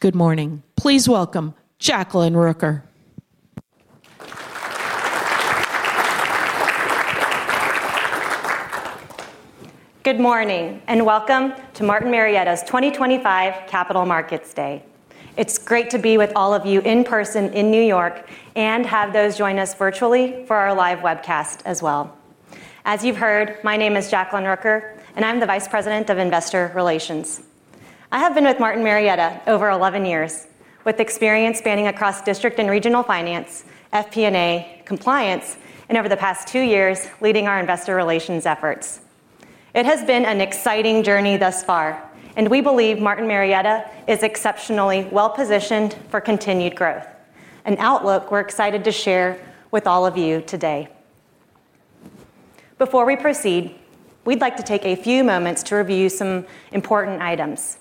Good morning. Please welcome Jacklyn Rooker. Good morning and welcome to Martin Marietta's 2025 Capital Markets Day. It's great to be with all of you in person in New York and have those join us virtually for our live webcast as well. As you've heard, my name is Jacklyn Rooker, and I'm the Vice President of Investor Relations. I have been with Martin Marietta over 11 years, with experience spanning across district and regional finance, FP&A, compliance, and over the past two years, leading our investor relations efforts. It has been an exciting journey thus far, and we believe Martin Marietta is exceptionally well positioned for continued growth, an outlook we're excited to share with all of you today. Before we proceed, we'd like to take a few moments to review some important items.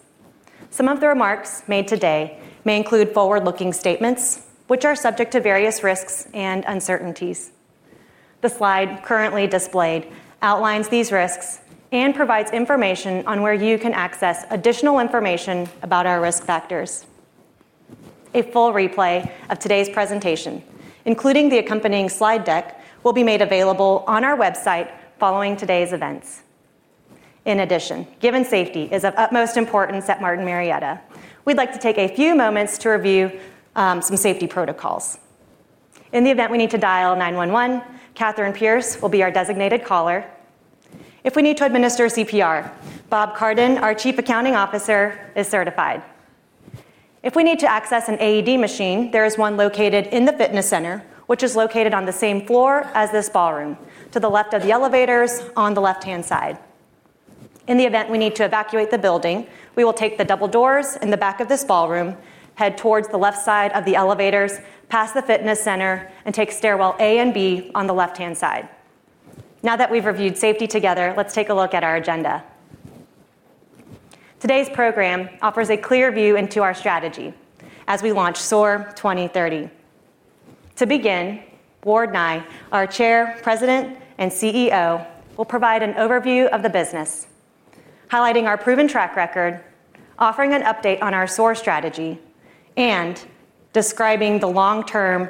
Some of the remarks made today may include forward-looking statements, which are subject to various risks and uncertainties. The slide currently displayed outlines these risks and provides information on where you can access additional information about our risk factors. A full replay of today's presentation, including the accompanying slide deck, will be made available on our website following today's events. In addition, given safety is of utmost importance at Martin Marietta, we'd like to take a few moments to review some safety protocols. In the event we need to dial 911, Catherine Pierce will be our designated caller. If we need to administer CPR, Bob Cardin, our Chief Accounting Officer, is certified. If we need to access an AED machine, there is one located in the fitness center, which is located on the same floor as this ballroom, to the left of the elevators on the left-hand side. In the event we need to evacuate the building, we will take the double doors in the back of this ballroom, head towards the left side of the elevators, pass the fitness center, and take stairwell A and B on the left-hand side. Now that we've reviewed safety together, let's take a look at our agenda. Today's program offers a clear view into our strategy as we launch SOAR 2030. To begin, Ward Nye, our Chair, President, and CEO, will provide an overview of the business, highlighting our proven track record, offering an update on our SOAR strategy, and describing the long-term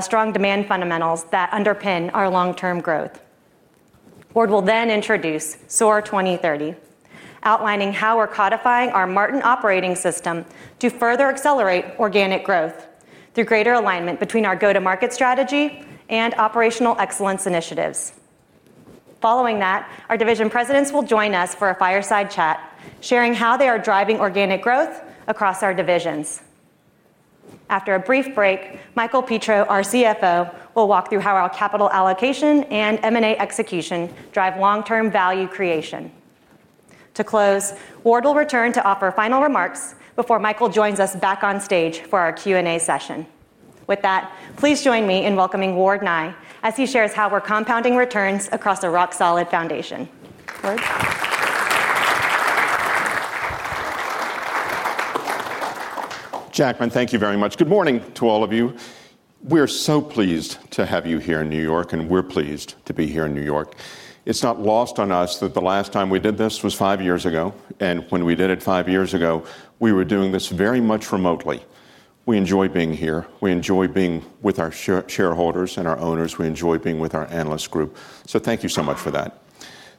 strong demand fundamentals that underpin our long-term growth. Ward will then introduce SOAR 2030, outlining how we're codifying our Martin Operating System to further accelerate organic growth through greater alignment between our go-to-market strategy and operational excellence initiatives. Following that, our division presidents will join us for a fireside chat, sharing how they are driving organic growth across our divisions. After a brief break, Michael Petro, our CFO, will walk through how our capital allocation and M&A execution drive long-term value creation. To close, Ward will return to offer final remarks before Michael joins us back on stage for our Q&A session. With that, please join me in welcoming Ward Nye as he shares how we're compounding returns across a rock-solid foundation. Ward? Jacklyn, thank you very much. Good morning to all of you. We are so pleased to have you here in New York, and we're pleased to be here in New York. It's not lost on us that the last time we did this was five years ago, and when we did it five years ago, we were doing this very much remotely. We enjoy being here. We enjoy being with our shareholders and our owners. We enjoy being with our analyst group. So thank you so much for that.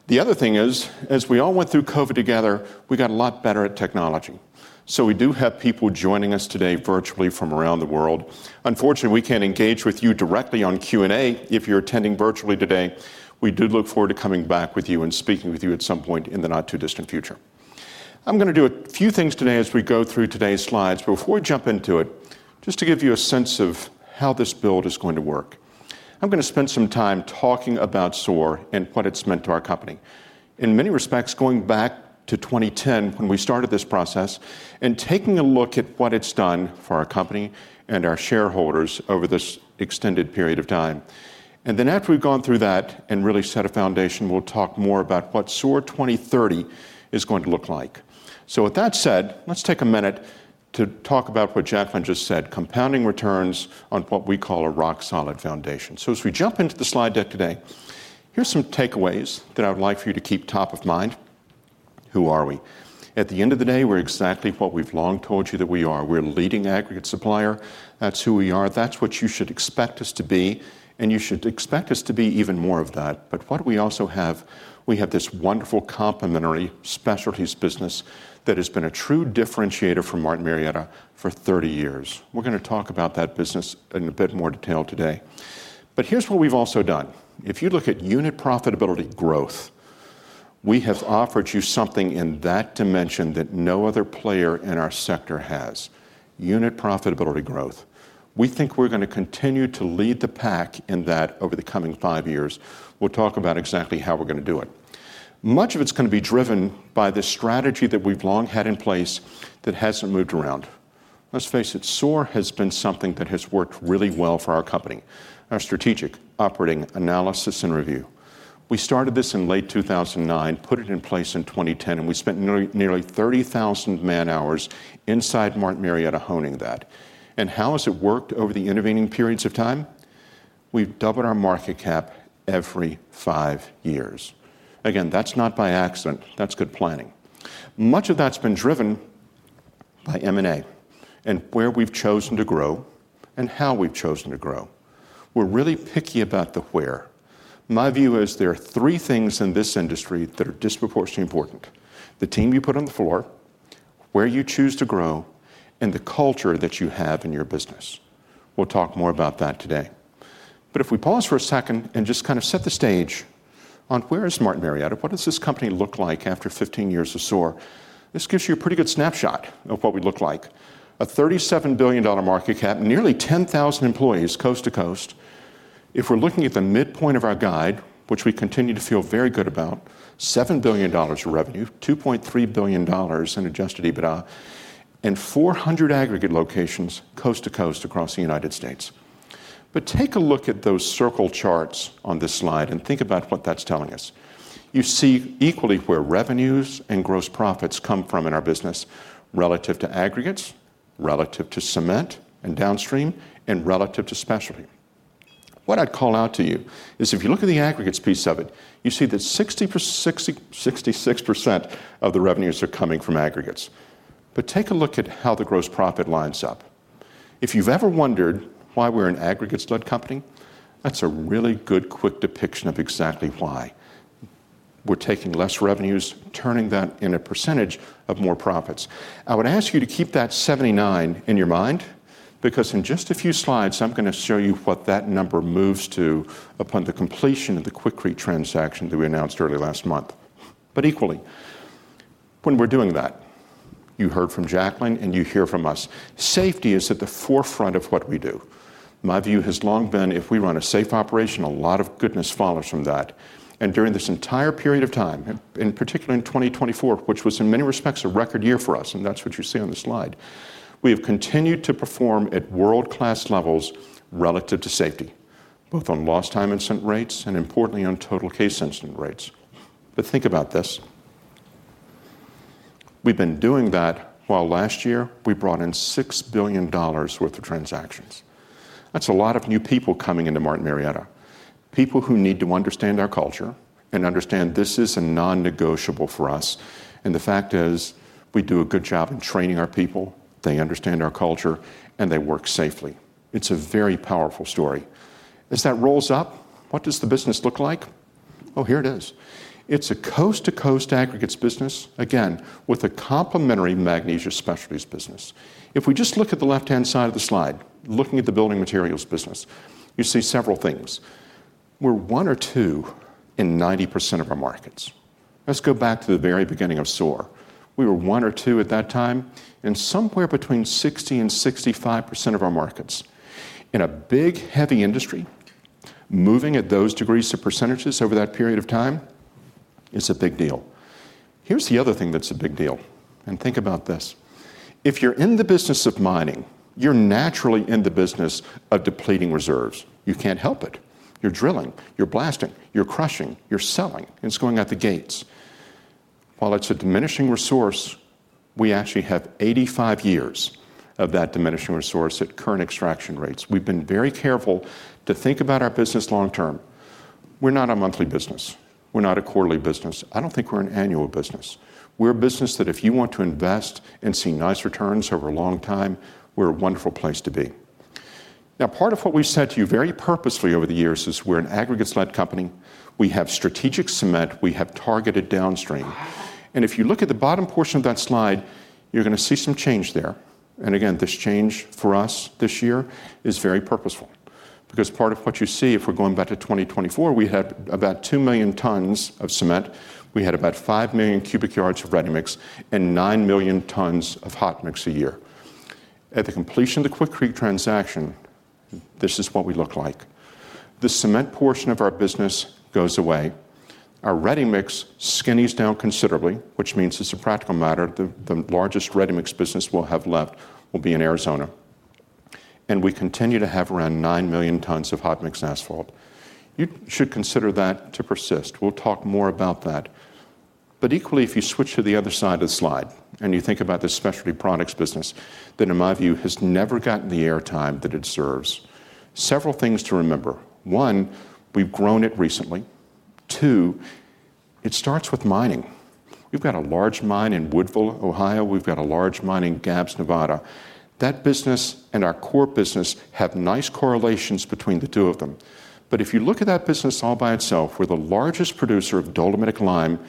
The other thing is, as we all went through COVID together, we got a lot better at technology. So we do have people joining us today virtually from around the world. Unfortunately, we can't engage with you directly on Q&A if you're attending virtually today. We do look forward to coming back with you and speaking with you at some point in the not too distant future. I'm going to do a few things today as we go through today's slides, but before we jump into it, just to give you a sense of how this build is going to work, I'm going to spend some time talking about SOAR and what it's meant to our company. In many respects, going back to 2010 when we started this process and taking a look at what it's done for our company and our shareholders over this extended period of time, and then after we've gone through that and really set a foundation, we'll talk more about what SOAR 2030 is going to look like. So with that said, let's take a minute to talk about what Jacklyn just said, compounding returns on what we call a rock-solid foundation. So as we jump into the slide deck today, here's some takeaways that I would like for you to keep top of mind. Who are we? At the end of the day, we're exactly what we've long told you that we are. We're a leading aggregate supplier. That's who we are. That's what you should expect us to be, and you should expect us to be even more of that. But what we also have, we have this wonderful complementary specialties business that has been a true differentiator for Martin Marietta for 30 years. We're going to talk about that business in a bit more detail today. But here's what we've also done. If you look at unit profitability growth, we have offered you something in that dimension that no other player in our sector has: unit profitability growth. We think we're going to continue to lead the pack in that over the coming five years. We'll talk about exactly how we're going to do it. Much of it's going to be driven by this strategy that we've long had in place that hasn't moved around. Let's face it, SOAR has been something that has worked really well for our company, our strategic operating analysis and review. We started this in late 2009, put it in place in 2010, and we spent nearly 30,000 man-hours inside Martin Marietta honing that. How has it worked over the intervening periods of time? We've doubled our market cap every five years. Again, that's not by accident. That's good planning. Much of that's been driven by M&A and where we've chosen to grow and how we've chosen to grow. We're really picky about the where. My view is there are three things in this industry that are disproportionately important: the team you put on the floor, where you choose to grow, and the culture that you have in your business. We'll talk more about that today. But if we pause for a second and just kind of set the stage on where is Martin Marietta? What does this company look like after 15 years of SOAR? This gives you a pretty good snapshot of what we look like: a $37 billion market cap, nearly 10,000 employees coast to coast. If we're looking at the midpoint of our guide, which we continue to feel very good about, $7 billion of revenue, $2.3 billion in Adjusted EBITDA, and 400 aggregate locations coast to coast across the United States. But take a look at those circle charts on this slide and think about what that's telling us. You see equally where revenues and gross profits come from in our business relative to aggregates, relative to cement and downstream, and relative to specialty. What I'd call out to you is if you look at the aggregates piece of it, you see that 66% of the revenues are coming from aggregates. But take a look at how the gross profit lines up. If you've ever wondered why we're an aggregate-led company, that's a really good quick depiction of exactly why. We're taking less revenues, turning that in a percentage of more profits. I would ask you to keep that 79 in your mind because in just a few slides, I'm going to show you what that number moves to upon the completion of the Quikrete transaction that we announced early last month. But equally, when we're doing that, you heard from Jacklyn and you hear from us. Safety is at the forefront of what we do. My view has long been if we run a safe operation, a lot of goodness follows from that. And during this entire period of time, in particular in 2024, which was in many respects a record year for us, and that's what you see on the slide, we have continued to perform at world-class levels relative to safety, both on lost time incident rates and, importantly, on total case incident rates. But think about this. We've been doing that while last year we brought in $6 billion worth of transactions. That's a lot of new people coming into Martin Marietta, people who need to understand our culture and understand this is a non-negotiable for us. And the fact is we do a good job in training our people. They understand our culture and they work safely. It's a very powerful story. As that rolls up, what does the business look like? Oh, here it is. It's a coast-to-coast aggregates business, again, with a complementary Magnesia Specialties business. If we just look at the left-hand side of the slide, looking at the building materials business, you see several things. We're one or two in 90% of our markets. Let's go back to the very beginning of SOAR. We were one or two at that time and somewhere between 60%-65% of our markets. In a big, heavy industry, moving at those degrees of percentages over that period of time is a big deal. Here's the other thing that's a big deal, and think about this. If you're in the business of mining, you're naturally in the business of depleting reserves. You can't help it. You're drilling, you're blasting, you're crushing, you're selling. It's going out the gates. While it's a diminishing resource, we actually have 85 years of that diminishing resource at current extraction rates. We've been very careful to think about our business long-term. We're not a monthly business. We're not a quarterly business. I don't think we're an annual business. We're a business that if you want to invest and see nice returns over a long time, we're a wonderful place to be. Now, part of what we've said to you very purposefully over the years is we're an aggregate-led company. We have strategic cement. We have targeted downstream. And if you look at the bottom portion of that slide, you're going to see some change there. And again, this change for us this year is very purposeful because part of what you see, if we're going back to 2024, we had about 2 million tons of cement. We had about 5 million cubic yards of ready mix and 9 million tons of hot mix a year. At the completion of the Quikrete transaction, this is what we look like. The cement portion of our business goes away. Our ready mix skinnies down considerably, which means it's a practical matter. The largest ready mix business we'll have left will be in Arizona. And we continue to have around 9 million tons of hot mix and asphalt. You should consider that to persist. We'll talk more about that. But equally, if you switch to the other side of the slide and you think about the specialty products business, that in my view has never gotten the airtime that it deserves. Several things to remember. One, we've grown it recently. Two, it starts with mining. We've got a large mine in Woodville, Ohio. We've got a large mine in Gabbs, Nevada. That business and our core business have nice correlations between the two of them. But if you look at that business all by itself, we're the largest producer of dolomitic lime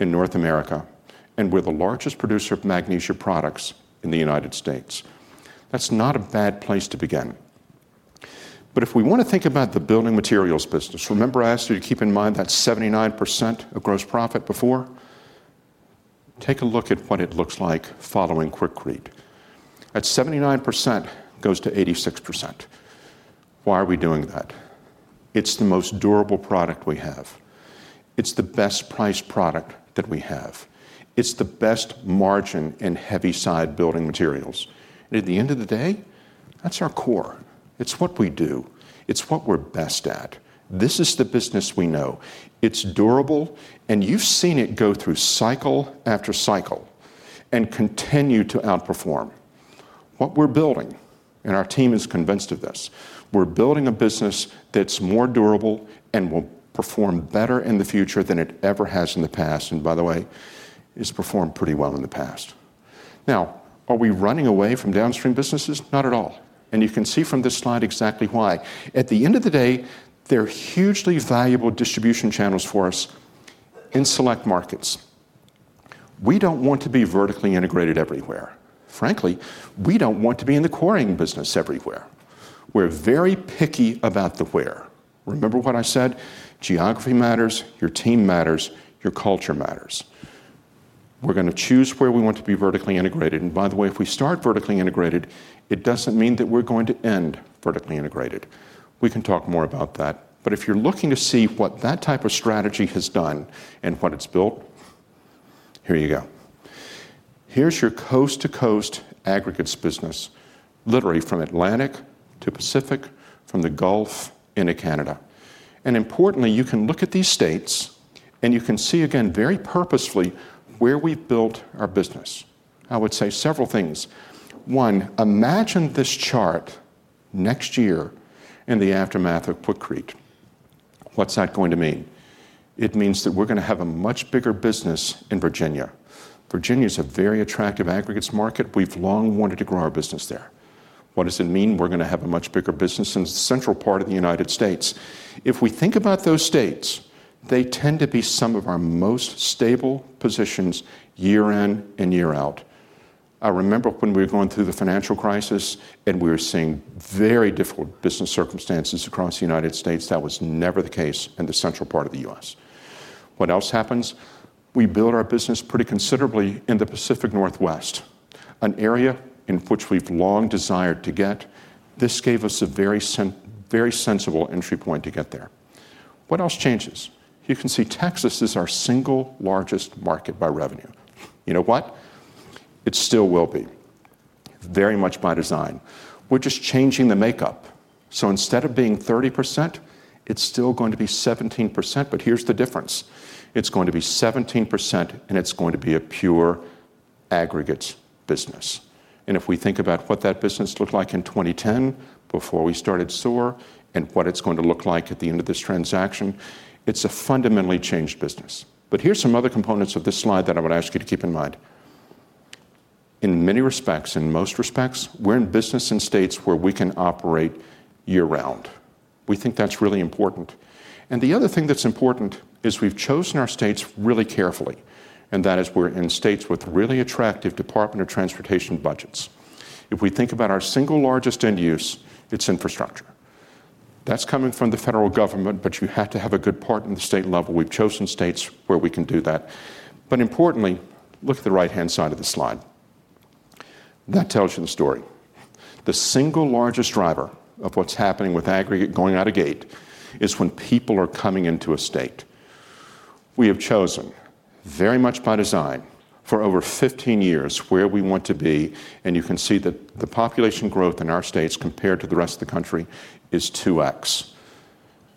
in North America and we're the largest producer of magnesia products in the United States. That's not a bad place to begin. But if we want to think about the building materials business, remember I asked you to keep in mind that 79% of gross profit before? Take a look at what it looks like following Quikrete. That 79% goes to 86%. Why are we doing that? It's the most durable product we have. It's the best priced product that we have. It's the best margin and heavy side building materials. At the end of the day, that's our core. It's what we do. It's what we're best at. This is the business we know. It's durable, and you've seen it go through cycle after cycle and continue to outperform. What we're building, and our team is convinced of this, we're building a business that's more durable and will perform better in the future than it ever has in the past, and by the way, has performed pretty well in the past. Now, are we running away from downstream businesses? Not at all, and you can see from this slide exactly why. At the end of the day, they're hugely valuable distribution channels for us in select markets. We don't want to be vertically integrated everywhere. Frankly, we don't want to be in the quarrying business everywhere. We're very picky about the where. Remember what I said? Geography matters. Your team matters. Your culture matters. We're going to choose where we want to be vertically integrated. And by the way, if we start vertically integrated, it doesn't mean that we're going to end vertically integrated. We can talk more about that. But if you're looking to see what that type of strategy has done and what it's built, here you go. Here's your coast-to-coast aggregates business, literally from Atlantic to Pacific, from the Gulf into Canada. And importantly, you can look at these states and you can see, again, very purposefully where we've built our business. I would say several things. One, imagine this chart next year in the aftermath of Quikrete. What's that going to mean? It means that we're going to have a much bigger business in Virginia. Virginia is a very attractive aggregates market. We've long wanted to grow our business there. What does it mean? We're going to have a much bigger business in the central part of the United States. If we think about those states, they tend to be some of our most stable positions year in and year out. I remember when we were going through the financial crisis and we were seeing very difficult business circumstances across the United States. That was never the case in the central part of the U.S. What else happens? We build our business pretty considerably in the Pacific Northwest, an area in which we've long desired to get. This gave us a very sensible entry point to get there. What else changes? You can see Texas is our single largest market by revenue. You know what? It still will be, very much by design. We're just changing the makeup. So instead of being 30%, it's still going to be 17%. But here's the difference. It's going to be 17% and it's going to be a pure aggregates business. And if we think about what that business looked like in 2010 before we started SOAR and what it's going to look like at the end of this transaction, it's a fundamentally changed business. But here's some other components of this slide that I would ask you to keep in mind. In many respects, in most respects, we're in business in states where we can operate year-round. We think that's really important. And the other thing that's important is we've chosen our states really carefully, and that is we're in states with really attractive Department of Transportation budgets. If we think about our single largest end use, it's infrastructure. That's coming from the federal government, but you have to have a good part in the state level. We've chosen states where we can do that. But importantly, look at the right-hand side of the slide. That tells you the story. The single largest driver of what's happening with aggregate going out of gate is when people are coming into a state. We have chosen, very much by design, for over 15 years where we want to be. And you can see that the population growth in our states compared to the rest of the country is 2x.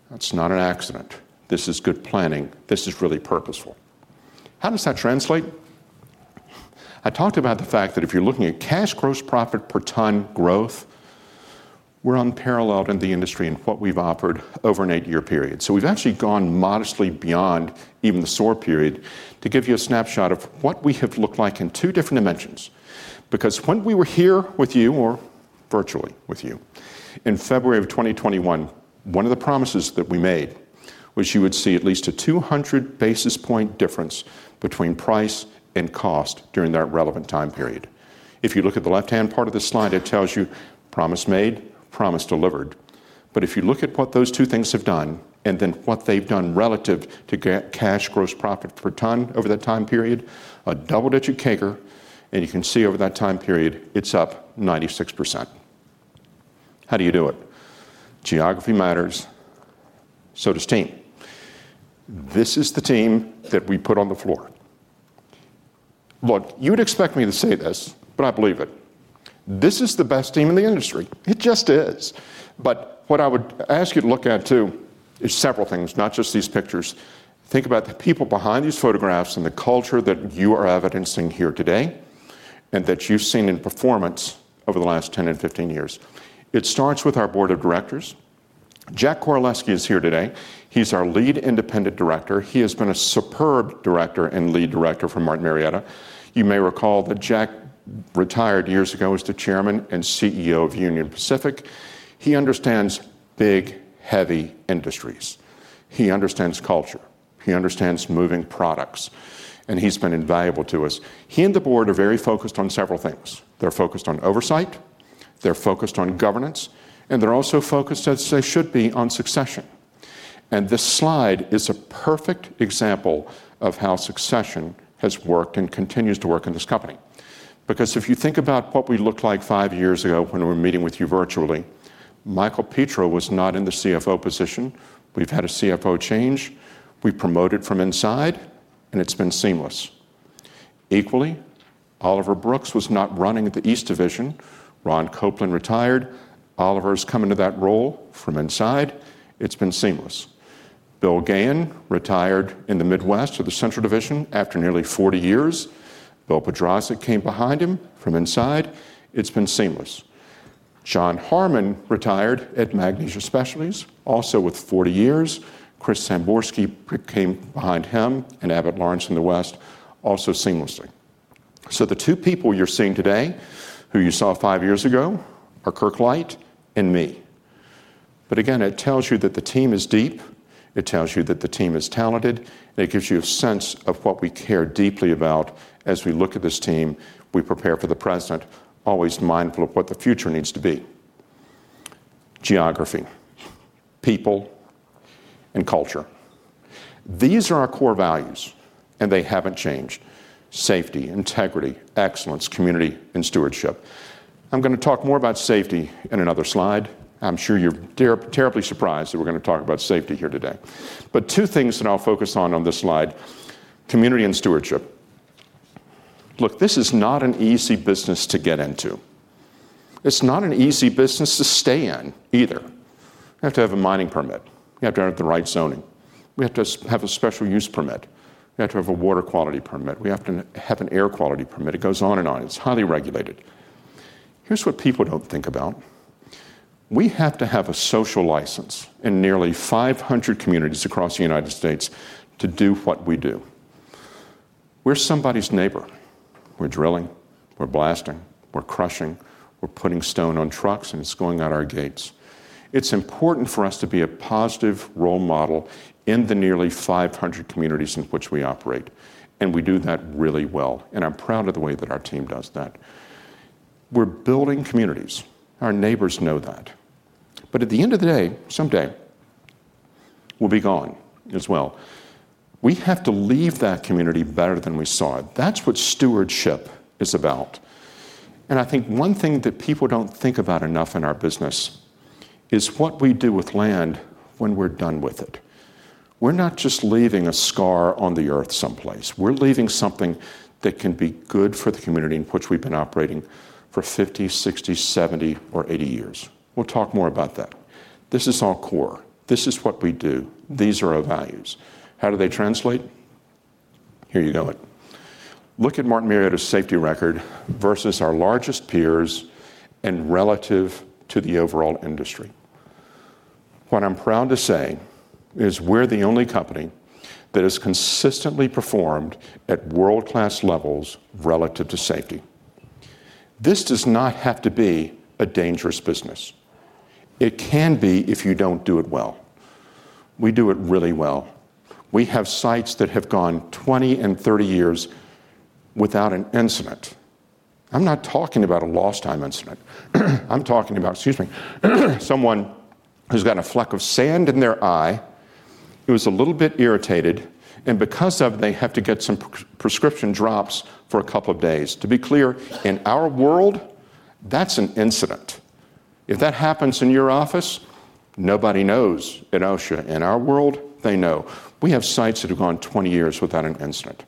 That's not an accident. This is good planning. This is really purposeful. How does that translate? I talked about the fact that if you're looking at cash gross profit per ton growth, we're unparalleled in the industry in what we've offered over an eight-year period. So we've actually gone modestly beyond even the SOAR period to give you a snapshot of what we have looked like in two different dimensions. Because when we were here with you, or virtually with you, in February of 2021, one of the promises that we made was you would see at least a 200 basis point difference between price and cost during that relevant time period. If you look at the left-hand part of the slide, it tells you promise made, promise delivered. But if you look at what those two things have done and then what they've done relative to cash gross profit per ton over that time period, a double-digit kicker, and you can see over that time period it's up 96%. How do you do it? Geography matters. So does team. This is the team that we put on the floor. Look, you would expect me to say this, but I believe it. This is the best team in the industry. It just is. But what I would ask you to look at too is several things, not just these pictures. Think about the people behind these photographs and the culture that you are evidencing here today and that you've seen in performance over the last 10 and 15 years. It starts with our board of directors. Jack Koraleski is here today. He's our Lead Independent Director. He has been a superb director and lead director for Martin Marietta. You may recall that Jack retired years ago, was the chairman and CEO of Union Pacific. He understands big, heavy industries. He understands culture. He understands moving products. And he's been invaluable to us. He and the board are very focused on several things. They're focused on oversight. They're focused on governance. And they're also focused, as they should be, on succession. And this slide is a perfect example of how succession has worked and continues to work in this company. Because if you think about what we looked like five years ago when we were meeting with you virtually, Michael Petro was not in the CFO position. We've had a CFO change. We promoted from inside, and it's been seamless. Equally, Oliver Brooks was not running the East Division. Ron Copeland retired. Oliver's coming to that role from inside. It's been seamless. Bill Gahan retired in the Midwest of the Central Division after nearly 40 years. Bill Podrazik came behind him from inside. It's been seamless. John Harman retired at Magnesia Specialties, also with 40 years. Chris Samborski came behind him and Abbott Lawrence in the West, also seamlessly. So the two people you're seeing today, who you saw five years ago, are Kirk Light and me. But again, it tells you that the team is deep. It tells you that the team is talented. And it gives you a sense of what we care deeply about as we look at this team, we prepare for the president, always mindful of what the future needs to be. Geography, people, and culture. These are our core values, and they haven't changed. Safety, integrity, excellence, community, and stewardship. I'm going to talk more about safety in another slide. I'm sure you're terribly surprised that we're going to talk about safety here today. But two things that I'll focus on this slide: community and stewardship. Look, this is not an easy business to get into. It's not an easy business to stay in either. You have to have a mining permit. You have to have the right zoning. We have to have a special use permit. We have to have a water quality permit. We have to have an air quality permit. It goes on and on. It's highly regulated. Here's what people don't think about. We have to have a social license in nearly 500 communities across the United States to do what we do. We're somebody's neighbor. We're drilling. We're blasting. We're crushing. We're putting stone on trucks, and it's going out our gates. It's important for us to be a positive role model in the nearly 500 communities in which we operate, and we do that really well, and I'm proud of the way that our team does that. We're building communities. Our neighbors know that, but at the end of the day, someday, we'll be gone as well. We have to leave that community better than we saw it. That's what stewardship is about, and I think one thing that people don't think about enough in our business is what we do with land when we're done with it. We're not just leaving a scar on the earth someplace. We're leaving something that can be good for the community in which we've been operating for 50, 60, 70, or 80 years. We'll talk more about that. This is our core. This is what we do. These are our values. How do they translate? Here you go. Look at Martin Marietta's safety record versus our largest peers and relative to the overall industry. What I'm proud to say is we're the only company that has consistently performed at world-class levels relative to safety. This does not have to be a dangerous business. It can be if you don't do it well. We do it really well. We have sites that have gone 20 and 30 years without an incident. I'm not talking about a lost-time incident. I'm talking about, excuse me, someone who's got a fleck of sand in their eye. It was a little bit irritated, and because of it, they have to get some prescription drops for a couple of days. To be clear, in our world, that's an incident. If that happens in your office, nobody knows in OSHA. In our world, they know. We have sites that have gone 20 years without an incident.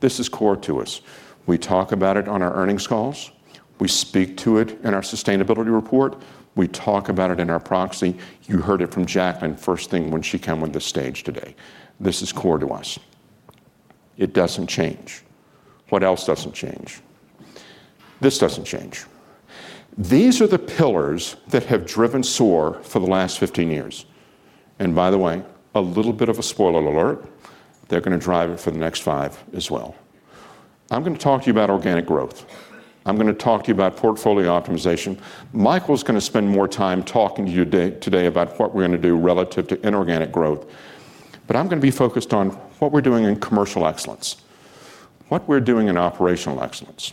This is core to us. We talk about it on our earnings calls. We speak to it in our sustainability report. We talk about it in our proxy. You heard it from Jacklyn first thing when she came on the stage today. This is core to us. It doesn't change. What else doesn't change? This doesn't change. These are the pillars that have driven SOAR for the last 15 years. And by the way, a little bit of a spoiler alert, they're going to drive it for the next five as well. I'm going to talk to you about organic growth. I'm going to talk to you about portfolio optimization. Michael's going to spend more time talking to you today about what we're going to do relative to inorganic growth. But I'm going to be focused on what we're doing in commercial excellence, what we're doing in operational excellence,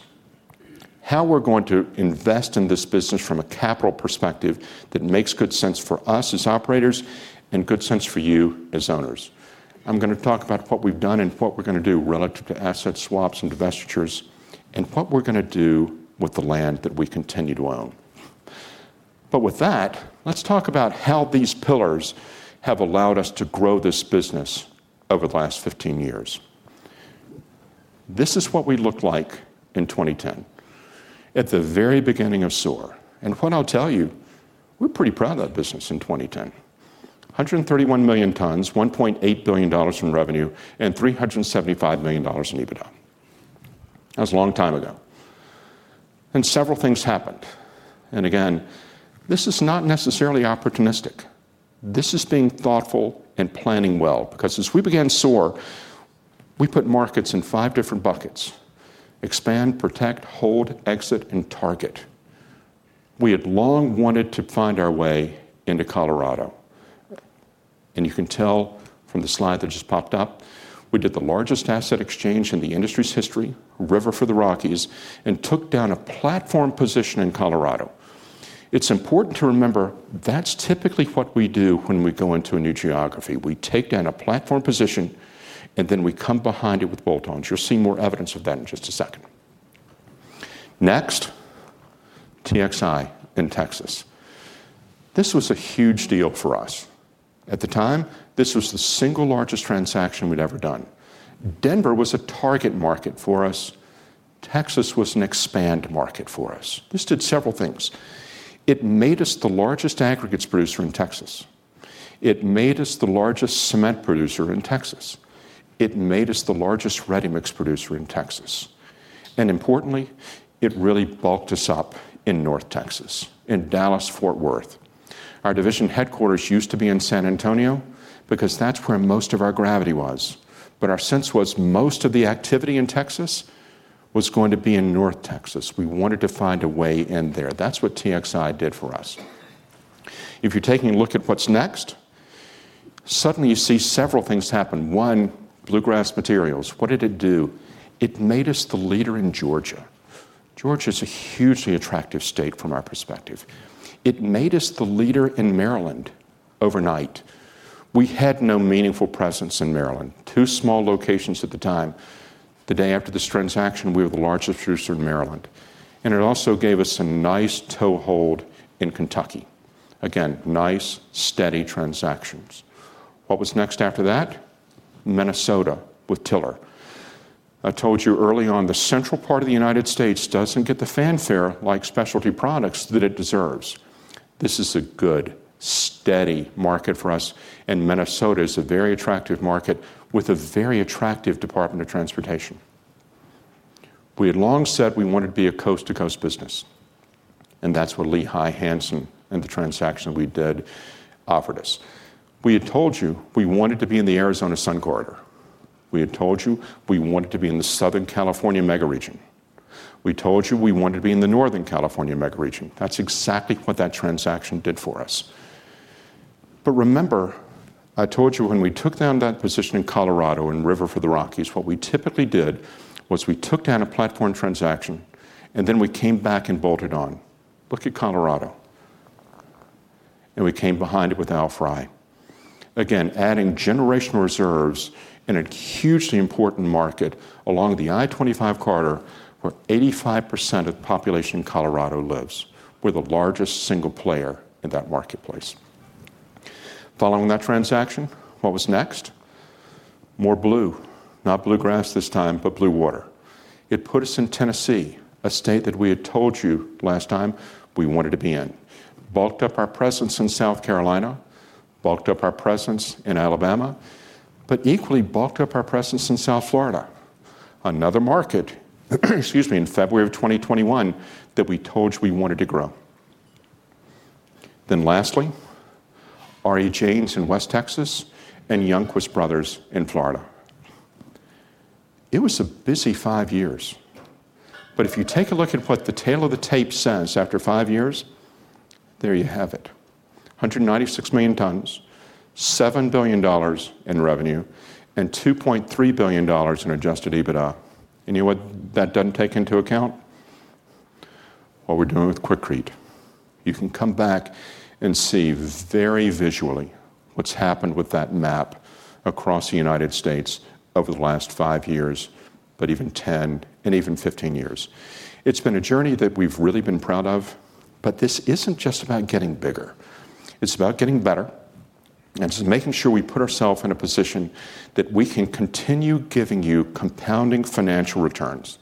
how we're going to invest in this business from a capital perspective that makes good sense for us as operators and good sense for you as owners. I'm going to talk about what we've done and what we're going to do relative to asset swaps and divestitures and what we're going to do with the land that we continue to own. But with that, let's talk about how these pillars have allowed us to grow this business over the last 15 years. This is what we looked like in 2010 at the very beginning of SOAR. And what I'll tell you, we're pretty proud of that business in 2010. 131 million tons, $1.8 billion in revenue, and $375 million in EBITDA. That was a long time ago. And several things happened. And again, this is not necessarily opportunistic. This is being thoughtful and planning well. Because as we began SOAR, we put markets in five different buckets: expand, protect, hold, exit, and target. We had long wanted to find our way into Colorado. And you can tell from the slide that just popped up, we did the largest asset exchange in the industry's history, River for the Rockies, and took down a platform position in Colorado. It's important to remember that's typically what we do when we go into a new geography. We take down a platform position, and then we come behind it with bolt-ons. You'll see more evidence of that in just a second. Next, TXI in Texas. This was a huge deal for us. At the time, this was the single largest transaction we'd ever done. Denver was a target market for us. Texas was an expansive market for us. This did several things. It made us the largest aggregates producer in Texas. It made us the largest cement producer in Texas. It made us the largest ready-mix producer in Texas. And importantly, it really bulked us up in North Texas, in Dallas, Fort Worth. Our division headquarters used to be in San Antonio because that's where most of our gravity was. But our sense was most of the activity in Texas was going to be in North Texas. We wanted to find a way in there. That's what TXI did for us. If you're taking a look at what's next, suddenly you see several things happen. One, Bluegrass Materials. What did it do? It made us the leader in Georgia. Georgia is a hugely attractive state from our perspective. It made us the leader in Maryland overnight. We had no meaningful presence in Maryland. Two small locations at the time. The day after this transaction, we were the largest producer in Maryland, and it also gave us a nice toe hold in Kentucky. Again, nice, steady transactions. What was next after that? Minnesota with Tiller. I told you early on, the central part of the United States doesn't get the fanfare like specialty products that it deserves. This is a good, steady market for us, and Minnesota is a very attractive market with a very attractive Department of Transportation. We had long said we wanted to be a coast-to-coast business, and that's what Lehigh Hanson and the transaction that we did offered us. We had told you we wanted to be in the Arizona Sun Corridor. We had told you we wanted to be in the Southern California mega region. We told you we wanted to be in the Northern California mega region. That's exactly what that transaction did for us. But remember, I told you when we took down that position in Colorado in River for the Rockies, what we typically did was we took down a platform transaction, and then we came back and bolted on. Look at Colorado, and we came behind it with Al-Frei. Again, adding generational reserves in a hugely important market along the I-25 corridor where 85% of the population in Colorado lives. We're the largest single player in that marketplace. Following that transaction, what was next? More blue. Not Bluegrass this time, but Blue Water. It put us in Tennessee, a state that we had told you last time we wanted to be in. Bulked up our presence in South Carolina, bulked up our presence in Alabama, but equally bulked up our presence in South Florida. Another market, excuse me, in February of 2021 that we told you we wanted to grow. Then lastly, RE Janes in West Texas and Youngquist Brothers in Florida. It was a busy five years. But if you take a look at what the tail of the tape says after five years, there you have it. 196 million tons, $7 billion in revenue, and $2.3 billion in Adjusted EBITDA. And you know what that doesn't take into account? What we're doing with Quikrete. You can come back and see very visually what's happened with that map across the United States over the last five years, but even 10 and even 15 years. It's been a journey that we've really been proud of. But this isn't just about getting bigger. It's about getting better, and it's making sure we put ourselves in a position that we can continue giving you compounding financial returns.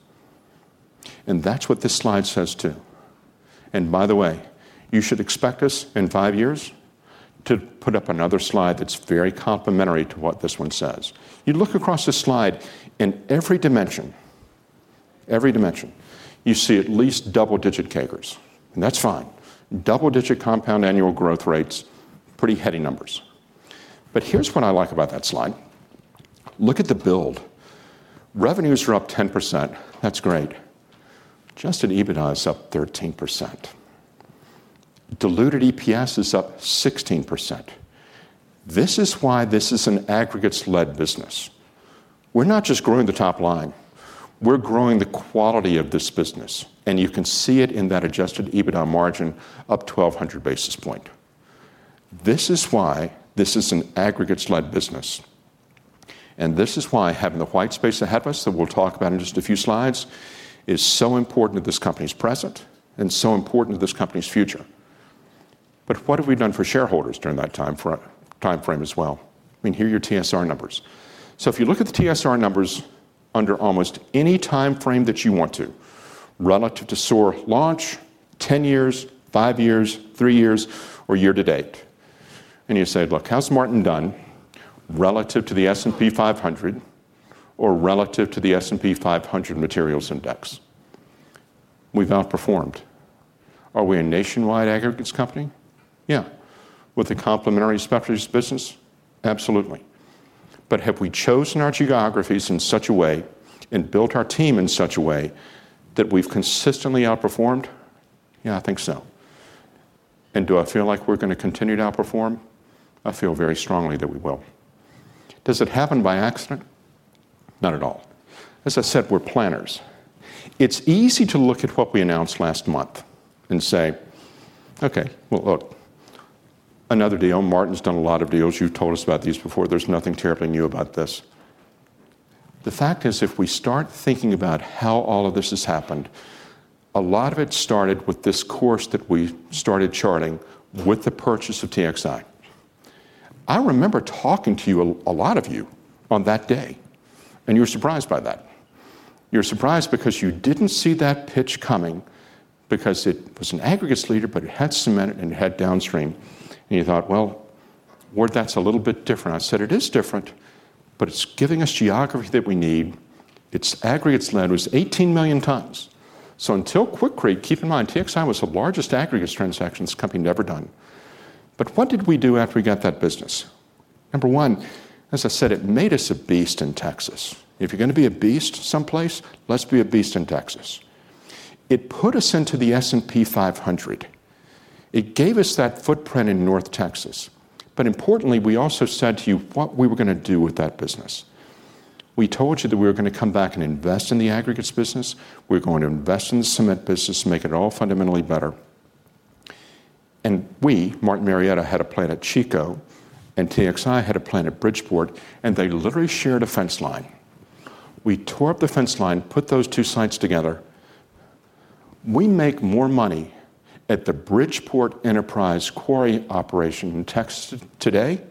That's what this slide says too. By the way, you should expect us in five years to put up another slide that's very complementary to what this one says. You look across this slide. In every dimension, every dimension, you see at least double-digit CAGRs. That's fine. Double-digit compound annual growth rates, pretty heady numbers. Here's what I like about that slide. Look at the build. Revenues are up 10%. That's great. Adjusted EBITDA is up 13%. Diluted EPS is up 16%. This is why this is an aggregates-led business. We're not just growing the top line. We're growing the quality of this business. You can see it in that adjusted EBITDA margin up 1,200 basis points. This is why this is an aggregates-led business. And this is why having the white space ahead of us that we'll talk about in just a few slides is so important to this company's present and so important to this company's future. But what have we done for shareholders during that timeframe as well? I mean, here are your TSR numbers. So if you look at the TSR numbers under almost any timeframe that you want to relative to SOAR launch, 10 years, five years, three years, or year to date. And you say, "Look, how's Martin done relative to the S&P 500 or relative to the S&P 500 Materials Index?" We've outperformed. Are we a nationwide aggregates company? Yeah. With a complementary specialties business? Absolutely. But have we chosen our geographies in such a way and built our team in such a way that we've consistently outperformed? Yeah, I think so, and do I feel like we're going to continue to outperform? I feel very strongly that we will. Does it happen by accident? Not at all. As I said, we're planners. It's easy to look at what we announced last month and say, "Okay, well, look, another deal. Martin's done a lot of deals. You've told us about these before. There's nothing terribly new about this." The fact is, if we start thinking about how all of this has happened, a lot of it started with this course that we started charting with the purchase of TXI. I remember talking to you, a lot of you, on that day, and you were surprised by that. You were surprised because you didn't see that pitch coming because it was an aggregates leader, but it had cement and it had downstream. You thought, "Well, Ward, that's a little bit different." I said, "It is different, but it's giving us geography that we need." Its aggregates load was 18 million tons. So until Quikrete, keep in mind, TXI was the largest aggregates transaction this company had ever done. But what did we do after we got that business? Number one, as I said, it made us a beast in Texas. If you're going to be a beast someplace, let's be a beast in Texas. It put us into the S&P 500. It gave us that footprint in North Texas. But importantly, we also said to you what we were going to do with that business. We told you that we were going to come back and invest in the aggregates business. We're going to invest in the cement business, make it all fundamentally better. We, Martin Marietta, had a plant at Chico, and TXI had a plant at Bridgeport, and they literally shared a fence line. We tore up the fence line, put those two sites together. We make more money at the Bridgeport enterprise quarry operation in Texas today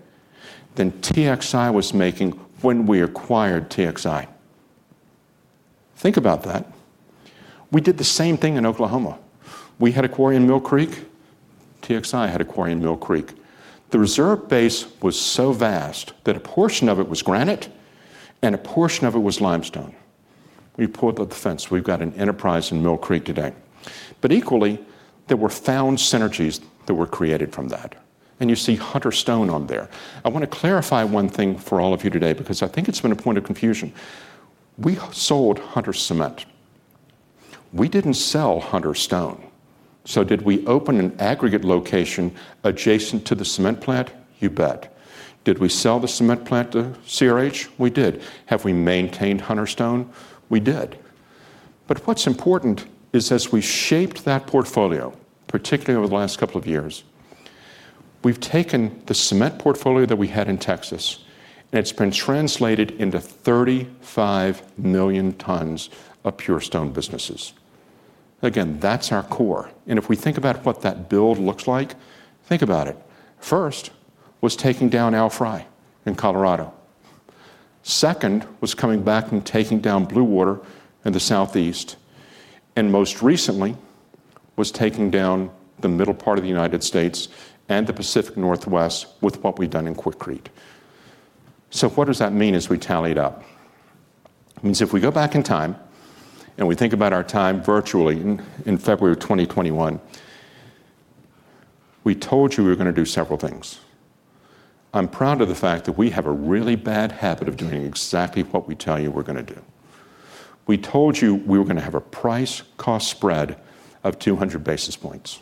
than TXI was making when we acquired TXI. Think about that. We did the same thing in Oklahoma. We had a quarry in Mill Creek. TXI had a quarry in Mill Creek. The reserve base was so vast that a portion of it was granite and a portion of it was limestone. We tore the fence. We've got an enterprise in Mill Creek today. But equally, there were found synergies that were created from that. You see Hunter Stone on there. I want to clarify one thing for all of you today because I think it's been a point of confusion. We sold Hunter Cement. We didn't sell Hunter Stone. So did we open an aggregate location adjacent to the cement plant? You bet. Did we sell the cement plant to CRH? We did. Have we maintained Hunter Stone? We did. But what's important is, as we shaped that portfolio, particularly over the last couple of years, we've taken the cement portfolio that we had in Texas, and it's been translated into 35 million tons of pure stone businesses. Again, that's our core. And if we think about what that build looks like, think about it. First was taking down Al-Fry in Colorado. Second was coming back and taking down Blue Water in the Southeast. And most recently, was taking down the middle part of the United States and the Pacific Northwest with what we've done in Quikrete. So what does that mean as we tally it up? It means if we go back in time and we think about our time virtually in February of 2021, we told you we were going to do several things. I'm proud of the fact that we have a really bad habit of doing exactly what we tell you we're going to do. We told you we were going to have a price-cost spread of 200 basis points.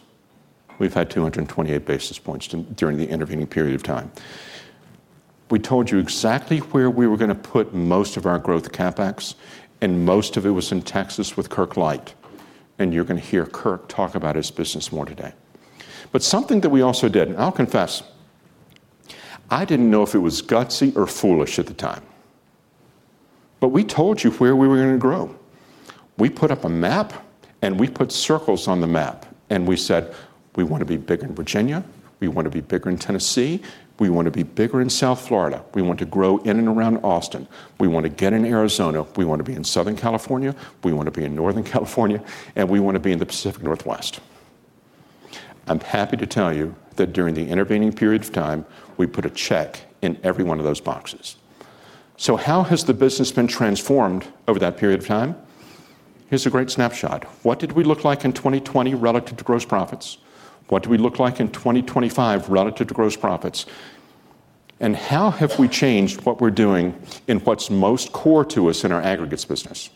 We've had 228 basis points during the intervening period of time. We told you exactly where we were going to put most of our growth CapEx, and most of it was in Texas with Kirk Light, and you're going to hear Kirk talk about his business more today, but something that we also did, and I'll confess, I didn't know if it was gutsy or foolish at the time, but we told you where we were going to grow. We put up a map, and we put circles on the map. And we said, "We want to be bigger in Virginia. We want to be bigger in Tennessee. We want to be bigger in South Florida. We want to grow in and around Austin. We want to get in Arizona. We want to be in Southern California. We want to be in Northern California. And we want to be in the Pacific Northwest." I'm happy to tell you that during the intervening period of time, we put a check in every one of those boxes. So how has the business been transformed over that period of time? Here's a great snapshot. What did we look like in 2020 relative to gross profits? What do we look like in 2025 relative to gross profits? And how have we changed what we're doing in what's most core to us in our aggregates business?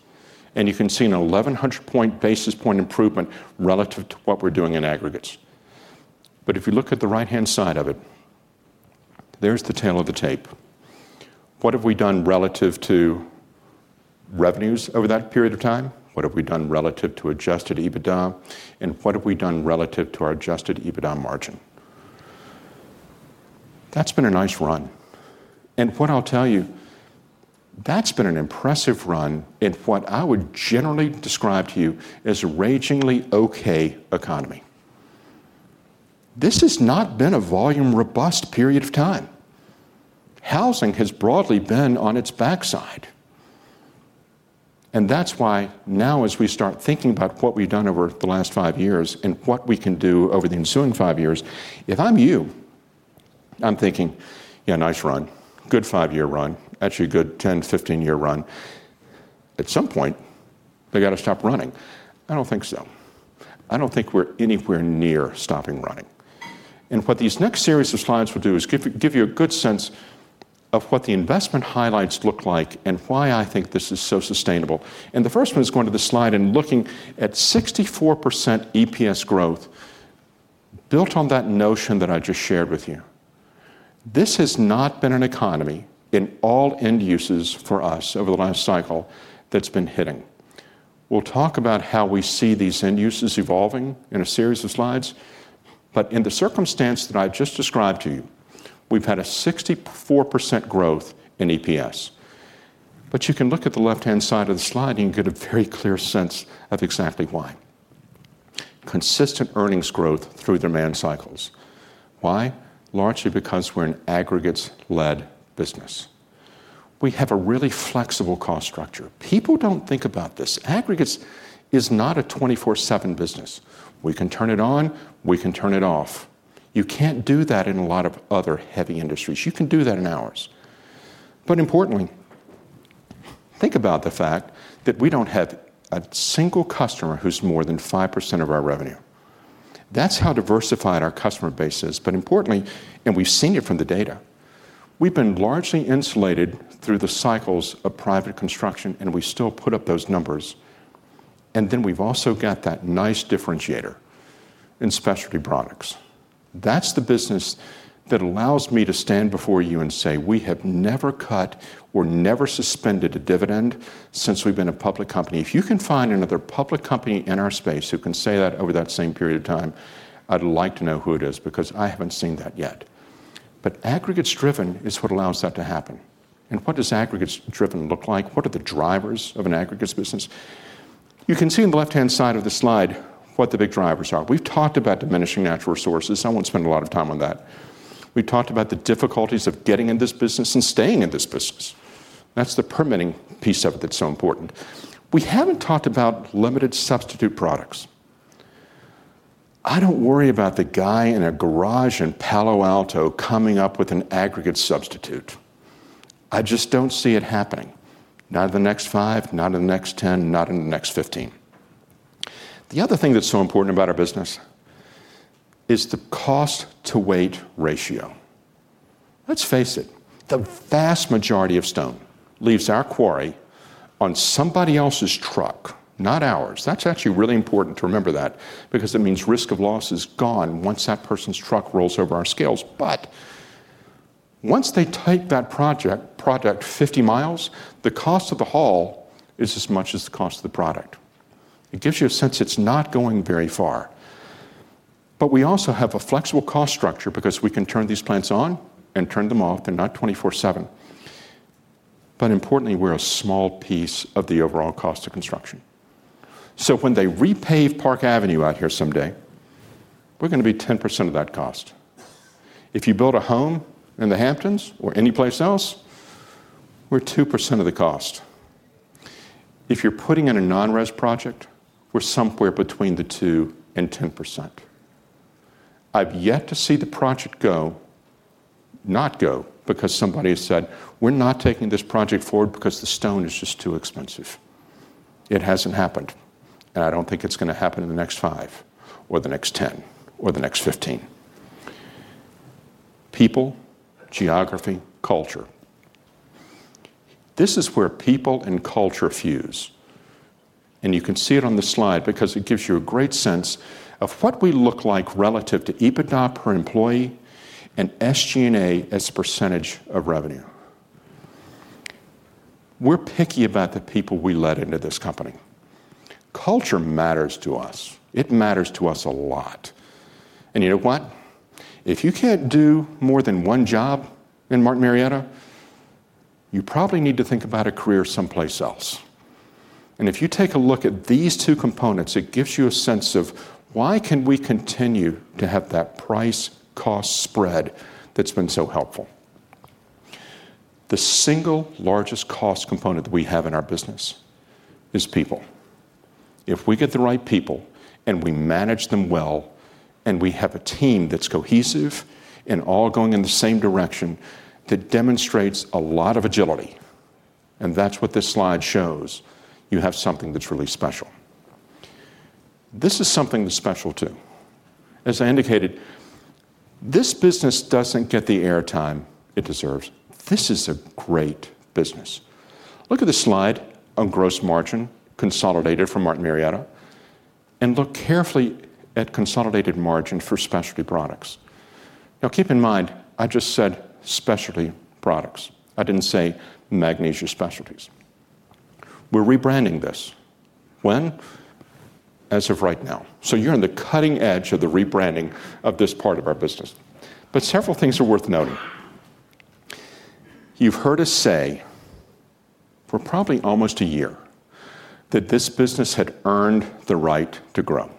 And you can see a 1,100 basis point improvement relative to what we're doing in aggregates. But if you look at the right-hand side of it, there's the tail of the tape. What have we done relative to revenues over that period of time? What have we done relative to Adjusted EBITDA? And what have we done relative to our Adjusted EBITDA margin? That's been a nice run. And what I'll tell you, that's been an impressive run in what I would generally describe to you as a ragingly okay economy. This has not been a volume-robust period of time. Housing has broadly been on its backside. That's why now, as we start thinking about what we've done over the last five years and what we can do over the ensuing five years, if I'm you, I'm thinking, "Yeah, nice run. Good five-year run. Actually a good 10, 15-year run." At some point, they got to stop running. I don't think so. I don't think we're anywhere near stopping running. And what these next series of slides will do is give you a good sense of what the investment highlights look like and why I think this is so sustainable. And the first one is going to the slide and looking at 64% EPS growth built on that notion that I just shared with you. This has not been an economy in all end uses for us over the last cycle that's been hitting. We'll talk about how we see these end uses evolving in a series of slides. But in the circumstance that I've just described to you, we've had a 64% growth in EPS. But you can look at the left-hand side of the slide, and you can get a very clear sense of exactly why. Consistent earnings growth through demand cycles. Why? Largely because we're an aggregates-led business. We have a really flexible cost structure. People don't think about this. Aggregates is not a 24/7 business. We can turn it on. We can turn it off. You can't do that in a lot of other heavy industries. You can do that in ours. But importantly, think about the fact that we don't have a single customer who's more than 5% of our revenue. That's how diversified our customer base is. But importantly, and we've seen it from the data, we've been largely insulated through the cycles of private construction, and we still put up those numbers, and then we've also got that nice differentiator in specialty products. That's the business that allows me to stand before you and say, "We have never cut or never suspended a dividend since we've been a public company." If you can find another public company in our space who can say that over that same period of time, I'd like to know who it is because I haven't seen that yet, but aggregates-driven is what allows that to happen, and what does aggregates-driven look like? What are the drivers of an aggregates business? You can see on the left-hand side of the slide what the big drivers are. We've talked about diminishing natural resources. I won't spend a lot of time on that. We've talked about the difficulties of getting in this business and staying in this business. That's the permitting piece of it that's so important. We haven't talked about limited substitute products. I don't worry about the guy in a garage in Palo Alto coming up with an aggregate substitute. I just don't see it happening. Not in the next five, not in the next 10, not in the next 15. The other thing that's so important about our business is the cost-to-weight ratio. Let's face it, the vast majority of stone leaves our quarry on somebody else's truck, not ours. That's actually really important to remember that because it means risk of loss is gone once that person's truck rolls over our scales. But once they take that project 50 miles, the cost of the haul is as much as the cost of the product. It gives you a sense it's not going very far. But we also have a flexible cost structure because we can turn these plants on and turn them off. They're not 24/7. But importantly, we're a small piece of the overall cost of construction. So when they repave Park Avenue out here someday, we're going to be 10% of that cost. If you build a home in the Hamptons or anyplace else, we're 2% of the cost. If you're putting in a non-res project, we're somewhere between the 2%-10%. I've yet to see the project not go because somebody has said, "We're not taking this project forward because the stone is just too expensive." It hasn't happened. And I don't think it's going to happen in the next five or the next 10 or the next 15. People, geography, culture. This is where people and culture fuse. You can see it on the slide because it gives you a great sense of what we look like relative to EBITDA per employee and SG&A as a percentage of revenue. We're picky about the people we let into this company. Culture matters to us. It matters to us a lot. And you know what? If you can't do more than one job in Martin Marietta, you probably need to think about a career someplace else. And if you take a look at these two components, it gives you a sense of why can we continue to have that price-cost spread that's been so helpful. The single largest cost component that we have in our business is people. If we get the right people and we manage them well and we have a team that's cohesive and all going in the same direction, that demonstrates a lot of agility. And that's what this slide shows. You have something that's really special. This is something that's special too. As I indicated, this business doesn't get the airtime it deserves. This is a great business. Look at the slide on gross margin consolidated for Martin Marietta, and look carefully at consolidated margin for specialty products. Now, keep in mind, I just said specialty products. I didn't say magnesia specialties. We're rebranding this. When? As of right now. So you're on the cutting edge of the rebranding of this part of our business. But several things are worth noting. You've heard us say for probably almost a year that this business had earned the right to grow.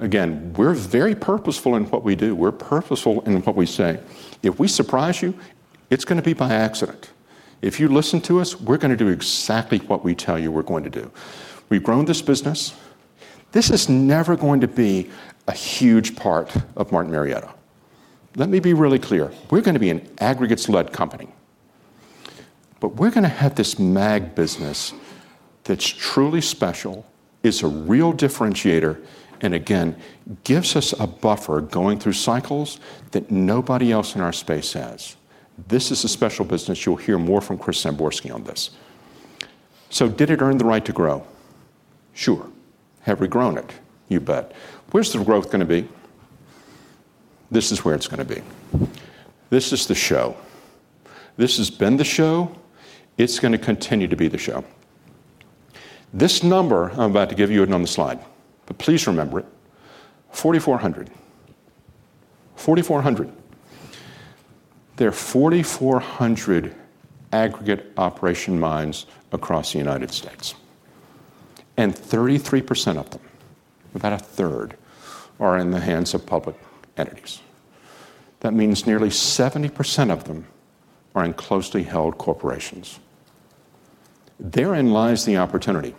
Again, we're very purposeful in what we do. We're purposeful in what we say. If we surprise you, it's going to be by accident. If you listen to us, we're going to do exactly what we tell you we're going to do. We've grown this business. This is never going to be a huge part of Martin Marietta. Let me be really clear. We're going to be an aggregates-led company. But we're going to have this mag business that's truly special, is a real differentiator, and again, gives us a buffer going through cycles that nobody else in our space has. This is a special business. You'll hear more from Chris Samborski on this. So did it earn the right to grow? Sure. Have we grown it? You bet. Where's the growth going to be? This is where it's going to be. This is the show. This has been the show. It's going to continue to be the show. This number I'm about to give you it's on the slide, but please remember it, 4,400. 4,400. There are 4,400 aggregate operation mines across the United States, and 33% of them, about a third, are in the hands of public entities. That means nearly 70% of them are in closely held corporations. Therein lies the opportunity.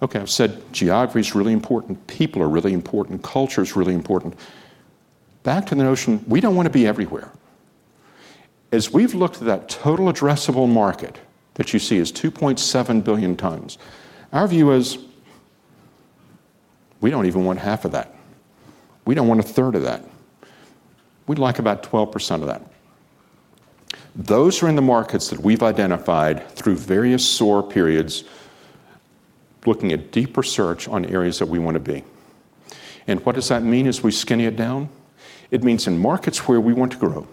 Okay, I've said geography is really important. People are really important. Culture is really important. Back to the notion, we don't want to be everywhere. As we've looked at that total addressable market that you see as 2.7 billion tons, our view is we don't even want half of that. We don't want a third of that. We'd like about 12% of that. Those are in the markets that we've identified through various SOAR periods, looking at deeper search on areas that we want to be. What does that mean as we skinny it down? It means in markets where we want to grow,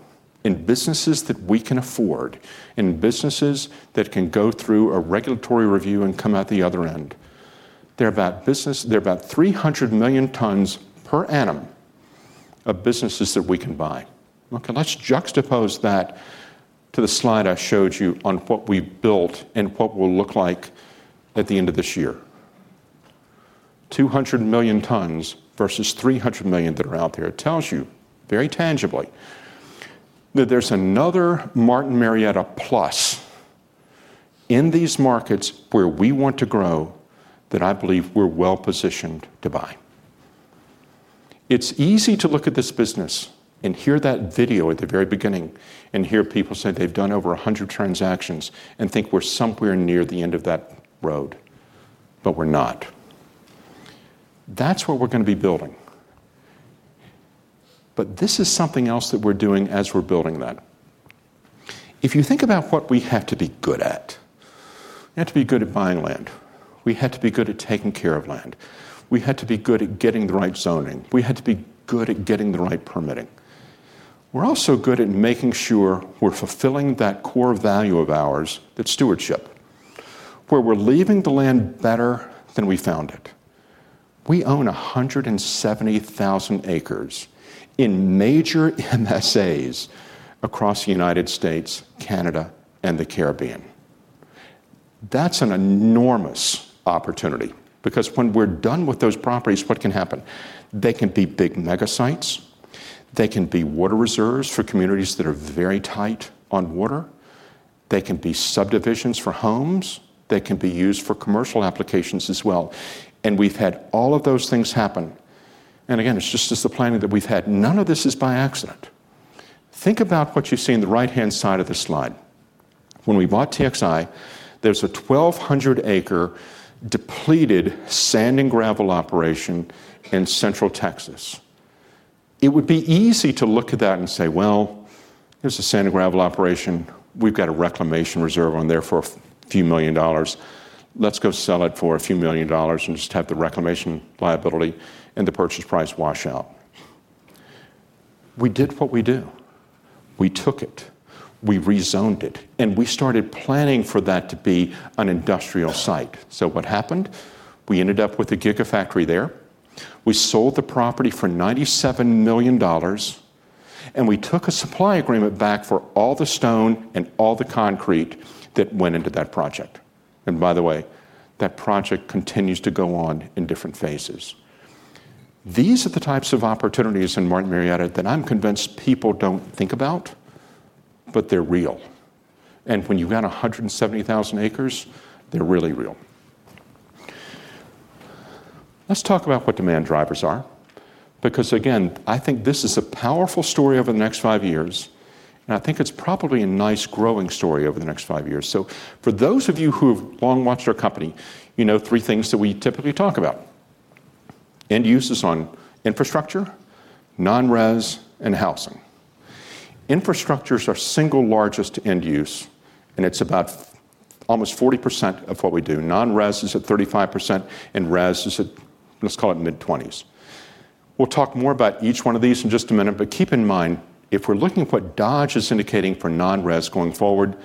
in businesses that we can afford, in businesses that can go through a regulatory review and come out the other end. There are about 300 million tons per annum of businesses that we can buy. Okay, let's juxtapose that to the slide I showed you on what we built and what we'll look like at the end of this year. 200 million tons versus 300 million that are out there tells you very tangibly that there's another Martin Marietta plus in these markets where we want to grow that I believe we're well-positioned to buy. It's easy to look at this business and hear that video at the very beginning and hear people say they've done over 100 transactions and think we're somewhere near the end of that road, but we're not. That's what we're going to be building. But this is something else that we're doing as we're building that. If you think about what we have to be good at, we have to be good at buying land. We have to be good at taking care of land. We have to be good at getting the right zoning. We have to be good at getting the right permitting. We're also good at making sure we're fulfilling that core value of ours, that stewardship, where we're leaving the land better than we found it. We own 170,000 acres in major MSAs across the United States, Canada, and the Caribbean. That's an enormous opportunity because when we're done with those properties, what can happen? They can be big mega sites. They can be water reserves for communities that are very tight on water. They can be subdivisions for homes. They can be used for commercial applications as well. And we've had all of those things happen. And again, it's just as the planning that we've had, none of this is by accident. Think about what you see on the right-hand side of the slide. When we bought TXI, there's a 1,200-acre depleted sand and gravel operation in Central Texas. It would be easy to look at that and say, "Well, here's a sand and gravel operation. We've got a reclamation reserve on there for a few million dollars. Let's go sell it for a few million dollars and just have the reclamation liability and the purchase price wash out." We did what we do. We took it. We rezoned it and we started planning for that to be an industrial site, so what happened? We ended up with a gigafactory there. We sold the property for $97 million and we took a supply agreement back for all the stone and all the concrete that went into that project. And by the way, that project continues to go on in different phases. These are the types of opportunities in Martin Marietta that I'm convinced people don't think about, but they're real and when you've got 170,000 acres, they're really real. Let's talk about what demand drivers are because, again, I think this is a powerful story over the next five years. I think it's probably a nice growing story over the next five years. For those of you who have long watched our company, you know three things that we typically talk about: end uses on infrastructure, non-res, and housing. Infrastructure is the single largest end use, and it's about almost 40% of what we do. Non-res is at 35%, and res is at, let's call it mid-20s. We'll talk more about each one of these in just a minute, but keep in mind, if we're looking at what Dodge is indicating for non-res going forward,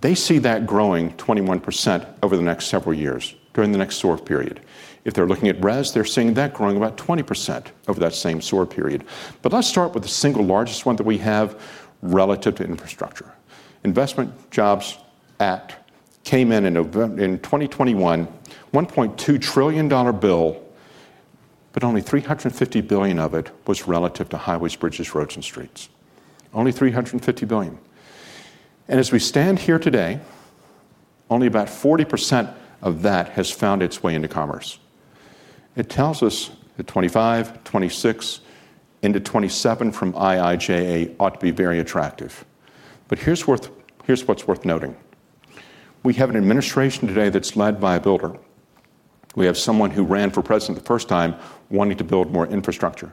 they see that growing 21% over the next several years during the next SOAR period. If they're looking at res, they're seeing that growing about 20% over that same SOAR period. Let's start with the single largest one that we have relative to Infrastructure Investment and Jobs Act came in in 2021, a $1.2 trillion bill, but only $350 billion of it was relative to highways, bridges, roads, and streets. Only $350 billion. As we stand here today, only about 40% of that has found its way into commerce. It tells us that 2025, 2026, into 2027 from IIJA ought to be very attractive. Here's what's worth noting. We have an administration today that's led by a builder. We have someone who ran for president the first time wanting to build more infrastructure.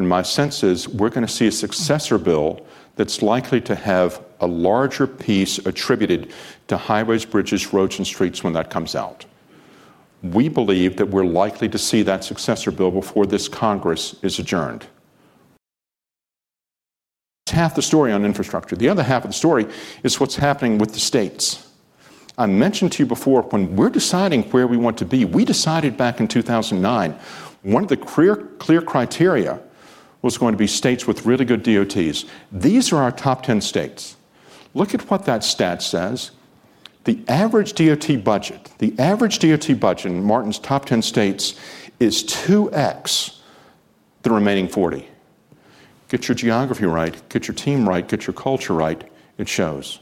My sense is we're going to see a successor bill that's likely to have a larger piece attributed to highways, bridges, roads, and streets when that comes out. We believe that we're likely to see that successor bill before this Congress is adjourned. That's half the story on infrastructure. The other half of the story is what's happening with the states. I mentioned to you before when we're deciding where we want to be, we decided back in 2009, one of the clear criteria was going to be states with really good DOTs. These are our top 10 states. Look at what that stat says. The average DOT budget, the average DOT budget in Martin's top 10 states is 2x the remaining 40. Get your geography right. Get your team right. Get your culture right. It shows.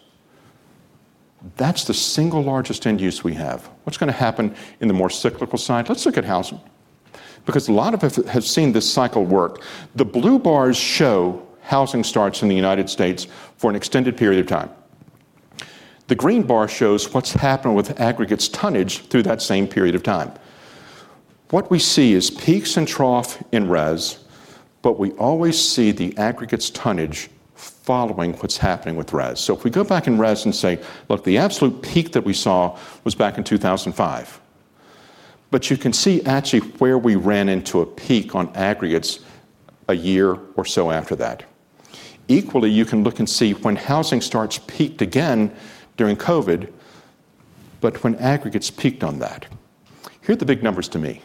That's the single largest end use we have. What's going to happen in the more cyclical side? Let's look at housing because a lot of us have seen this cycle work. The blue bars show housing starts in the United States for an extended period of time. The green bar shows what's happened with aggregates tonnage through that same period of time. What we see is peaks and trough in res, but we always see the aggregates tonnage following what's happening with res. So if we go back in res and say, "Look, the absolute peak that we saw was back in 2005." But you can see actually where we ran into a peak on aggregates a year or so after that. Equally, you can look and see when housing starts peaked again during COVID, but when aggregates peaked on that. Here are the big numbers to me.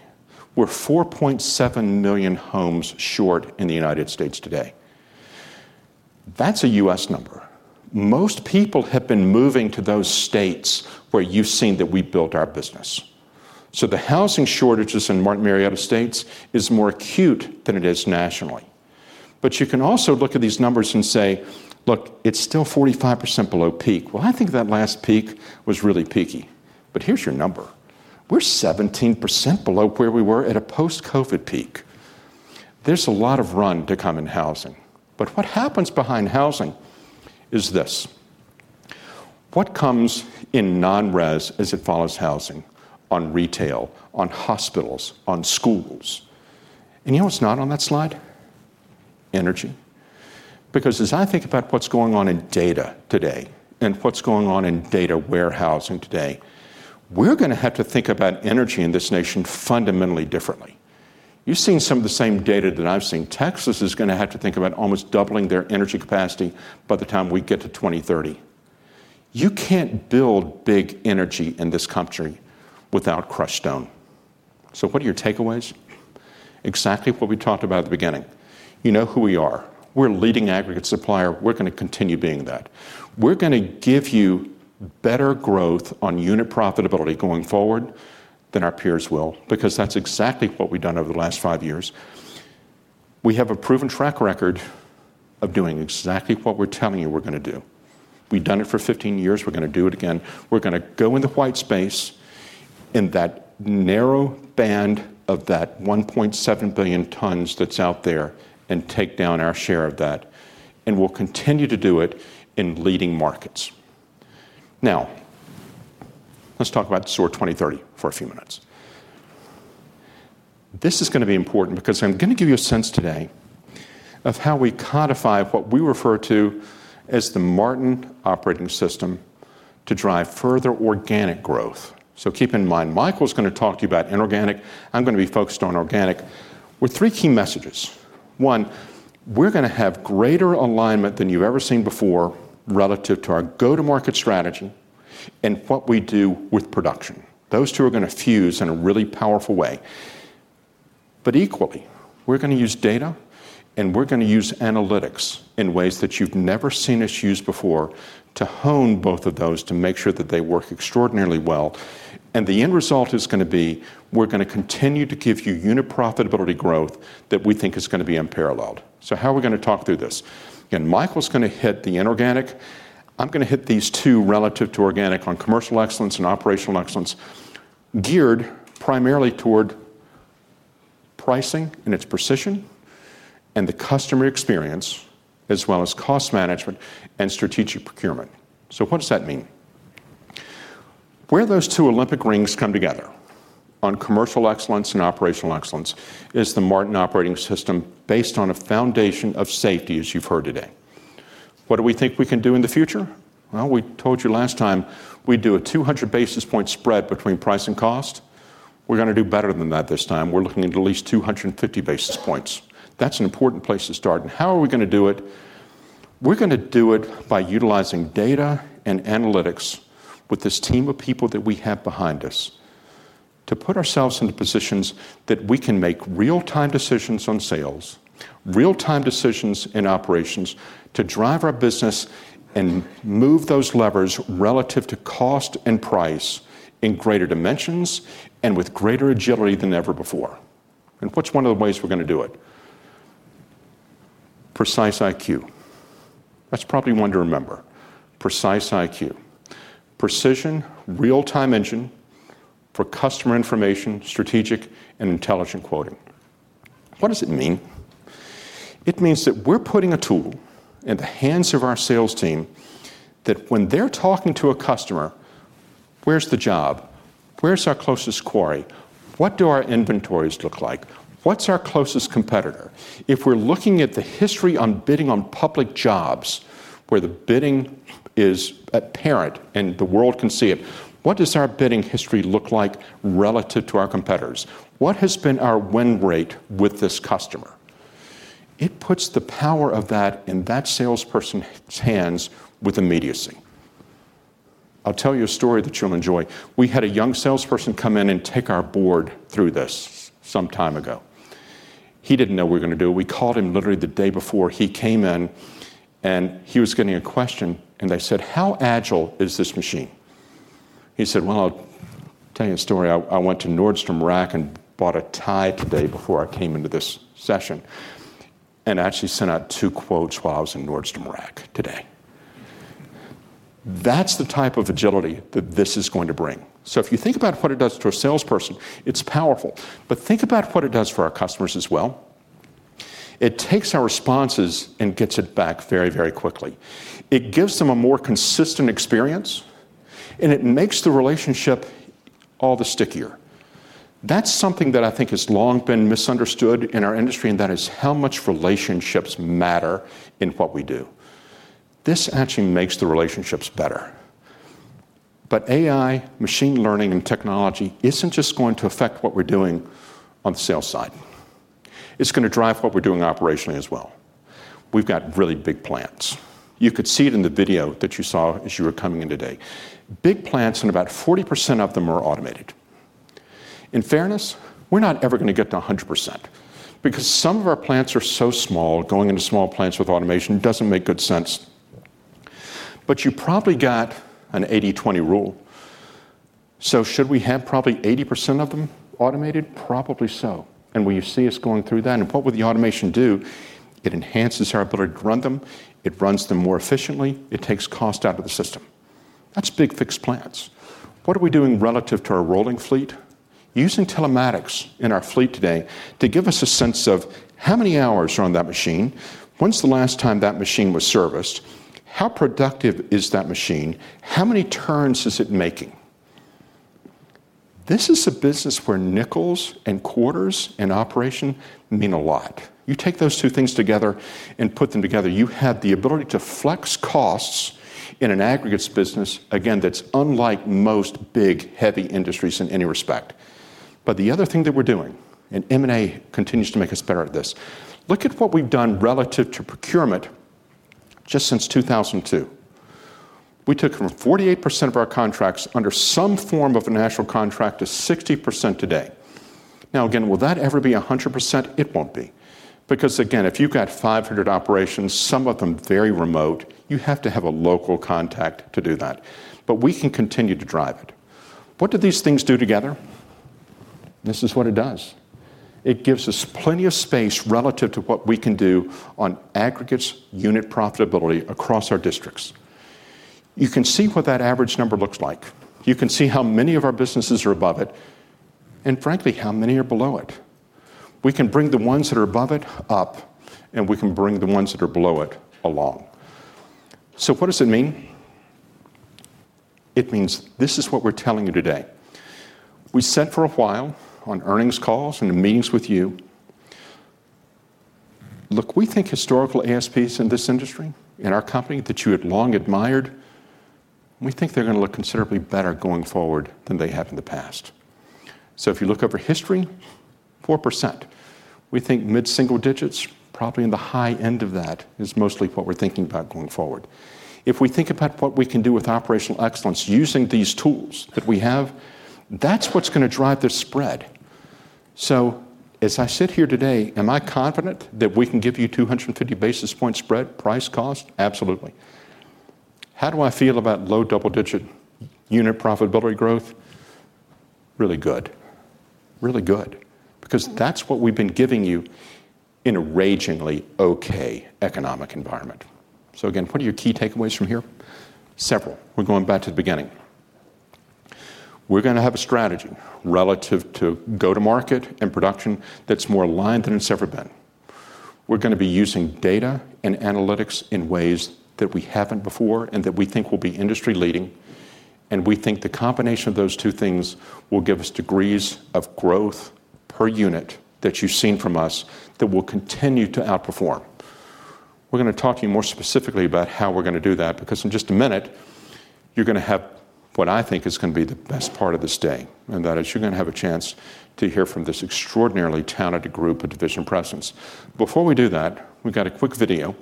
We're 4.7 million homes short in the United States today. That's a U.S. number. Most people have been moving to those states where you've seen that we built our business. So the housing shortages in Martin Marietta states is more acute than it is nationally. But you can also look at these numbers and say, "Look, it's still 45% below peak." Well, I think that last peak was really peaky. But here's your number. We're 17% below where we were at a post-COVID peak. There's a lot of run to come in housing. But what happens behind housing is this. What comes in non-res as it follows housing on retail, on hospitals, on schools? And you know what's not on that slide? Energy. Because as I think about what's going on in data today and what's going on in data warehousing today, we're going to have to think about energy in this nation fundamentally differently. You've seen some of the same data that I've seen. Texas is going to have to think about almost doubling their energy capacity by the time we get to 2030. You can't build big energy in this country without crushed stone, so what are your takeaways? Exactly what we talked about at the beginning. You know who we are. We're a leading aggregate supplier. We're going to continue being that. We're going to give you better growth on unit profitability going forward than our peers will because that's exactly what we've done over the last five years. We have a proven track record of doing exactly what we're telling you we're going to do. We've done it for 15 years. We're going to do it again. We're going to go in the white space in that narrow band of that 1.7 billion tons that's out there and take down our share of that, and we'll continue to do it in leading markets. Now, let's talk about SOAR 2030 for a few minutes. This is going to be important because I'm going to give you a sense today of how we codify what we refer to as the Martin Operating System to drive further organic growth, so keep in mind, Michael is going to talk to you about inorganic. I'm going to be focused on organic with three key messages. One, we're going to have greater alignment than you've ever seen before relative to our go-to-market strategy and what we do with production. Those two are going to fuse in a really powerful way, but equally, we're going to use data, and we're going to use analytics in ways that you've never seen us use before to hone both of those to make sure that they work extraordinarily well. The end result is going to be we're going to continue to give you unit profitability growth that we think is going to be unparalleled. So how are we going to talk through this? Again, Michael's going to hit the inorganic. I'm going to hit these two relative to organic on commercial excellence and operational excellence geared primarily toward pricing and its precision and the customer experience as well as cost management and strategic procurement. So what does that mean? Where those two Olympic rings come together on commercial excellence and operational excellence is the Martin Operating System based on a foundation of safety as you've heard today. What do we think we can do in the future? We told you last time we'd do a 200 basis points spread between price and cost. We're going to do better than that this time. We're looking at least 250 basis points. That's an important place to start. And how are we going to do it? We're going to do it by utilizing data and analytics with this team of people that we have behind us to put ourselves into positions that we can make real-time decisions on sales, real-time decisions in operations to drive our business and move those levers relative to cost and price in greater dimensions and with greater agility than ever before. And what's one of the ways we're going to do it? Precise IQ. That's probably one to remember. Precise IQ. Precision, real-time engine for customer information, strategic, and intelligent quoting. What does it mean? It means that we're putting a tool in the hands of our sales team that when they're talking to a customer, where's the job? Where's our closest quarry? What do our inventories look like? What's our closest competitor? If we're looking at the history on bidding on public jobs where the bidding is apparent and the world can see it, what does our bidding history look like relative to our competitors? What has been our win rate with this customer? It puts the power of that in that salesperson's hands with immediacy. I'll tell you a story that you'll enjoy. We had a young salesperson come in and take our board through this some time ago. He didn't know what we were going to do. We called him literally the day before he came in, and he was getting a question, and they said, "How agile is this machine?" He said, "Well, I'll tell you a story. I went to Nordstrom Rack and bought a tie today before I came into this session and actually sent out two quotes while I was in Nordstrom Rack today. That's the type of agility that this is going to bring. So if you think about what it does to a salesperson, it's powerful. But think about what it does for our customers as well. It takes our responses and gets it back very, very quickly. It gives them a more consistent experience, and it makes the relationship all the stickier. That's something that I think has long been misunderstood in our industry, and that is how much relationships matter in what we do. This actually makes the relationships better. But AI, machine learning, and technology isn't just going to affect what we're doing on the sales side. It's going to drive what we're doing operationally as well. We've got really big plants. You could see it in the video that you saw as you were coming in today. Big plants, and about 40% of them are automated. In fairness, we're not ever going to get to 100% because some of our plants are so small. Going into small plants with automation doesn't make good sense. But you probably got an 80/20 rule. So should we have probably 80% of them automated? Probably so. And when you see us going through that, and what would the automation do? It enhances our ability to run them. It runs them more efficiently. It takes cost out of the system. That's big fixed plants. What are we doing relative to our rolling fleet? Using telematics in our fleet today to give us a sense of how many hours are on that machine? When's the last time that machine was serviced? How productive is that machine? How many turns is it making? This is a business where nickels and quarters and operations mean a lot. You take those two things together and put them together. You have the ability to flex costs in an aggregates business, again, that's unlike most big heavy industries in any respect. But the other thing that we're doing, and M&A continues to make us better at this, look at what we've done relative to procurement just since 2002. We took from 48% of our contracts under some form of a national contract to 60% today. Now, again, will that ever be 100%? It won't be. Because again, if you've got 500 operations, some of them very remote, you have to have a local contact to do that. But we can continue to drive it. What do these things do together? This is what it does. It gives us plenty of space relative to what we can do on aggregates unit profitability across our districts. You can see what that average number looks like. You can see how many of our businesses are above it and, frankly, how many are below it. We can bring the ones that are above it up, and we can bring the ones that are below it along. So what does it mean? It means this is what we're telling you today. We said for a while on earnings calls and in meetings with you, "Look, we think historical ASPs in this industry in our company that you had long admired, we think they're going to look considerably better going forward than they have in the past." So if you look over history, 4%. We think mid-single digits, probably in the high end of that is mostly what we're thinking about going forward. If we think about what we can do with operational excellence using these tools that we have, that's what's going to drive the spread. So as I sit here today, am I confident that we can give you 250 basis points spread price cost? Absolutely. How do I feel about low double-digit unit profitability growth? Really good. Really good. Because that's what we've been giving you in a ragingly okay economic environment. So again, what are your key takeaways from here? Several. We're going back to the beginning. We're going to have a strategy relative to go-to-market and production that's more aligned than it's ever been. We're going to be using data and analytics in ways that we haven't before and that we think will be industry-leading. We think the combination of those two things will give us degrees of growth per unit that you've seen from us that will continue to outperform. We're going to talk to you more specifically about how we're going to do that because in just a minute, you're going to have what I think is going to be the best part of this day. And that is you're going to have a chance to hear from this extraordinarily talented group of division presidents. Before we do that, we've got a quick video.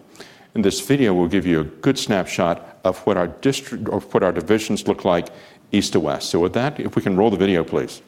And this video will give you a good snapshot of what our divisions look like east to west. So with that, if we can roll the video, please.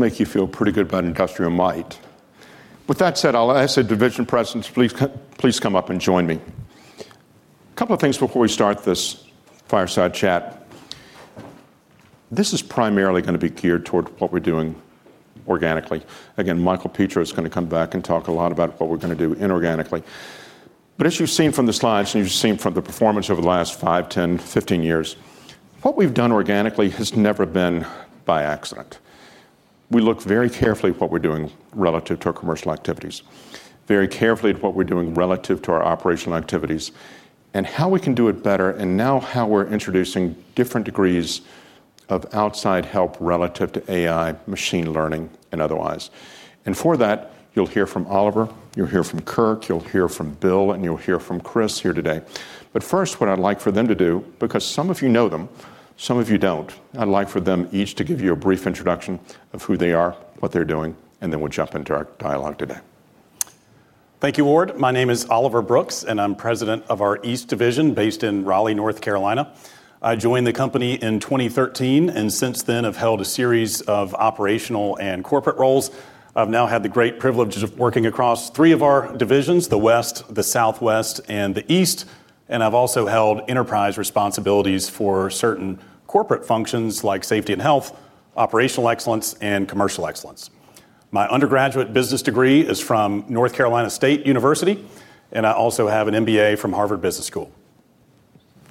That'll make you feel pretty good about industrial might. With that said, I'll ask the division presidents, please come up and join me. A couple of things before we start this fireside chat. This is primarily going to be geared toward what we're doing organically. Again, Michael Petro is going to come back and talk a lot about what we're going to do inorganically. But as you've seen from the slides and you've seen from the performance over the last five, 10, 15 years, what we've done organically has never been by accident. We look very carefully at what we're doing relative to our commercial activities, very carefully at what we're doing relative to our operational activities and how we can do it better and now how we're introducing different degrees of outside help relative to AI, machine learning, and otherwise. And for that, you'll hear from Oliver. You'll hear from Kirk. You'll hear from Bill, and you'll hear from Chris here today. But first, what I'd like for them to do, because some of you know them, some of you don't, I'd like for them each to give you a brief introduction of who they are, what they're doing, and then we'll jump into our dialogue today. Thank you, Ward. My name is Oliver Brooks, and I'm President of our East Division based in Raleigh, North Carolina. I joined the company in 2013 and since then have held a series of operational and corporate roles. I've now had the great privilege of working across three of our divisions, the West, the Southwest, and the East. And I've also held enterprise responsibilities for certain corporate functions like safety and health, operational excellence, and commercial excellence. My undergraduate business degree is from North Carolina State University, and I also have an MBA from Harvard Business School.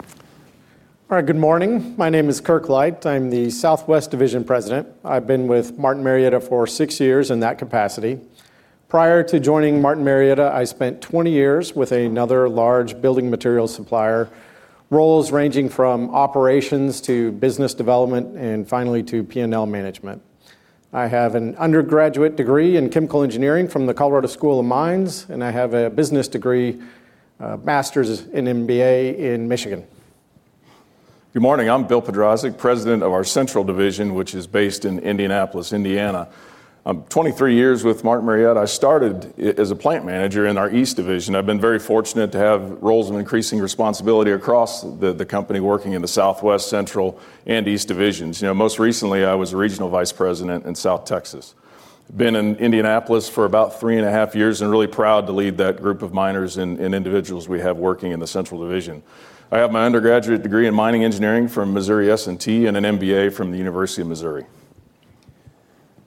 All right. Good morning. My name is Kirk Light. I'm the Southwest Division President. I've been with Martin Marietta for six years in that capacity. Prior to joining Martin Marietta, I spent 20 years with another large building materials supplier, roles ranging from operations to business development and finally to P&L management. I have an undergraduate degree in chemical engineering from the Colorado School of Mines, and I have a business degree, master's and MBA in Michigan. Good morning. I'm Bill Podrazik, President of our Central Division, which is based in Indianapolis, Indiana. 23 years with Martin Marietta. I started as a plant manager in our East Division. I've been very fortunate to have roles of increasing responsibility across the company working in the Southwest, Central, and East Divisions. Most recently, I was a Regional Vice President in South Texas. I've been in Indianapolis for about three and a half years and really proud to lead that group of miners and individuals we have working in the Central Division. I have my undergraduate degree in mining engineering from Missouri S&T and an MBA from the University of Missouri.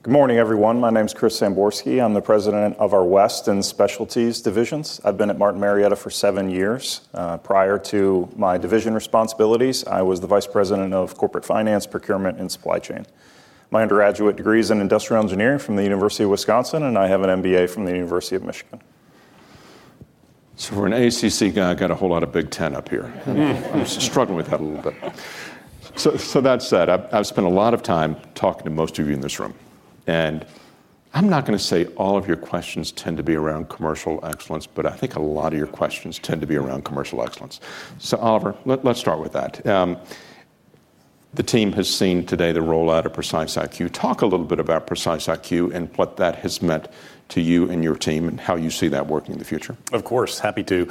Good morning, everyone. My name is Chris Samborski. I'm the President of our West and Specialties Divisions. I've been at Martin Marietta for seven years. Prior to my division responsibilities, I was the Vice President of corporate finance, procurement, and supply chain. My undergraduate degree is in industrial engineering from the University of Wisconsin, and I have an MBA from the University of Michigan. So for an ACC guy, I got a whole lot of Big Ten up here. I'm struggling with that a little bit. So that said, I've spent a lot of time talking to most of you in this room. And I'm not going to say all of your questions tend to be around commercial excellence, but I think a lot of your questions tend to be around commercial excellence. So Oliver, let's start with that. The team has seen today the rollout of Precise IQ. Talk a little bit about Precise IQ and what that has meant to you and your team and how you see that working in the future. Of course. Happy to.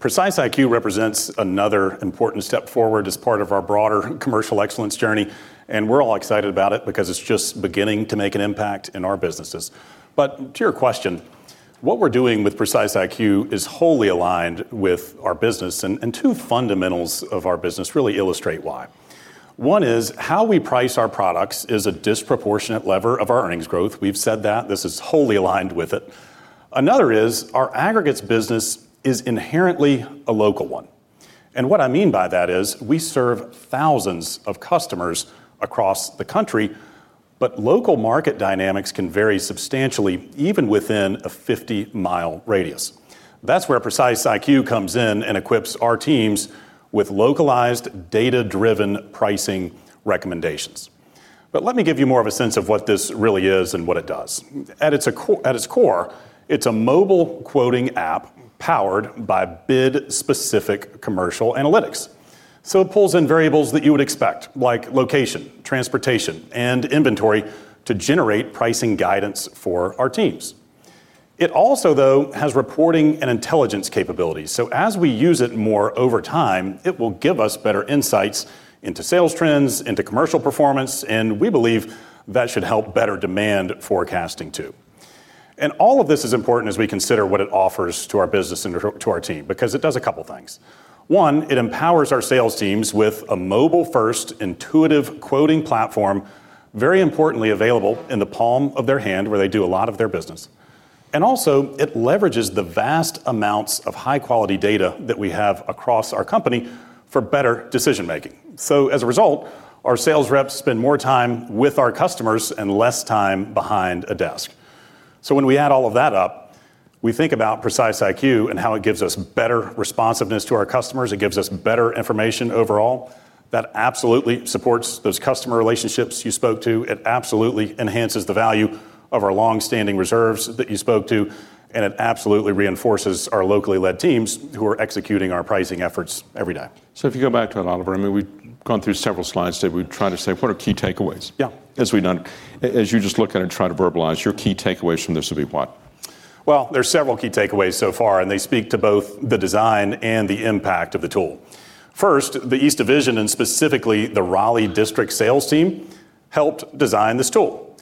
Precise IQ represents another important step forward as part of our broader commercial excellence journey. And we're all excited about it because it's just beginning to make an impact in our businesses. But to your question, what we're doing with Precise IQ is wholly aligned with our business. And two fundamentals of our business really illustrate why. One is how we price our products is a disproportionate lever of our earnings growth. We've said that. This is wholly aligned with it. Another is our aggregates business is inherently a local one. And what I mean by that is we serve thousands of customers across the country, but local market dynamics can vary substantially even within a 50-mile radius. That's where Precise IQ comes in and equips our teams with localized data-driven pricing recommendations. But let me give you more of a sense of what this really is and what it does. At its core, it's a mobile quoting app powered by bid-specific commercial analytics. So it pulls in variables that you would expect, like location, transportation, and inventory to generate pricing guidance for our teams. It also, though, has reporting and intelligence capabilities. So as we use it more over time, it will give us better insights into sales trends, into commercial performance, and we believe that should help better demand forecasting too. And all of this is important as we consider what it offers to our business and to our team because it does a couple of things. One, it empowers our sales teams with a mobile-first, intuitive quoting platform, very importantly available in the palm of their hand where they do a lot of their business. And also, it leverages the vast amounts of high-quality data that we have across our company for better decision-making. So as a result, our sales reps spend more time with our customers and less time behind a desk. So when we add all of that up, we think about Precise IQ and how it gives us better responsiveness to our customers. It gives us better information overall. That absolutely supports those customer relationships you spoke to. It absolutely enhances the value of our long-standing reserves that you spoke to. And it absolutely reinforces our locally led teams who are executing our pricing efforts every day. If you go back to it, Oliver, I mean, we've gone through several slides today. We've tried to say, what are key takeaways? As you just look at it and try to verbalize, your key takeaways from this would be what? There are several key takeaways so far, and they speak to both the design and the impact of the tool. First, the East Division and specifically the Raleigh district sales team helped design this tool.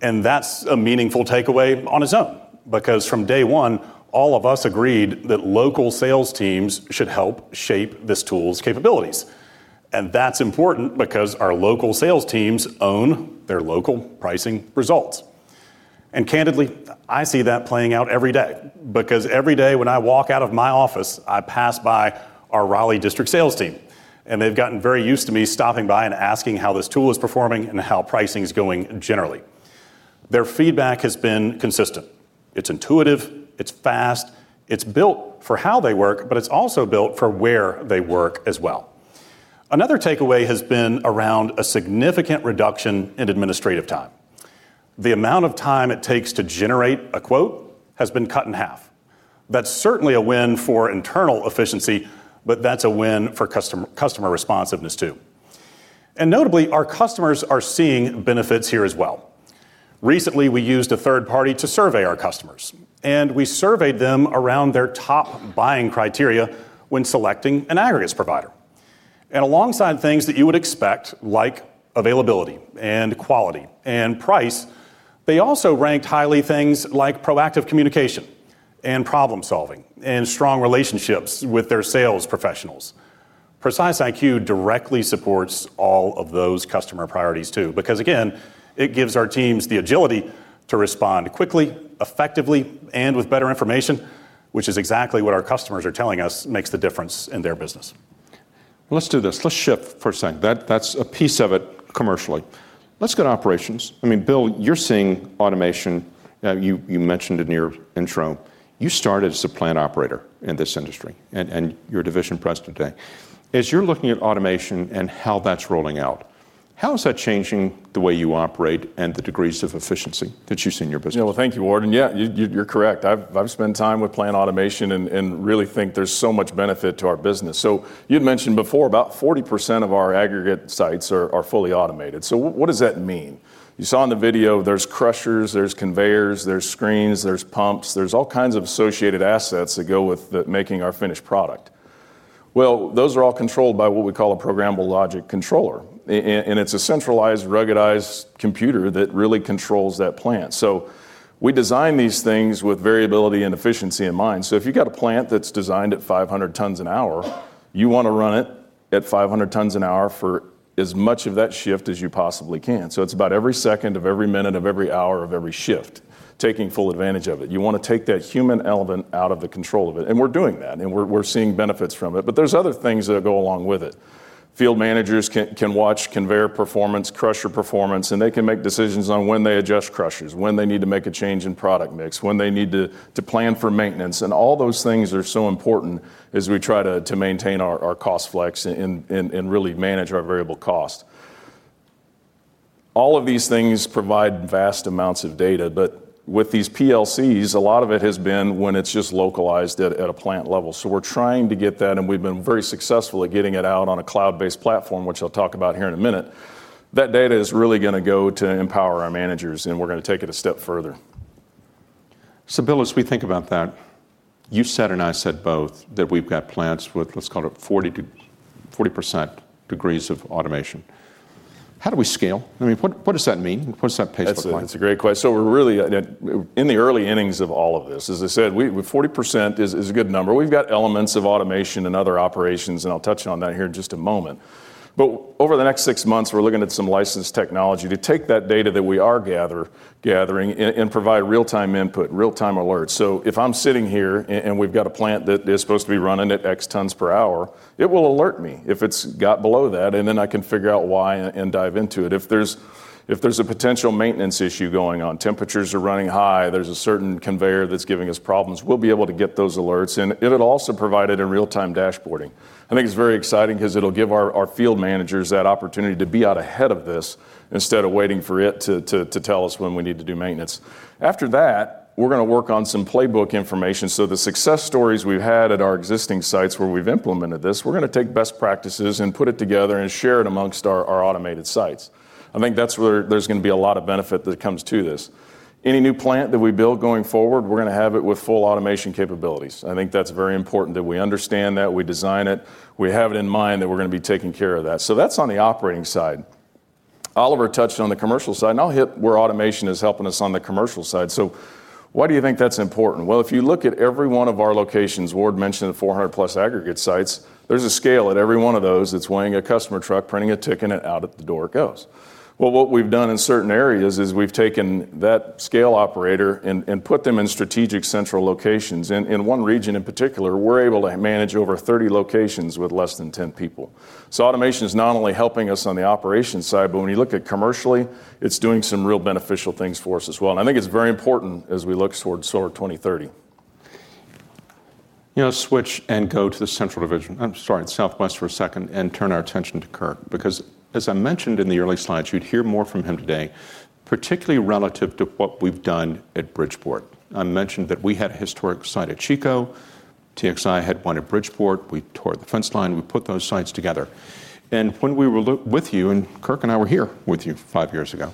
And that's a meaningful takeaway on its own because from day one, all of us agreed that local sales teams should help shape this tool's capabilities. That's important because our local sales teams own their local pricing results. Candidly, I see that playing out every day because every day when I walk out of my office, I pass by our Raleigh district sales team. They've gotten very used to me stopping by and asking how this tool is performing and how pricing is going generally. Their feedback has been consistent. It's intuitive. It's fast. It's built for how they work, but it's also built for where they work as well. Another takeaway has been around a significant reduction in administrative time. The amount of time it takes to generate a quote has been cut in half. That's certainly a win for internal efficiency, but that's a win for customer responsiveness too. Notably, our customers are seeing benefits here as well. Recently, we used a third party to survey our customers, and we surveyed them around their top buying criteria when selecting an aggregates provider, and alongside things that you would expect, like availability and quality and price, they also ranked highly things like proactive communication and problem-solving and strong relationships with their sales professionals. Precise IQ directly supports all of those customer priorities too because, again, it gives our teams the agility to respond quickly, effectively, and with better information, which is exactly what our customers are telling us makes the difference in their business. Let's do this. Let's shift for a second. That's a piece of it commercially. Let's go to operations. I mean, Bill, you're seeing automation. You mentioned it in your intro. You started as a plant operator in this industry and your division president today. As you're looking at automation and how that's rolling out, how is that changing the way you operate and the degrees of efficiency that you've seen in your business? Yeah. Well, thank you, Ward. And yeah, you're correct. I've spent time with plant automation and really think there's so much benefit to our business. So you'd mentioned before about 40% of our aggregate sites are fully automated. So what does that mean? You saw in the video. There's crushers, there's conveyors, there's screens, there's pumps, there's all kinds of associated assets that go with making our finished product. Well, those are all controlled by what we call a programmable logic controller. And it's a centralized, ruggedized computer that really controls that plant. So we design these things with variability and efficiency in mind. So if you've got a plant that's designed at 500 tons an hour, you want to run it at 500 tons an hour for as much of that shift as you possibly can. So it's about every second of every minute of every hour of every shift taking full advantage of it. You want to take that human element out of the control of it. And we're doing that, and we're seeing benefits from it. But there's other things that go along with it. Field managers can watch conveyor performance, crusher performance, and they can make decisions on when they adjust crushers, when they need to make a change in product mix, when they need to plan for maintenance. And all those things are so important as we try to maintain our cost flex and really manage our variable cost. All of these things provide vast amounts of data, but with these PLCs, a lot of it has been when it's just localized at a plant level. So we're trying to get that, and we've been very successful at getting it out on a cloud-based platform, which I'll talk about here in a minute. That data is really going to go to empower our managers, and we're going to take it a step further. So Bill, as we think about that, you said and I said both that we've got plants with, let's call it, 40% degrees of automation. How do we scale? I mean, what does that mean? What does that pay for? That's a great question. So we're really in the early innings of all of this. As I said, 40% is a good number. We've got elements of automation and other operations, and I'll touch on that here in just a moment. But over the next six months, we're looking at some licensed technology to take that data that we are gathering and provide real-time input, real-time alerts. So if I'm sitting here and we've got a plant that is supposed to be running at X tons per hour, it will alert me if it's got below that, and then I can figure out why and dive into it. If there's a potential maintenance issue going on, temperatures are running high, there's a certain conveyor that's giving us problems, we'll be able to get those alerts. And it'll also provide it in real-time dashboarding. I think it's very exciting because it'll give our field managers that opportunity to be out ahead of this instead of waiting for it to tell us when we need to do maintenance. After that, we're going to work on some playbook information. So the success stories we've had at our existing sites where we've implemented this, we're going to take best practices and put it together and share it amongst our automated sites. I think that's where there's going to be a lot of benefit that comes to this. Any new plant that we build going forward, we're going to have it with full automation capabilities. I think that's very important that we understand that we design it. We have it in mind that we're going to be taking care of that. So that's on the operating side. Oliver touched on the commercial side, and I'll hit where automation is helping us on the commercial side. So why do you think that's important? Well, if you look at every one of our locations, Ward mentioned the 400-plus aggregate sites, there's a scale at every one of those that's weighing a customer truck, printing a ticket, and out of the door it goes. Well, what we've done in certain areas is we've taken that scale operator and put them in strategic central locations. In one region in particular, we're able to manage over 30 locations with less than 10 people. So automation is not only helping us on the operations side, but when you look at commercially, it's doing some real beneficial things for us as well. And I think it's very important as we look towards SOAR 2030. You know, switch and go to the Central Division. I'm sorry, Southwest for a second, and turn our attention to Kirk because, as I mentioned in the early slides, you'd hear more from him today, particularly relative to what we've done at Bridgeport. I mentioned that we had a historic site at Chico. TXI had one at Bridgeport. We tore the fence line. We put those sites together, and when we were with you, and Kirk and I were here with you five years ago,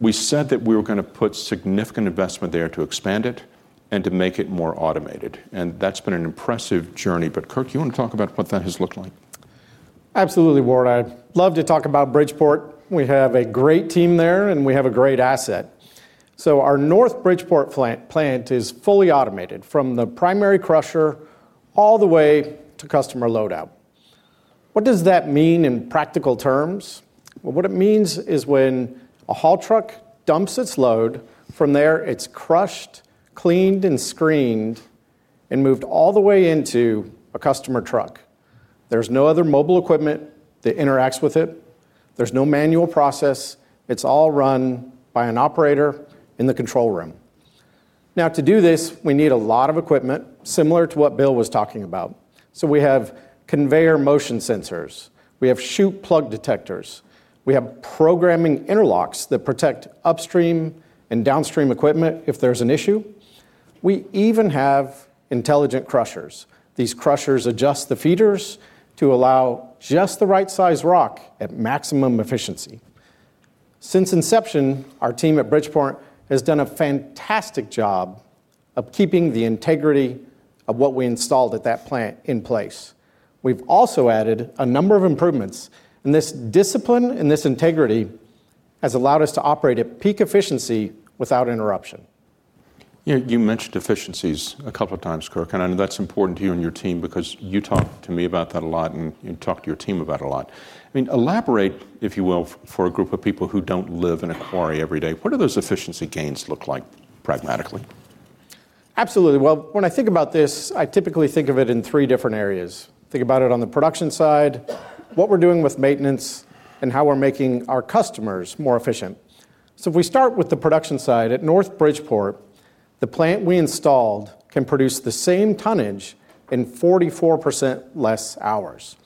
we said that we were going to put significant investment there to expand it and to make it more automated, and that's been an impressive journey, but Kirk, you want to talk about what that has looked like? Absolutely, Ward. I'd love to talk about Bridgeport. We have a great team there, and we have a great asset. So our North Bridgeport plant is fully automated from the primary crusher all the way to customer loadout. What does that mean in practical terms? Well, what it means is when a haul truck dumps its load, from there, it's crushed, cleaned, and screened, and moved all the way into a customer truck. There's no other mobile equipment that interacts with it. There's no manual process. It's all run by an operator in the control room. Now, to do this, we need a lot of equipment similar to what Bill was talking about. So we have conveyor motion sensors. We have chute plug detectors. We have programming interlocks that protect upstream and downstream equipment if there's an issue. We even have intelligent crushers. These crushers adjust the feeders to allow just the right size rock at maximum efficiency. Since inception, our team at Bridgeport has done a fantastic job of keeping the integrity of what we installed at that plant in place. We've also added a number of improvements, and this discipline and this integrity has allowed us to operate at peak efficiency without interruption. You mentioned efficiencies a couple of times, Kirk, and I know that's important to you and your team because you talked to me about that a lot and you talked to your team about it a lot. I mean, elaborate, if you will, for a group of people who don't live in a quarry every day. What do those efficiency gains look like pragmatically? Absolutely. Well, when I think about this, I typically think of it in three different areas. Think about it on the production side, what we're doing with maintenance, and how we're making our customers more efficient. So if we start with the production side, at North Bridgeport, the plant we installed can produce the same tonnage in 44% less hours.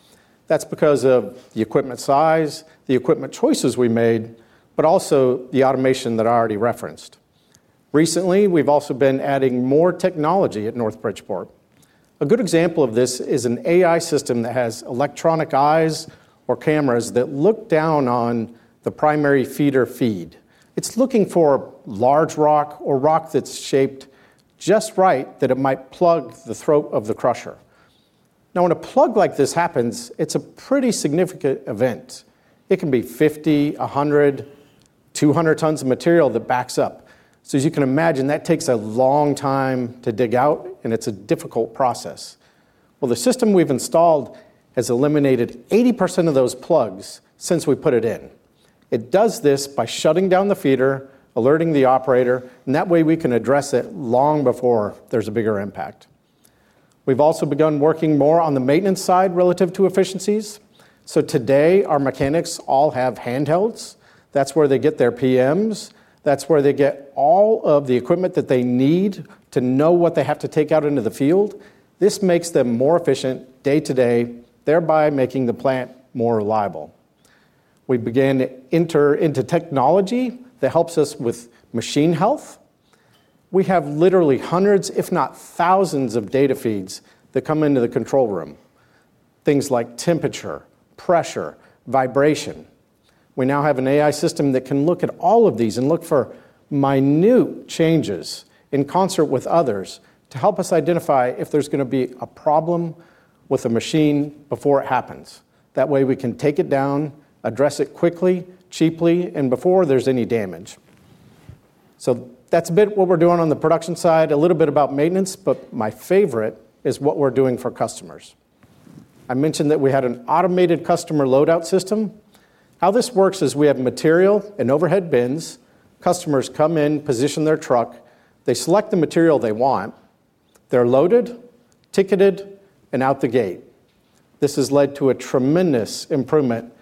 That's because of the equipment size, the equipment choices we made, but also the automation that I already referenced. Recently, we've also been adding more technology at North Bridgeport. A good example of this is an AI system that has electronic eyes or cameras that look down on the primary feeder feed. It's looking for a large rock or rock that's shaped just right that it might plug the throat of the crusher. Now, when a plug like this happens, it's a pretty significant event. It can be 50, 100, 200 tons of material that backs up. So as you can imagine, that takes a long time to dig out, and it's a difficult process. The system we've installed has eliminated 80% of those plugs since we put it in. It does this by shutting down the feeder, alerting the operator, and that way we can address it long before there's a bigger impact. We've also begun working more on the maintenance side relative to efficiencies. Today, our mechanics all have handhelds. That's where they get their PMs. That's where they get all of the equipment that they need to know what they have to take out into the field. This makes them more efficient day to day, thereby making the plant more reliable. We began to enter into technology that helps us with machine health. We have literally hundreds, if not thousands, of data feeds that come into the control room. Things like temperature, pressure, vibration. We now have an AI system that can look at all of these and look for minute changes in concert with others to help us identify if there's going to be a problem with a machine before it happens. That way, we can take it down, address it quickly, cheaply, and before there's any damage. So that's a bit what we're doing on the production side, a little bit about maintenance, but my favorite is what we're doing for customers. I mentioned that we had an automated customer loadout system. How this works is we have material in overhead bins. Customers come in, position their truck. They select the material they want. They're loaded, ticketed, and out the gate. This has led to a tremendous improvement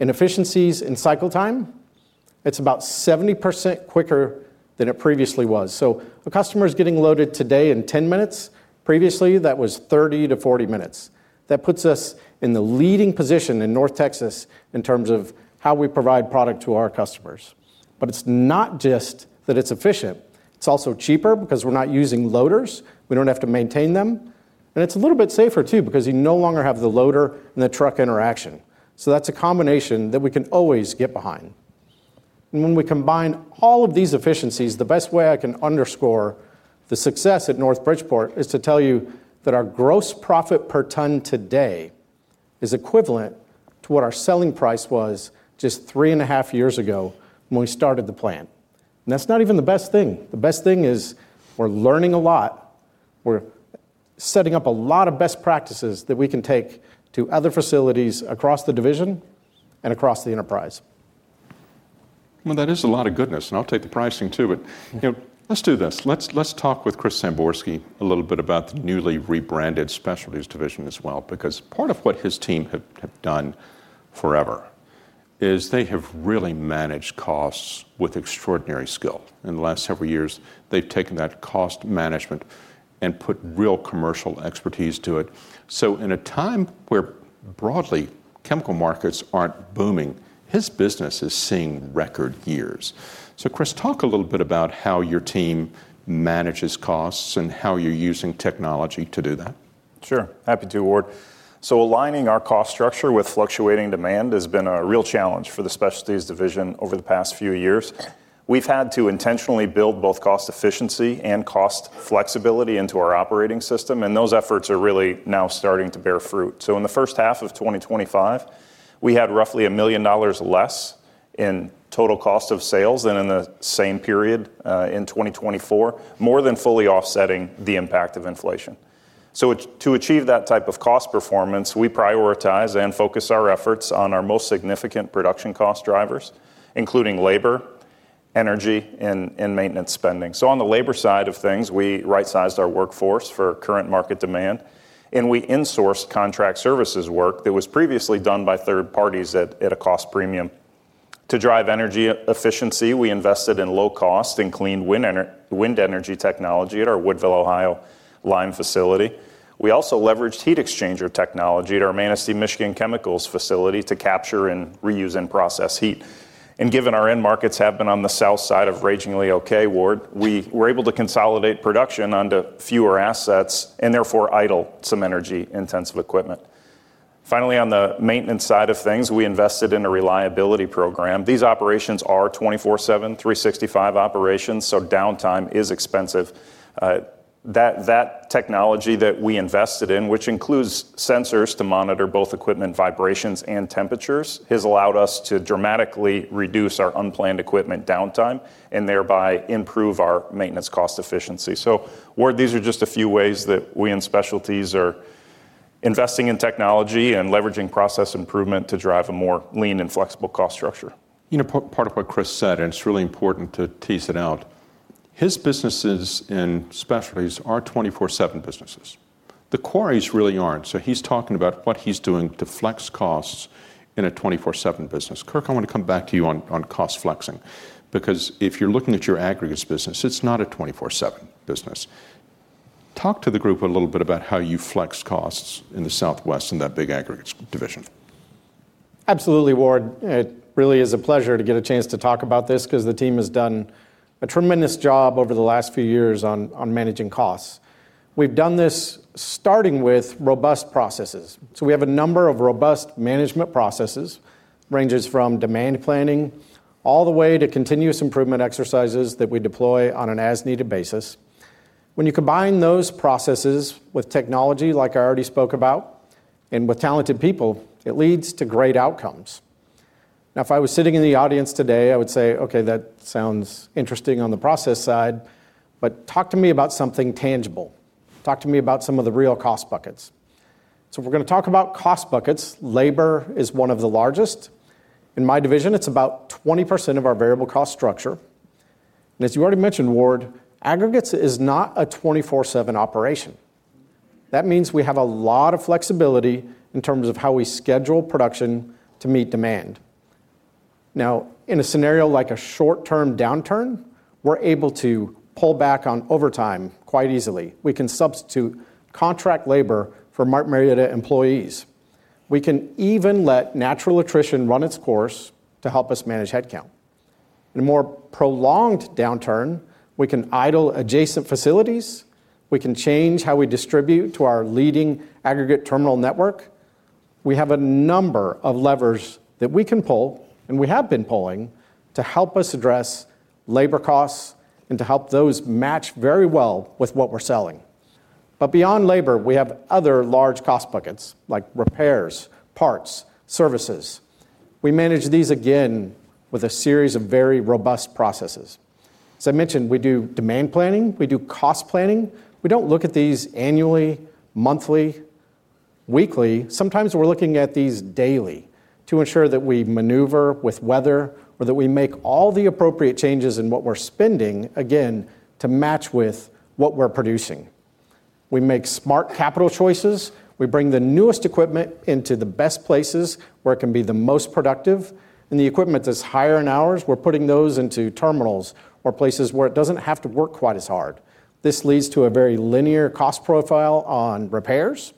in efficiencies and cycle time. It's about 70% quicker than it previously was. So a customer is getting loaded today in 10 minutes. Previously, that was 30 to 40 minutes. That puts us in the leading position in North Texas in terms of how we provide product to our customers, but it's not just that it's efficient. It's also cheaper because we're not using loaders. We don't have to maintain them, and it's a little bit safer too because you no longer have the loader and the truck interaction. That's a combination that we can always get behind. When we combine all of these efficiencies, the best way I can underscore the success at North Bridgeport is to tell you that our gross profit per ton today is equivalent to what our selling price was just three and a half years ago when we started the plant. That's not even the best thing. The best thing is we're learning a lot. We're setting up a lot of best practices that we can take to other facilities across the division and across the enterprise. That is a lot of goodness. I'll take the pricing too. Let's do this. Let's talk with Chris Samborski a little bit about the newly rebranded specialties division as well because part of what his team have done forever is they have really managed costs with extraordinary skill. In the last several years, they've taken that cost management and put real commercial expertise to it. In a time where broadly chemical markets aren't booming, his business is seeing record years. Chris, talk a little bit about how your team manages costs and how you're using technology to do that. Sure. Happy to, Ward. Aligning our cost structure with fluctuating demand has been a real challenge for the specialties division over the past few years. We've had to intentionally build both cost efficiency and cost flexibility into our operating system, and those efforts are really now starting to bear fruit. In the first half of 2025, we had roughly $1 million less in total cost of sales than in the same period in 2024, more than fully offsetting the impact of inflation. To achieve that type of cost performance, we prioritize and focus our efforts on our most significant production cost drivers, including labor, energy, and maintenance spending. On the labor side of things, we right-sized our workforce for current market demand, and we insourced contract services work that was previously done by third parties at a cost premium. To drive energy efficiency, we invested in low-cost and clean wind energy technology at our Woodville, Ohio lime facility. We also leveraged heat exchanger technology at our Manistee, Michigan chemicals facility to capture and reuse and process heat. Given our end markets have been on the south side of ragingly okay, Ward, we were able to consolidate production onto fewer assets and therefore idle some energy-intensive equipment. Finally, on the maintenance side of things, we invested in a reliability program. These operations are 24/7, 365 operations, so downtime is expensive. That technology that we invested in, which includes sensors to monitor both equipment vibrations and temperatures, has allowed us to dramatically reduce our unplanned equipment downtime and thereby improve our maintenance cost efficiency. So, Ward, these are just a few ways that we in specialties are investing in technology and leveraging process improvement to drive a more lean and flexible cost structure. You know, part of what Chris said, and it's really important to tease it out, his businesses in specialties are 24/7 businesses. The quarries really aren't. So he's talking about what he's doing to flex costs in a 24/7 business. Kirk, I want to come back to you on cost flexing because if you're looking at your aggregates business, it's not a 24/7 business. Talk to the group a little bit about how you flex costs in the Southwest and that big aggregates division. Absolutely, Ward. It really is a pleasure to get a chance to talk about this because the team has done a tremendous job over the last few years on managing costs. We've done this starting with robust processes. So we have a number of robust management processes, ranges from demand planning all the way to continuous improvement exercises that we deploy on an as-needed basis. When you combine those processes with technology, like I already spoke about, and with talented people, it leads to great outcomes. Now, if I was sitting in the audience today, I would say, "Okay, that sounds interesting on the process side, but talk to me about something tangible. Talk to me about some of the real cost buckets." So if we're going to talk about cost buckets, labor is one of the largest. In my division, it's about 20% of our variable cost structure. And as you already mentioned, Ward, aggregates is not a 24/7 operation. That means we have a lot of flexibility in terms of how we schedule production to meet demand. Now, in a scenario like a short-term downturn, we're able to pull back on overtime quite easily. We can substitute contract labor for marked merit employees. We can even let natural attrition run its course to help us manage headcount. In a more prolonged downturn, we can idle adjacent facilities. We can change how we distribute to our leading aggregate terminal network. We have a number of levers that we can pull, and we have been pulling to help us address labor costs and to help those match very well with what we're selling. But beyond labor, we have other large cost buckets like repairs, parts, services. We manage these again with a series of very robust processes. As I mentioned, we do demand planning. We do cost planning. We don't look at these annually, monthly, weekly. Sometimes we're looking at these daily to ensure that we maneuver with weather or that we make all the appropriate changes in what we're spending, again, to match with what we're producing. We make smart capital choices. We bring the newest equipment into the best places where it can be the most productive, and the equipment that's higher in hours, we're putting those into terminals or places where it doesn't have to work quite as hard. This leads to a very linear cost profile on repairs,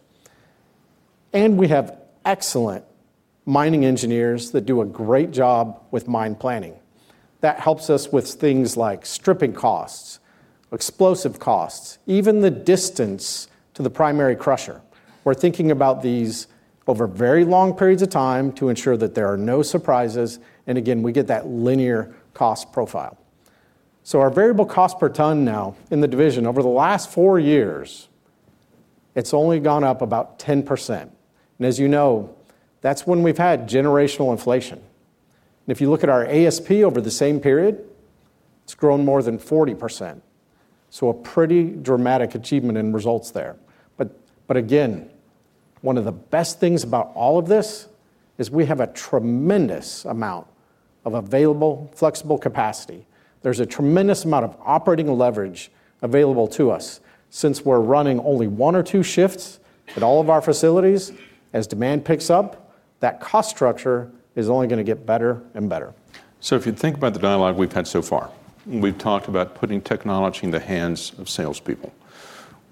and we have excellent mining engineers that do a great job with mine planning. That helps us with things like stripping costs, explosive costs, even the distance to the primary crusher. We're thinking about these over very long periods of time to ensure that there are no surprises, and again, we get that linear cost profile. So our variable cost per ton now in the division, over the last four years, it's only gone up about 10%. And as you know, that's when we've had generational inflation. And if you look at our ASP over the same period, it's grown more than 40%. So a pretty dramatic achievement in results there. But again, one of the best things about all of this is we have a tremendous amount of available flexible capacity. There's a tremendous amount of operating leverage available to us since we're running only one or two shifts at all of our facilities. As demand picks up, that cost structure is only going to get better and better. So if you think about the dialogue we've had so far, we've talked about putting technology in the hands of salespeople.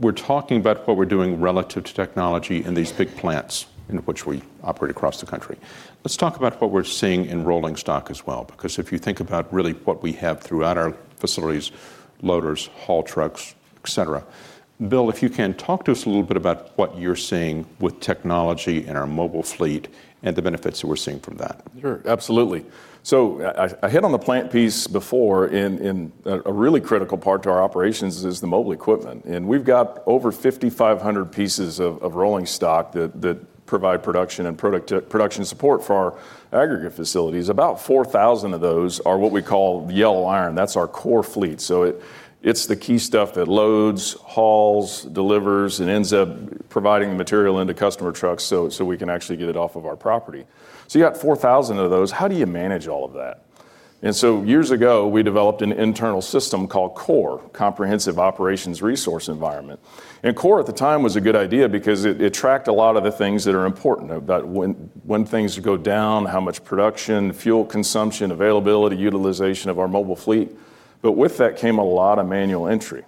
We're talking about what we're doing relative to technology in these big plants in which we operate across the country. Let's talk about what we're seeing in rolling stock as well, because if you think about really what we have throughout our facilities, loaders, haul trucks, et cetera. Bill, if you can talk to us a little bit about what you're seeing with technology in our mobile fleet and the benefits that we're seeing from that. Sure, absolutely. So I hit on the plant piece before. And a really critical part to our operations is the mobile equipment. And we've got over 5,500 pieces of rolling stock that provide production and production support for our aggregate facilities. About 4,000 of those are what we call the yellow iron. That's our core fleet. It's the key stuff that loads, hauls, delivers, and ends up providing the material into customer trucks so we can actually get it off of our property. So you got 4,000 of those. How do you manage all of that? And so years ago, we developed an internal system called CORE, Comprehensive Operations Resource Environment. And CORE at the time was a good idea because it tracked a lot of the things that are important about when things go down, how much production, fuel consumption, availability, utilization of our mobile fleet. But with that came a lot of manual entry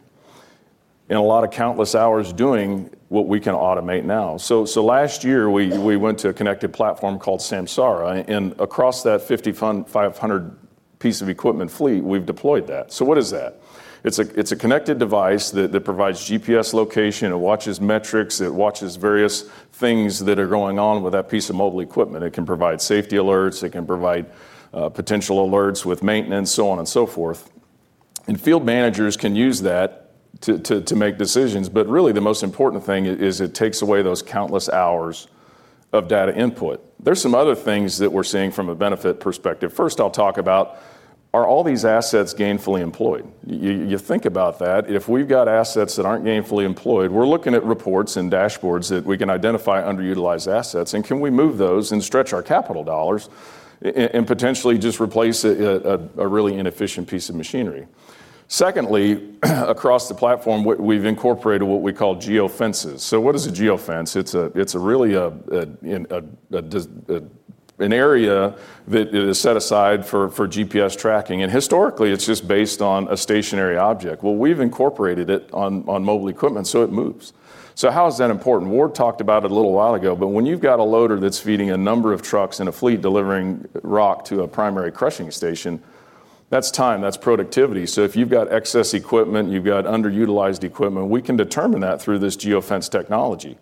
and a lot of countless hours doing what we can automate now. So last year, we went to a connected platform called Samsara. And across that 5,500-piece equipment fleet, we've deployed that. So what is that? It's a connected device that provides GPS location. It watches metrics. It watches various things that are going on with that piece of mobile equipment. It can provide safety alerts. It can provide potential alerts with maintenance, so on and so forth. And field managers can use that to make decisions. But really, the most important thing is it takes away those countless hours of data input. There's some other things that we're seeing from a benefit perspective. First, I'll talk about: are all these assets gainfully employed? You think about that. If we've got assets that aren't gainfully employed, we're looking at reports and dashboards that we can identify underutilized assets. And can we move those and stretch our capital dollars and potentially just replace a really inefficient piece of machinery? Secondly, across the platform, we've incorporated what we call geofences. So what is a geofence? It's really an area that is set aside for GPS tracking. Historically, it's just based on a stationary object. We've incorporated it on mobile equipment, so it moves. How is that important? Ward talked about it a little while ago, but when you've got a loader that's feeding a number of trucks in a fleet delivering rock to a primary crushing station, that's time. That's productivity. If you've got excess equipment, you've got underutilized equipment, we can determine that through this geofence technology.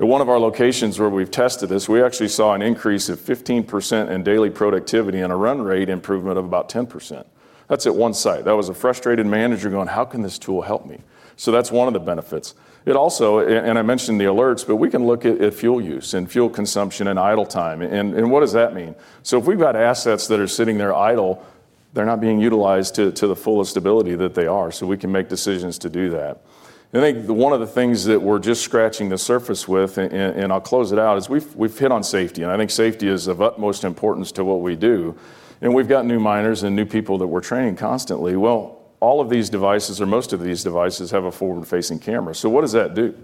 At one of our locations where we've tested this, we actually saw an increase of 15% in daily productivity and a run rate improvement of about 10%. That's at one site. That was a frustrated manager going, "How can this tool help me?" That's one of the benefits. I mentioned the alerts, but we can look at fuel use and fuel consumption and idle time. What does that mean? If we've got assets that are sitting there idle, they're not being utilized to the fullest ability that they are. We can make decisions to do that. I think one of the things that we're just scratching the surface with, and I'll close it out, is we've hit on safety. Safety is of utmost importance to what we do. We've got new miners and new people that we're training constantly. All of these devices, or most of these devices, have a forward-facing camera. What does that do?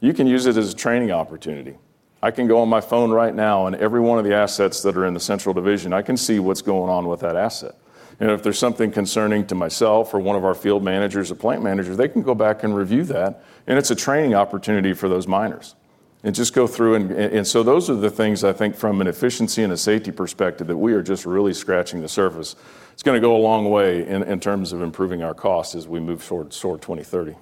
You can use it as a training opportunity. I can go on my phone right now, and every one of the assets that are in the Central Division, I can see what's going on with that asset. If there's something concerning to myself or one of our field managers or plant managers, they can go back and review that. It's a training opportunity for those miners and just go through. Those are the things, I think, from an efficiency and a safety perspective that we are just really scratching the surface. It's going to go a long way in terms of improving our costs as we move towards SOAR 2030.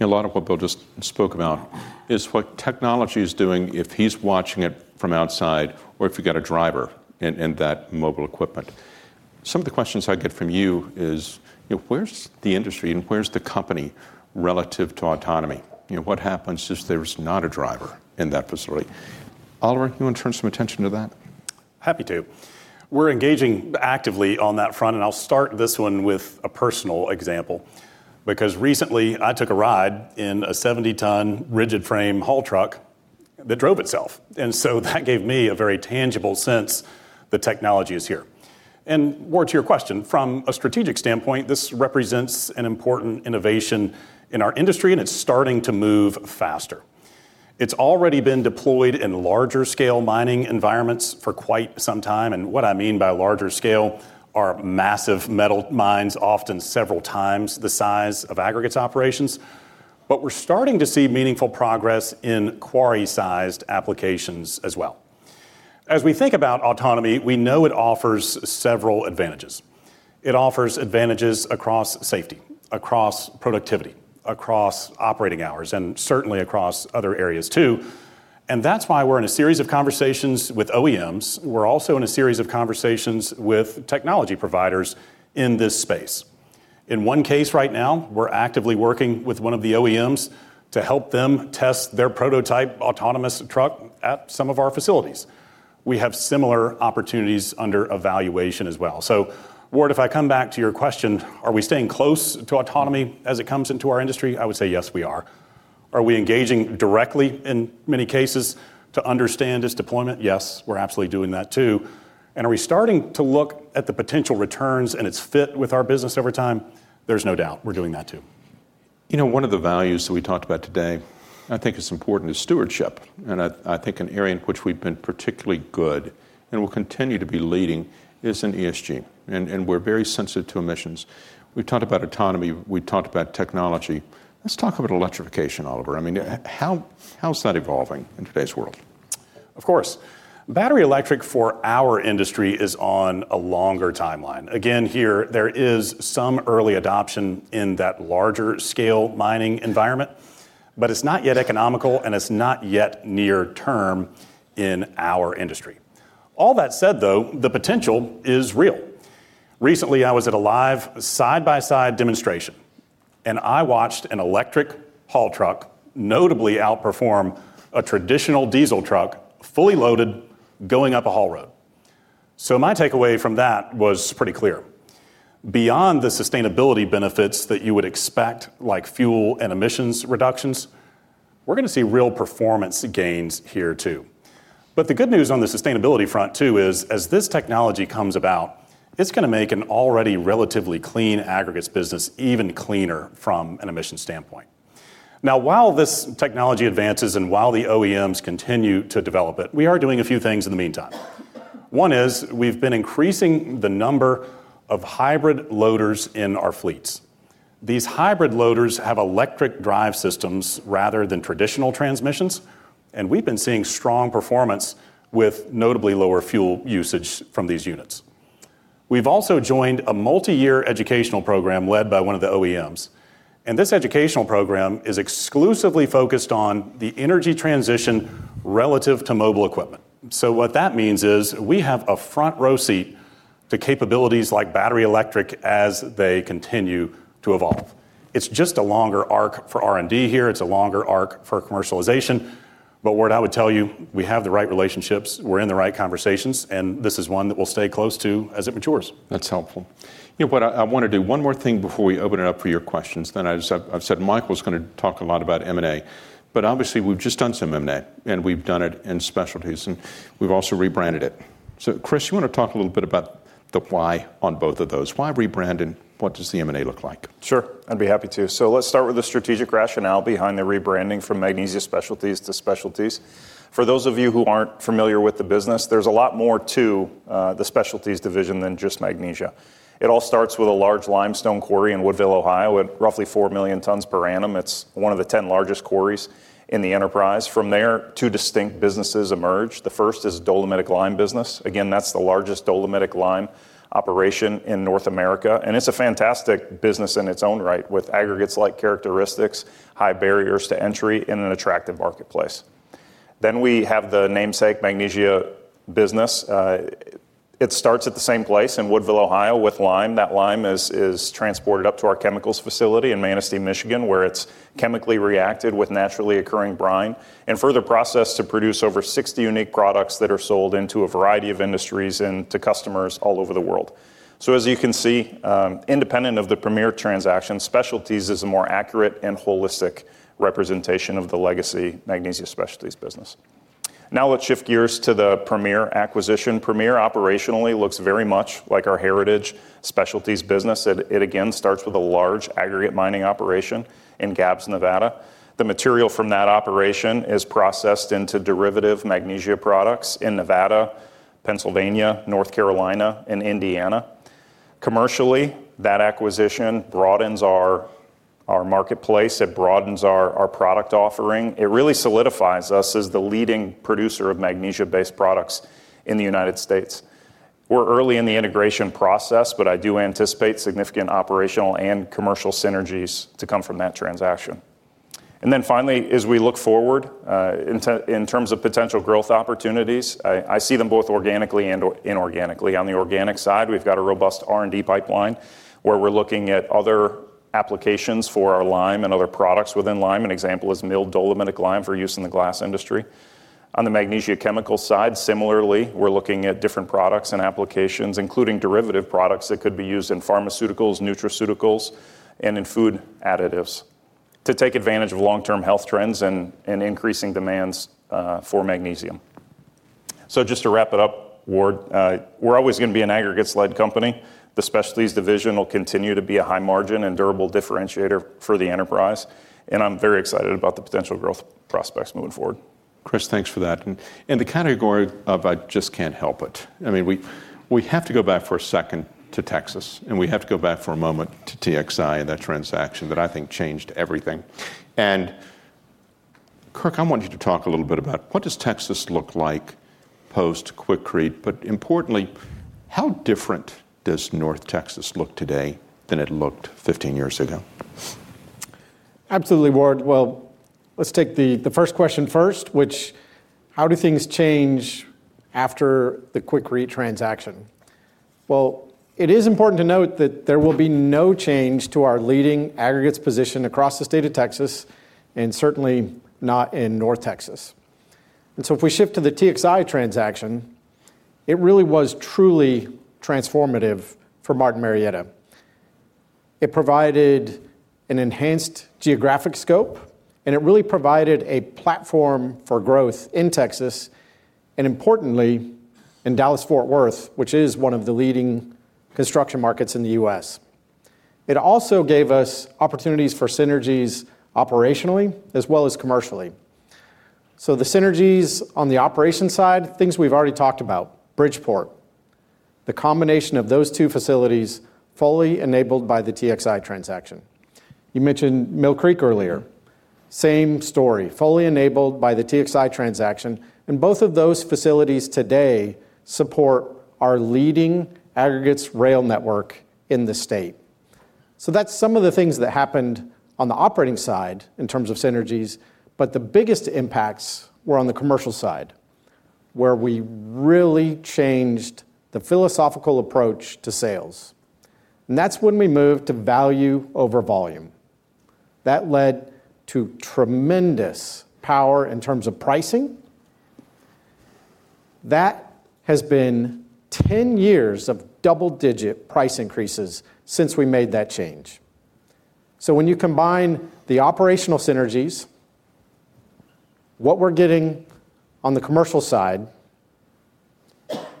A lot of what Bill just spoke about is what technology is doing if he's watching it from outside or if you've got a driver in that mobile equipment. Some of the questions I get from you is, where's the industry and where's the company relative to autonomy? What happens if there's not a driver in that facility? Oliver, you want to turn some attention to that? Happy to. We're engaging actively on that front. And I'll start this one with a personal example because recently, I took a ride in a 70-ton rigid frame haul truck that drove itself. And so that gave me a very tangible sense the technology is here. And Ward, to your question, from a strategic standpoint, this represents an important innovation in our industry, and it's starting to move faster. It's already been deployed in larger-scale mining environments for quite some time. And what I mean by larger scale are massive metal mines, often several times the size of aggregates operations. But we're starting to see meaningful progress in quarry-sized applications as well. As we think about autonomy, we know it offers several advantages. It offers advantages across safety, across productivity, across operating hours, and certainly across other areas too. And that's why we're in a series of conversations with OEMs. We're also in a series of conversations with technology providers in this space. In one case right now, we're actively working with one of the OEMs to help them test their prototype autonomous truck at some of our facilities. We have similar opportunities under evaluation as well. So, Ward, if I come back to your question, are we staying close to autonomy as it comes into our industry? I would say yes, we are. Are we engaging directly in many cases to understand its deployment? Yes, we're absolutely doing that too. And are we starting to look at the potential returns and its fit with our business over time? There's no doubt we're doing that too. You know, one of the values that we talked about today, I think it's important, is stewardship. I think an area in which we've been particularly good and will continue to be leading is in ESG. We're very sensitive to emissions. We've talked about autonomy. We've talked about technology. Let's talk about electrification, Oliver. I mean, how's that evolving in today's world? Of course. Battery electric for our industry is on a longer timeline. Again, here, there is some early adoption in that larger-scale mining environment, but it's not yet economical, and it's not yet near-term in our industry. All that said, though, the potential is real. Recently, I was at a live side-by-side demonstration, and I watched an electric haul truck notably outperform a traditional diesel truck fully loaded going up a haul road. So my takeaway from that was pretty clear. Beyond the sustainability benefits that you would expect, like fuel and emissions reductions, we're going to see real performance gains here too. But the good news on the sustainability front too is, as this technology comes about, it's going to make an already relatively clean aggregates business even cleaner from an emissions standpoint. Now, while this technology advances and while the OEMs continue to develop it, we are doing a few things in the meantime. One is we've been increasing the number of hybrid loaders in our fleets. These hybrid loaders have electric drive systems rather than traditional transmissions, and we've been seeing strong performance with notably lower fuel usage from these units. We've also joined a multi-year educational program led by one of the OEMs. And this educational program is exclusively focused on the energy transition relative to mobile equipment. So what that means is we have a front-row seat to capabilities like battery electric as they continue to evolve. It's just a longer arc for R&D here. It's a longer arc for commercialization. But Ward, I would tell you, we have the right relationships. We're in the right conversations, and this is one that we'll stay close to as it matures. That's helpful. But I want to do one more thing before we open it up for your questions. Then I've said Michael's going to talk a lot about M&A, but obviously, we've just done some M&A, and we've done it in Specialties, and we've also rebranded it. So, Chris, you want to talk a little bit about the why on both of those? Why rebrand and what does the M&A look like? Sure. I'd be happy to. So let's start with the strategic rationale behind the rebranding from Magnesia Specialties to Specialties. For those of you who aren't familiar with the business, there's a lot more to the Specialties division than just Magnesia. It all starts with a large limestone quarry in Woodville, Ohio, at roughly 4 million tons per annum. It's one of the 10 largest quarries in the enterprise. From there, two distinct businesses emerged. The first is Dolomitic Lime business. Again, that's the largest dolomitic lime operation in North America. And it's a fantastic business in its own right with aggregates-like characteristics, high barriers to entry, and an attractive marketplace. Then we have the namesake Magnesia business. It starts at the same place in Woodville, Ohio, with lime. That lime is transported up to our chemicals facility in Manistee, Michigan, where it's chemically reacted with naturally occurring brine and further processed to produce over 60 unique products that are sold into a variety of industries and to customers all over the world. As you can see, independent of the Premier transaction, Specialties is a more accurate and holistic representation of the legacy Magnesia Specialties business. Now let's shift gears to the Premier acquisition. Premier operationally looks very much like our heritage Specialties business. It, again, starts with a large aggregate mining operation in Gabbs, Nevada. The material from that operation is processed into derivative Magnesia products in Nevada, Pennsylvania, North Carolina, and Indiana. Commercially, that acquisition broadens our marketplace. It broadens our product offering. It really solidifies us as the leading producer of Magnesia-based products in the United States. We're early in the integration process, but I do anticipate significant operational and commercial synergies to come from that transaction. And then finally, as we look forward in terms of potential growth opportunities, I see them both organically and inorganically. On the organic side, we've got a robust R&D pipeline where we're looking at other applications for our lime and other products within lime. An example is milled dolomitic lime for use in the glass industry. On the Magnesia chemical side, similarly, we're looking at different products and applications, including derivative products that could be used in pharmaceuticals, nutraceuticals, and in food additives to take advantage of long-term health trends and increasing demands for magnesium. So, just to wrap it up, Ward, we're always going to be an aggregates-led company. The Specialties division will continue to be a high-margin and durable differentiator for the enterprise. And I'm very excited about the potential growth prospects moving forward. Chris, thanks for that. And the category of I just can't help it. I mean, we have to go back for a second to Texas, and we have to go back for a moment to TXI, that transaction that I think changed everything, and Kirk, I want you to talk a little bit about what does Texas look like post-Quikrete, but importantly, how different does North Texas look today than it looked 15 years ago? Absolutely, Ward. Well, let's take the first question first, which is, how do things change after the Quikrete transaction, well, it is important to note that there will be no change to our leading aggregates position across the state of Texas and certainly not in North Texas, and so, if we shift to the TXI transaction, it really was truly transformative for Martin Marietta. It provided an enhanced geographic scope, and it really provided a platform for growth in Texas and, importantly, in Dallas-Fort Worth, which is one of the leading construction markets in the U.S. It also gave us opportunities for synergies operationally as well as commercially, so the synergies on the operation side, things we've already talked about, Bridgeport, the combination of those two facilities fully enabled by the TXI transaction. You mentioned Mill Creek earlier. Same story, fully enabled by the TXI transaction, and both of those facilities today support our leading aggregates rail network in the state, so that's some of the things that happened on the operating side in terms of synergies, but the biggest impacts were on the commercial side where we really changed the philosophical approach to sales, and that's when we moved to value over volume. That led to tremendous power in terms of pricing. That has been 10 years of double-digit price increases since we made that change. So, when you combine the operational synergies, what we're getting on the commercial side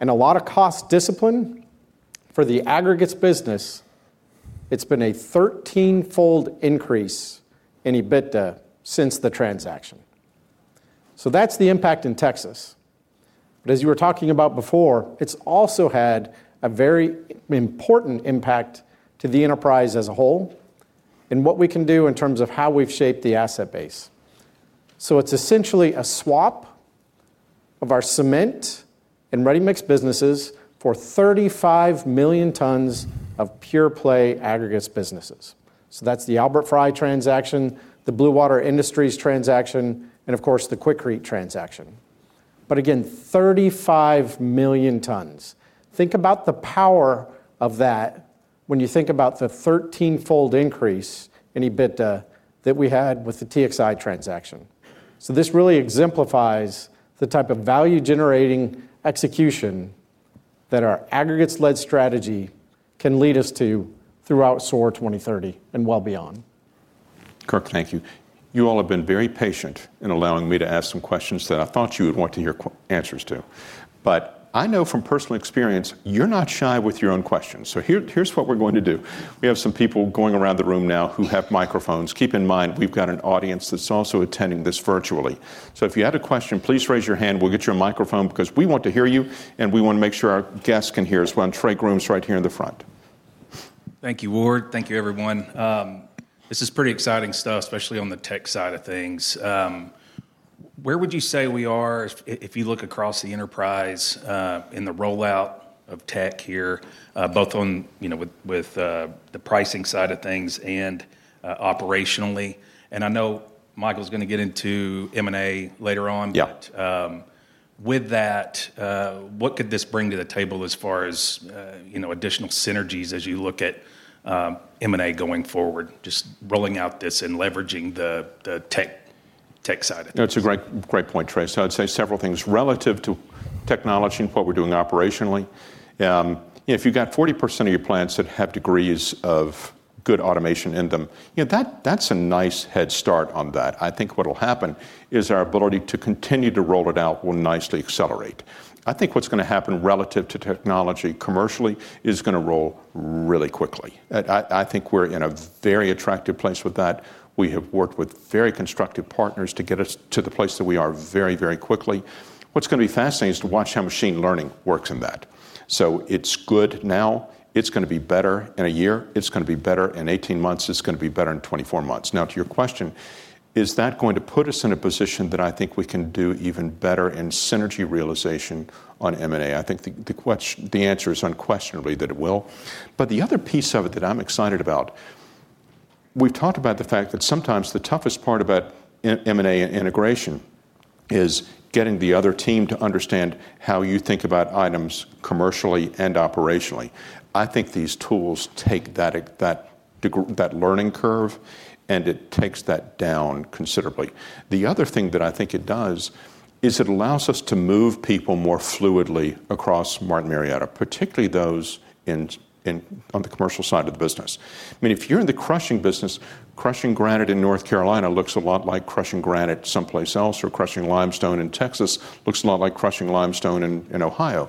and a lot of cost discipline for the aggregates business, it's been a 13-fold increase in EBITDA since the transaction. So, that's the impact in Texas. But as you were talking about before, it's also had a very important impact to the enterprise as a whole and what we can do in terms of how we've shaped the asset base. So, it's essentially a swap of our cement and ready-mix businesses for 35 million tons of pure-play aggregates businesses. So, that's the Albert Frei transaction, the Blue Water Industries transaction, and, of course, the Quikrete transaction. But again, 35 million tons. Think about the power of that when you think about the 13-fold increase in EBITDA that we had with the TXI transaction, so this really exemplifies the type of value-generating execution that our aggregates-led strategy can lead us to throughout SOAR 2030 and well beyond. Kirk, thank you. You all have been very patient in allowing me to ask some questions that I thought you would want to hear answers to, but I know from personal experience, you're not shy with your own questions, so here's what we're going to do. We have some people going around the room now who have microphones. Keep in mind, we've got an audience that's also attending this virtually, so if you had a question, please raise your hand. We'll get your microphone because we want to hear you, and we want to make sure our guests can hear as well. Trey Grooms is right here in the front. Thank you, Ward. Thank you, everyone. This is pretty exciting stuff, especially on the tech side of things. Where would you say we are if you look across the enterprise in the rollout of tech here, both with the pricing side of things and operationally? I know Michael's going to get into M&A later on. But with that, what could this bring to the table as far as additional synergies as you look at M&A going forward, just rolling out this and leveraging the tech side of things? That's a great point, Trey. So, I'd say several things relative to technology and what we're doing operationally. If you've got 40% of your plants that have degrees of good automation in them, that's a nice head start on that. I think what'll happen is our ability to continue to roll it out will nicely accelerate. I think what's going to happen relative to technology commercially is going to roll really quickly. I think we're in a very attractive place with that. We have worked with very constructive partners to get us to the place that we are very, very quickly. What's going to be fascinating is to watch how machine learning works in that. So, it's good now. It's going to be better in a year. It's going to be better in 18 months. It's going to be better in 24 months. Now, to your question, is that going to put us in a position that I think we can do even better in synergy realization on M&A? I think the answer is unquestionably that it will. But the other piece of it that I'm excited about, we've talked about the fact that sometimes the toughest part about M&A integration is getting the other team to understand how you think about items commercially and operationally. I think these tools take that learning curve, and it takes that down considerably. The other thing that I think it does is it allows us to move people more fluidly across Martin Marietta, particularly those on the commercial side of the business. I mean, if you're in the crushing business, crushing granite in North Carolina looks a lot like crushing granite someplace else, or crushing limestone in Texas looks a lot like crushing limestone in Ohio.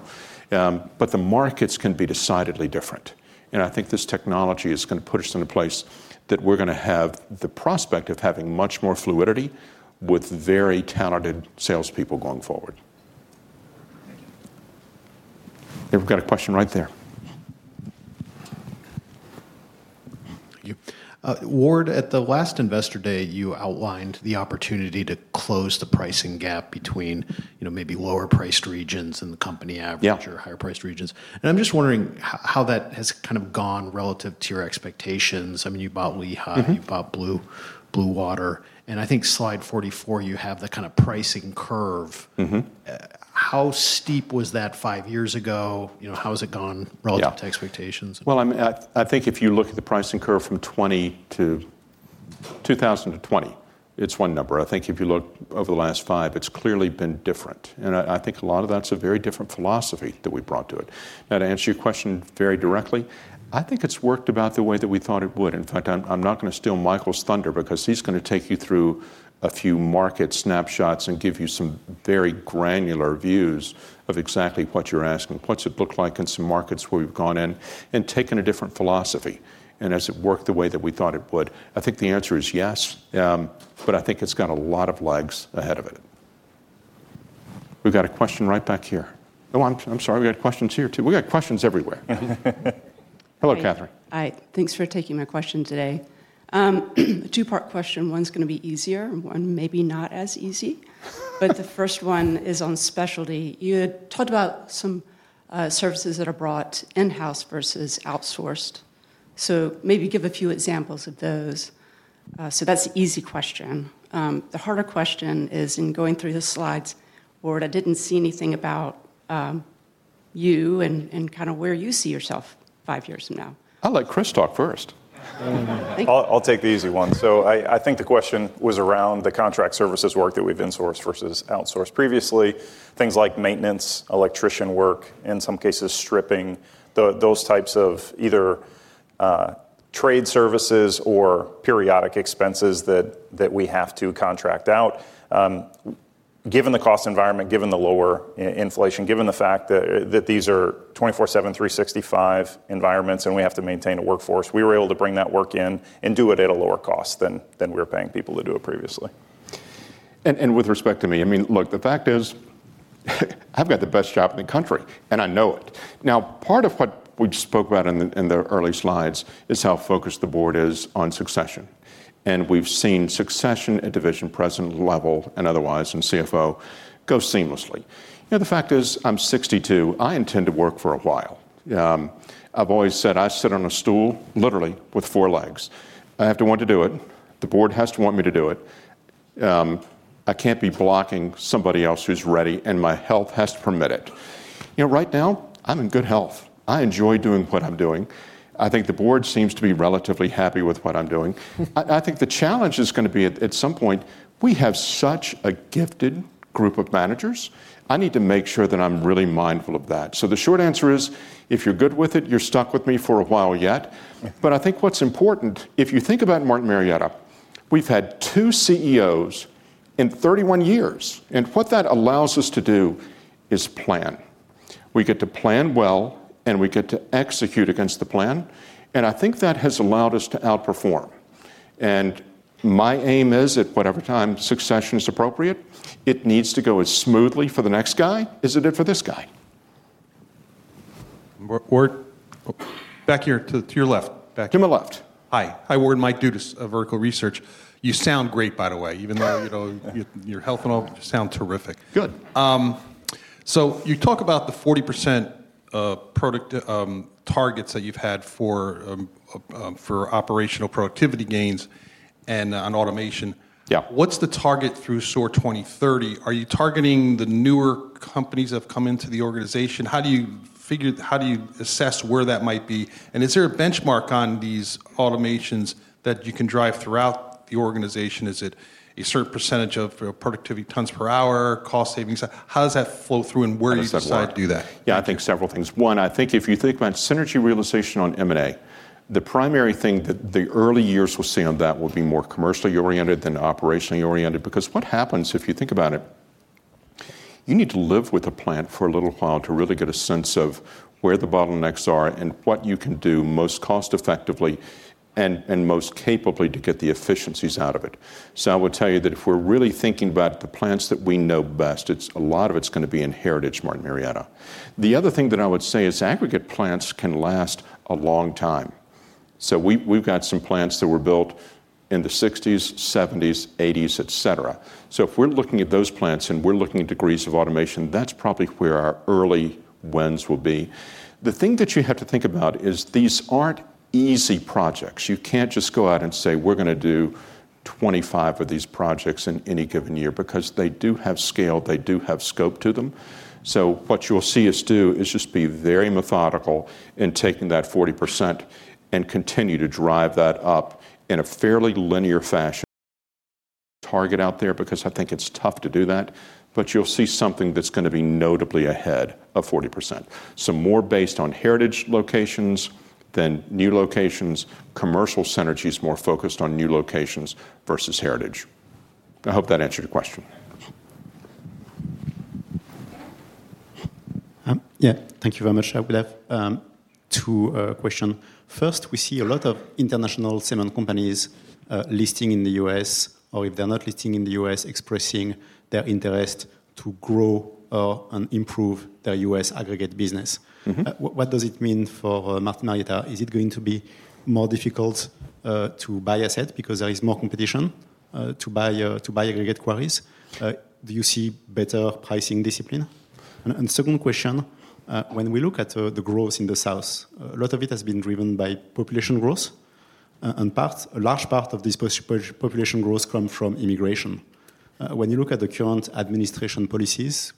But the markets can be decidedly different. And I think this technology is going to put us in a place that we're going to have the prospect of having much more fluidity with very talented salespeople going forward. We've got a question right there. Ward, at the last investor day, you outlined the opportunity to close the pricing gap between maybe lower-priced regions and the company average or higher-priced regions. And I'm just wondering how that has kind of gone relative to your expectations. I mean, you bought Lehigh, you bought Blue Water. And I think slide 44, you have the kind of pricing curve. How steep was that five years ago? How has it gone relative to expectations? Well, I mean, I think if you look at the pricing curve from 20 to 2020, it's one number. I think if you look over the last five, it's clearly been different. I think a lot of that's a very different philosophy that we brought to it. Now, to answer your question very directly, I think it's worked about the way that we thought it would. In fact, I'm not going to steal Michael's thunder because he's going to take you through a few market snapshots and give you some very granular views of exactly what you're asking, what's it look like in some markets where we've gone in, and taken a different philosophy. And has it worked the way that we thought it would? I think the answer is yes, but I think it's got a lot of legs ahead of it. We've got a question right back here. Oh, I'm sorry. We've got questions here too. We've got questions everywhere. Hello, Kathryn. Hi. Thanks for taking my question today. Two-part question. One's going to be easier. One, maybe not as easy. But the first one is on specialty. You had talked about some services that are brought in-house versus outsourced. So, maybe give a few examples of those. So, that's the easy question. The harder question is, in going through the slides, Ward, I didn't see anything about you and kind of where you see yourself five years from now. I'll let Chris talk first. Thank you. I'll take the easy one. So, I think the question was around the contract services work that we've insourced versus outsourced previously, things like maintenance, electrician work, in some cases stripping, those types of either trade services or periodic expenses that we have to contract out. Given the cost environment, given the lower inflation, given the fact that these are 24/7, 365 environments and we have to maintain a workforce, we were able to bring that work in and do it at a lower cost than we were paying people to do it previously. And with respect to me, I mean, look, the fact is I've got the best job in the country, and I know it. Now, part of what we spoke about in the early slides is how focused the board is on succession. And we've seen succession at division president level and otherwise in CFO go seamlessly. The fact is I'm 62. I intend to work for a while. I've always said I sit on a stool, literally, with four legs. I have to want to do it. The board has to want me to do it. I can't be blocking somebody else who's ready, and my health has to permit it. Right now, I'm in good health. I enjoy doing what I'm doing. I think the board seems to be relatively happy with what I'm doing. I think the challenge is going to be at some point, we have such a gifted group of managers. I need to make sure that I'm really mindful of that. So, the short answer is, if you're good with it, you're stuck with me for a while yet. But I think what's important, if you think about Martin Marietta, we've had two CEOs in 31 years. And what that allows us to do is plan. We get to plan well, and we get to execute against the plan. And I think that has allowed us to outperform. And my aim is, at whatever time succession is appropriate, it needs to go as smoothly for the next guy. Is it it for this guy? Ward, back here to your left. Back here. To my left. Hi. Hi, Ward. Mike Dudas, of Vertical Research. You sound great, by the way, even though your health and all sound terrific. Good. So, you talk about the 40% targets that you've had for operational productivity gains and on automation. What's the target through SOAR 2030? Are you targeting the newer companies that have come into the organization? How do you figure how do you assess where that might be? And is there a benchmark on these automations that you can drive throughout the organization? Is it a certain percentage of productivity tons per hour, cost savings? How does that flow through, and where are you deciding? How does that work? Yeah, I think several things. One, I think if you think about synergy realization on M&A, the primary thing that the early years will see on that will be more commercially oriented than operationally oriented. Because what happens if you think about it, you need to live with a plant for a little while to really get a sense of where the bottlenecks are and what you can do most cost-effectively and most capably to get the efficiencies out of it. So, I would tell you that if we're really thinking about the plants that we know best, a lot of it's going to be in heritage Martin Marietta. The other thing that I would say is aggregate plants can last a long time. So, we've got some plants that were built in the 60s, 70s, 80s, etc. If we're looking at those plants and we're looking at degrees of automation, that's probably where our early wins will be. The thing that you have to think about is these aren't easy projects. You can't just go out and say, "We're going to do 25 of these projects in any given year," because they do have scale. They do have scope to them. What you'll see us do is just be very methodical in taking that 40% and continue to drive that up in a fairly linear fashion. Target out there because I think it's tough to do that. But you'll see something that's going to be notably ahead of 40%. More based on heritage locations than new locations, commercial synergies more focused on new locations versus heritage. I hope that answered your question. Yeah, thank you very much. I would have two questions. First, we see a lot of international cement companies listing in the U.S., or if they're not listing in the U.S., expressing their interest to grow and improve their U.S. aggregate business. What does it mean for Martin Marietta? Is it going to be more difficult to buy assets because there is more competition to buy aggregate quarries? Do you see better pricing discipline? And second question, when we look at the growth in the South, a lot of it has been driven by population growth. In part, a large part of this population growth comes from immigration. When you look at the current administration policies,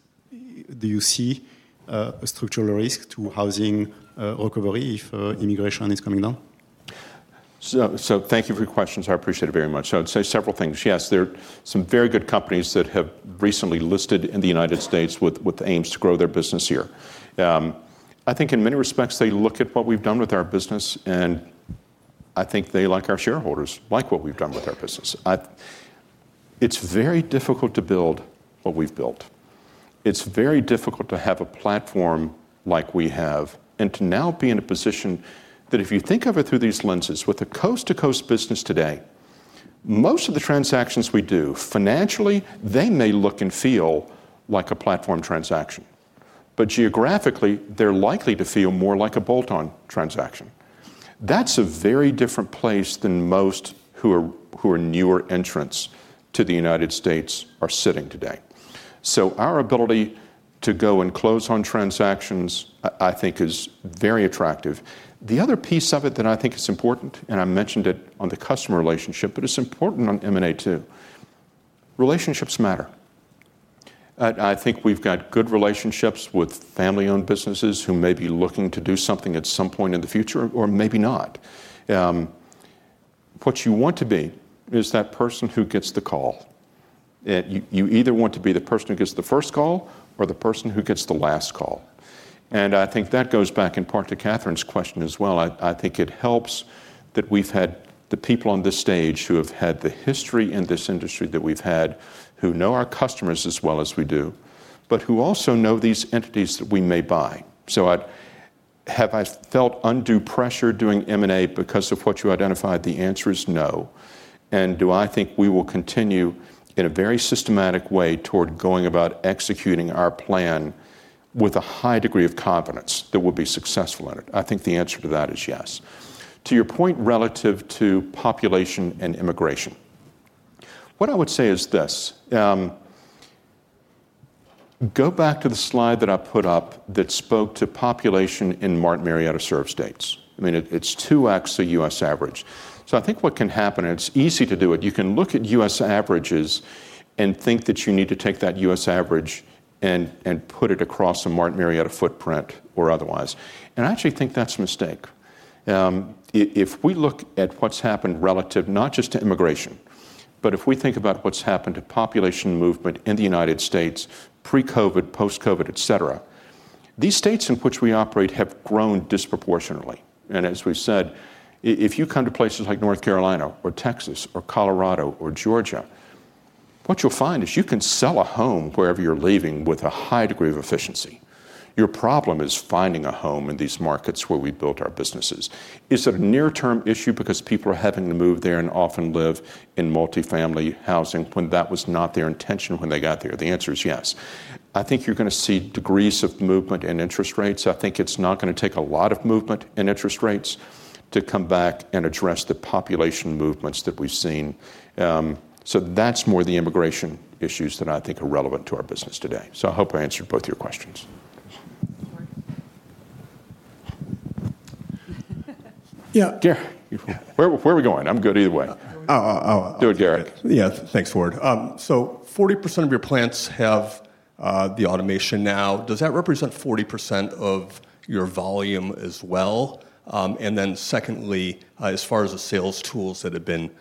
do you see a structural risk to housing recovery if immigration is coming down? So, thank you for your questions. I appreciate it very much. So, I'd say several things. Yes, there are some very good companies that have recently listed in the United States with aims to grow their business here. I think in many respects, they look at what we've done with our business, and I think they like our shareholders, like what we've done with our business. It's very difficult to build what we've built. It's very difficult to have a platform like we have and to now be in a position that if you think of it through these lenses with a coast-to-coast business today, most of the transactions we do financially, they may look and feel like a platform transaction. But geographically, they're likely to feel more like a bolt-on transaction. That's a very different place than most who are newer entrants to the United States are sitting today. So, our ability to go and close on transactions, I think, is very attractive. The other piece of it that I think is important, and I mentioned it on the customer relationship, but it's important on M&A too. Relationships matter. I think we've got good relationships with family-owned businesses who may be looking to do something at some point in the future or maybe not. What you want to be is that person who gets the call. You either want to be the person who gets the first call or the person who gets the last call. And I think that goes back in part to Kathryn's question as well. I think it helps that we've had the people on this stage who have had the history in this industry that we've had, who know our customers as well as we do, but who also know these entities that we may buy. So, have I felt undue pressure doing M&A because of what you identified? The answer is no. And do I think we will continue in a very systematic way toward going about executing our plan with a high degree of confidence that we'll be successful in it? I think the answer to that is yes. To your point relative to population and immigration, what I would say is this: go back to the slide that I put up that spoke to population in Martin Marietta-served states. I mean, it's two X the U.S. average. So, I think what can happen, and it's easy to do it, you can look at U.S. averages and think that you need to take that U.S. average and put it across a Martin Marietta footprint or otherwise. And I actually think that's a mistake. If we look at what's happened relative, not just to immigration, but if we think about what's happened to population movement in the United States, pre-COVID, post-COVID, etc., these states in which we operate have grown disproportionately. And as we said, if you come to places like North Carolina or Texas or Colorado or Georgia, what you'll find is you can sell a home wherever you're living with a high degree of efficiency. Your problem is finding a home in these markets where we built our businesses. Is it a near-term issue because people are having to move there and often live in multifamily housing when that was not their intention when they got there? The answer is yes. I think you're going to see degrees of movement in interest rates. I think it's not going to take a lot of movement in interest rates to come back and address the population movements that we've seen. So, that's more the immigration issues that I think are relevant to our business today. So, I hope I answered both your questions. Yeah. Gary, where are we going? I'm good either way. Oh, oh. Do it, Gary. Yeah, thanks, Ward. So, 40% of your plants have the automation now. Does that represent 40% of your volume as well? And then secondly, as far as the sales tools that have been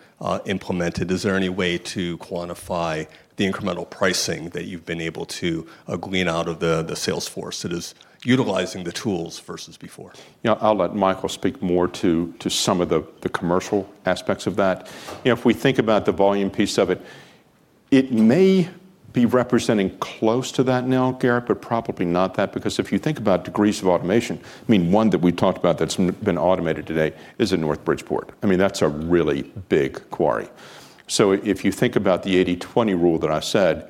implemented, is there any way to quantify the incremental pricing that you've been able to glean out of the sales force that is utilizing the tools versus before? Yeah, I'll let Michael speak more to some of the commercial aspects of that. If we think about the volume piece of it, it may be representing close to that now, Gary, but probably not that. Because if you think about degrees of automation, I mean, one that we talked about that's been automated today is in North Bridgeport. I mean, that's a really big quarry. So, if you think about the 80/20 rule that I said,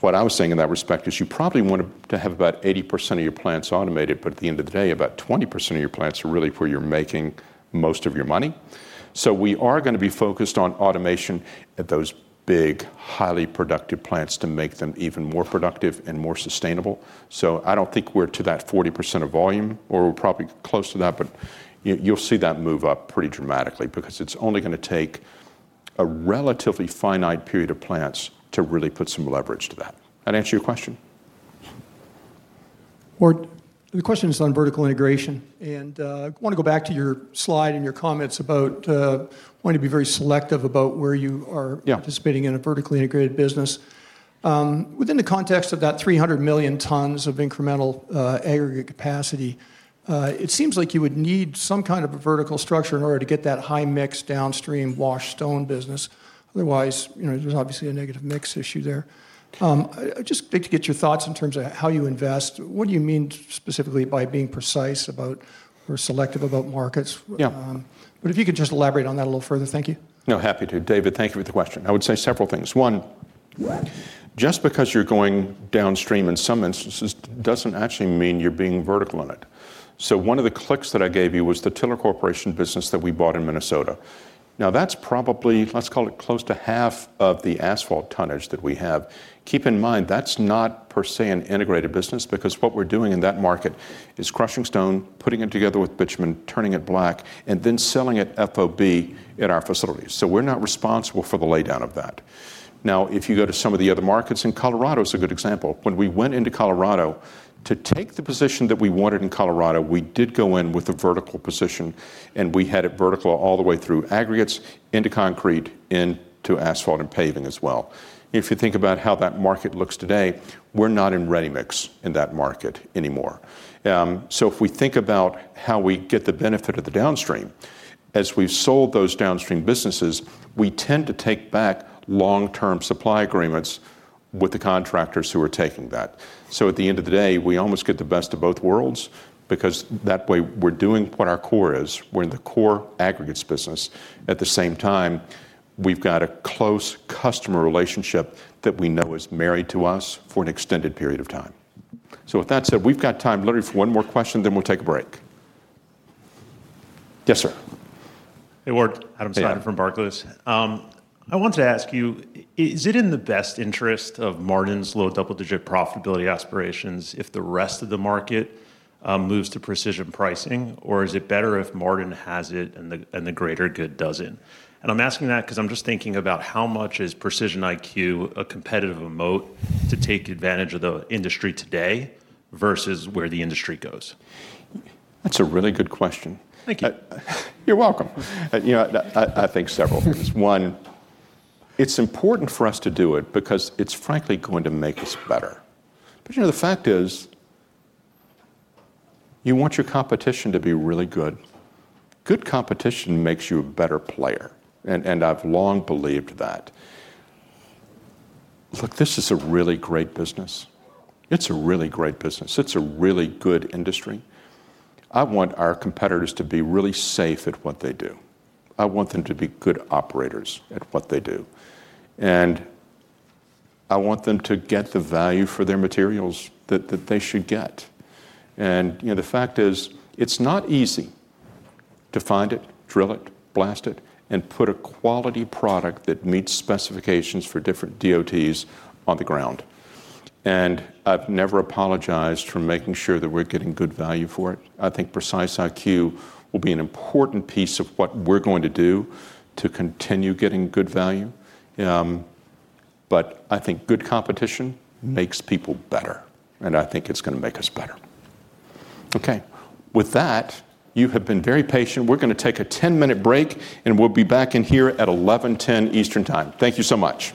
what I was saying in that respect is you probably want to have about 80% of your plants automated, but at the end of the day, about 20% of your plants are really where you're making most of your money. So, we are going to be focused on automation at those big, highly productive plants to make them even more productive and more sustainable. So, I don't think we're to that 40% of volume, or we're probably close to that, but you'll see that move up pretty dramatically because it's only going to take a relatively finite period of plants to really put some leverage to that. That answer your question? Ward, the question is on vertical integration. And I want to go back to your slide and your comments about wanting to be very selective about where you are participating in a vertically integrated business. Within the context of that 300 million tons of incremental aggregate capacity, it seems like you would need some kind of a vertical structure in order to get that high mix downstream washed stone business. Otherwise, there's obviously a negative mix issue there. I just want to get your thoughts in terms of how you invest. What do you mean specifically by being precise about or selective about markets? But if you could just elaborate on that a little further, thank you. No, happy to. David, thank you for the question. I would say several things. One, just because you're going downstream in some instances doesn't actually mean you're being vertical in it. So, one of the clicks that I gave you was the Tiller Corporation business that we bought in Minnesota. Now, that's probably, let's call it close to half of the asphalt tonnage that we have. Keep in mind, that's not per se an integrated business because what we're doing in that market is crushing stone, putting it together with bitumen, turning it black, and then selling it FOB at our facilities. So, we're not responsible for the lay down of that. Now, if you go to some of the other markets in Colorado, it's a good example. When we went into Colorado to take the position that we wanted in Colorado, we did go in with a vertical position, and we had it vertical all the way through aggregates into concrete, into asphalt and paving as well. If you think about how that market looks today, we're not in ready mix in that market anymore. So, if we think about how we get the benefit of the downstream, as we've sold those downstream businesses, we tend to take back long-term supply agreements with the contractors who are taking that. So, at the end of the day, we almost get the best of both worlds because that way we're doing what our core is. We're in the core aggregates business. At the same time, we've got a close customer relationship that we know is married to us for an extended period of time. So, with that said, we've got time literally for one more question, then we'll take a break. Yes, sir. Hey, Ward. Adam Seiden from Barclays. I wanted to ask you, is it in the best interest of Martin's low double-digit profitability aspirations if the rest of the market moves to precision pricing, or is it better if Martin has it and the greater good doesn't? And I'm asking that because I'm just thinking about how much is Precise IQ a competitive moat to take advantage of the industry today versus where the industry goes? That's a really good question. Thank you. You're welcome. I think several things. One, it's important for us to do it because it's frankly going to make us better. But the fact is, you want your competition to be really good. Good competition makes you a better player, and I've long believed that. Look, this is a really great business. It's a really great business. It's a really good industry. I want our competitors to be really safe at what they do. I want them to be good operators at what they do. And I want them to get the value for their materials that they should get. And the fact is, it's not easy to find it, drill it, blast it, and put a quality product that meets specifications for different DOTs on the ground. And I've never apologized for making sure that we're getting good value for it. I think Precise IQ will be an important piece of what we're going to do to continue getting good value. But I think good competition makes people better, and I think it's going to make us better. Okay. With that, you have been very patient. We're going to take a 10-minute break, and we'll be back in here at 11:10 A.M. Eastern time. Thank you so much.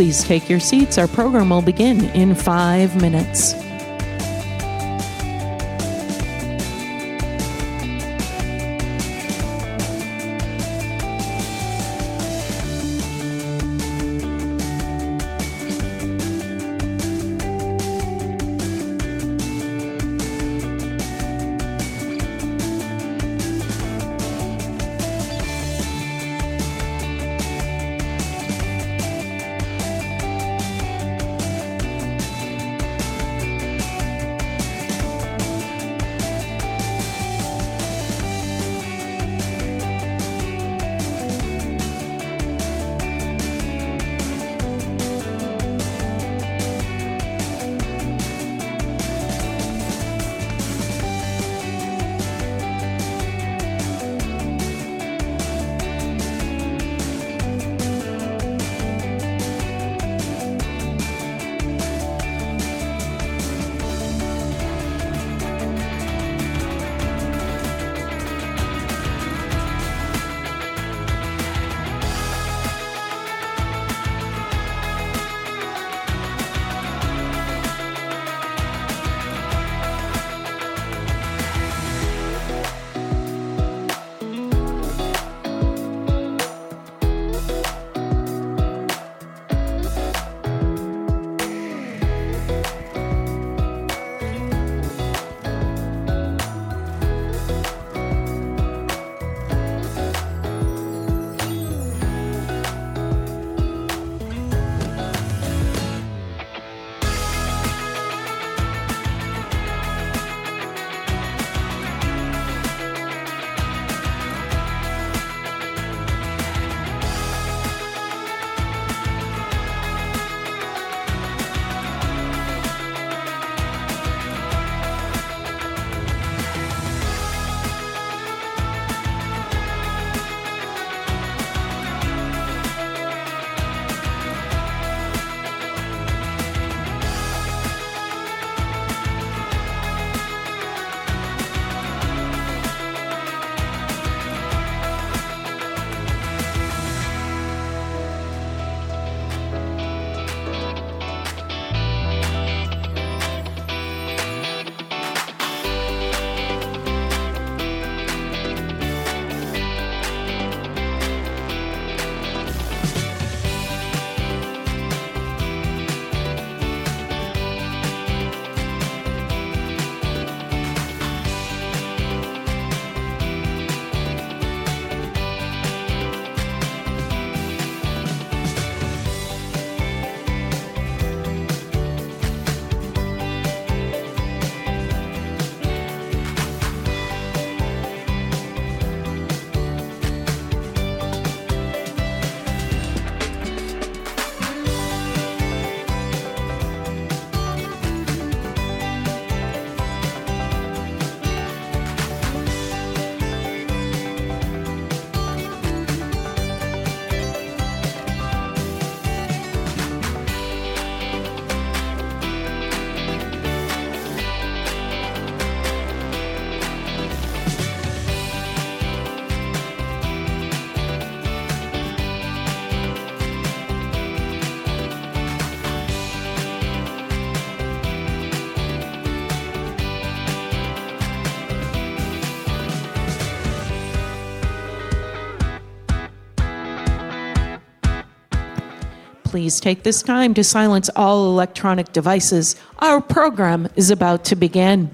Please take your seats. Our program will begin in five minutes. Please take this time to silence all electronic devices. Our program is about to begin.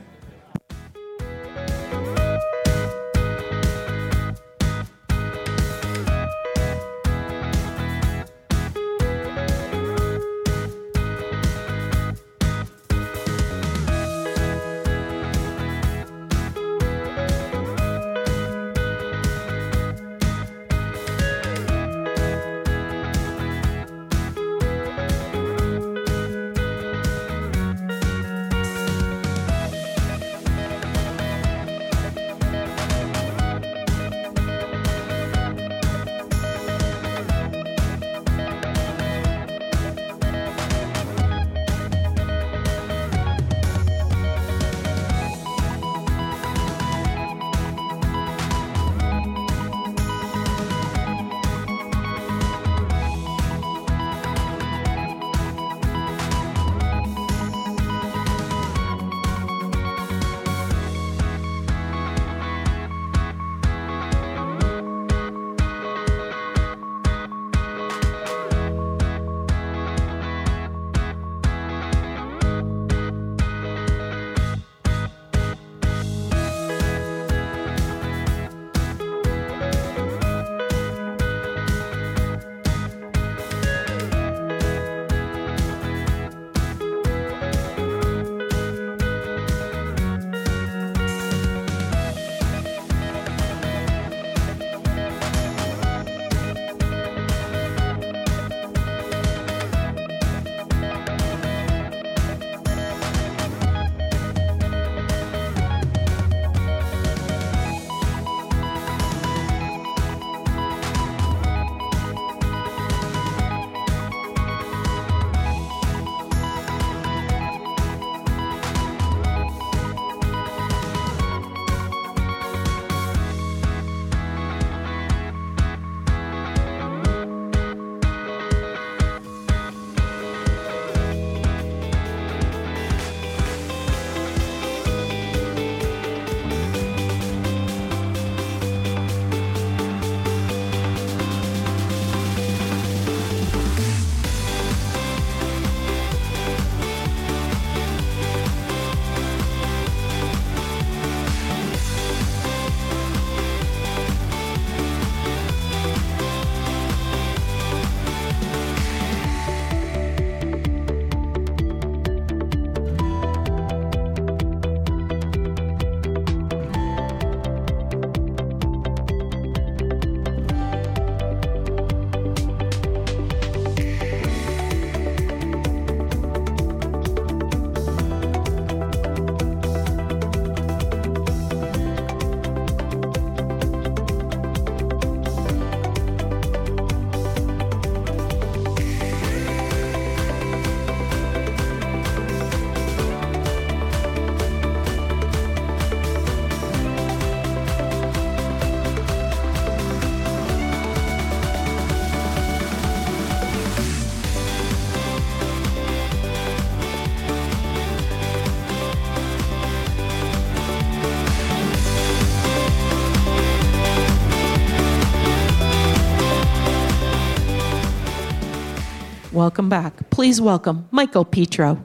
Welcome back. Please welcome Michael Petro.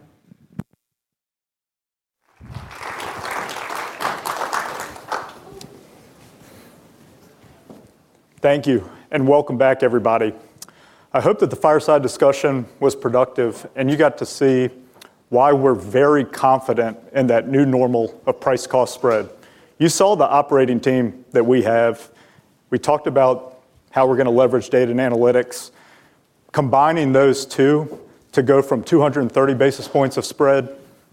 Thank you, and welcome back, everybody. I hope that the fireside discussion was productive, and you got to see why we're very confident in that new normal of price-cost spread. You saw the operating team that we have. We talked about how we're going to leverage data and analytics. Combining those two to go from 230 basis points of spread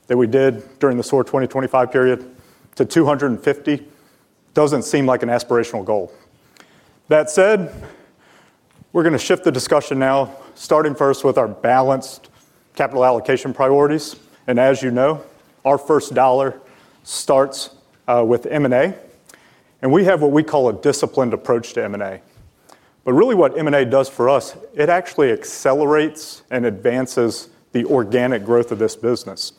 that we did during the SOAR 2025 period to 250 doesn't seem like an aspirational goal. That said, we're going to shift the discussion now, starting first with our balanced capital allocation priorities, and as you know, our first dollar starts with M&A, and we have what we call a disciplined approach to M&A. But really, what M&A does for us, it actually accelerates and advances the organic growth of this business.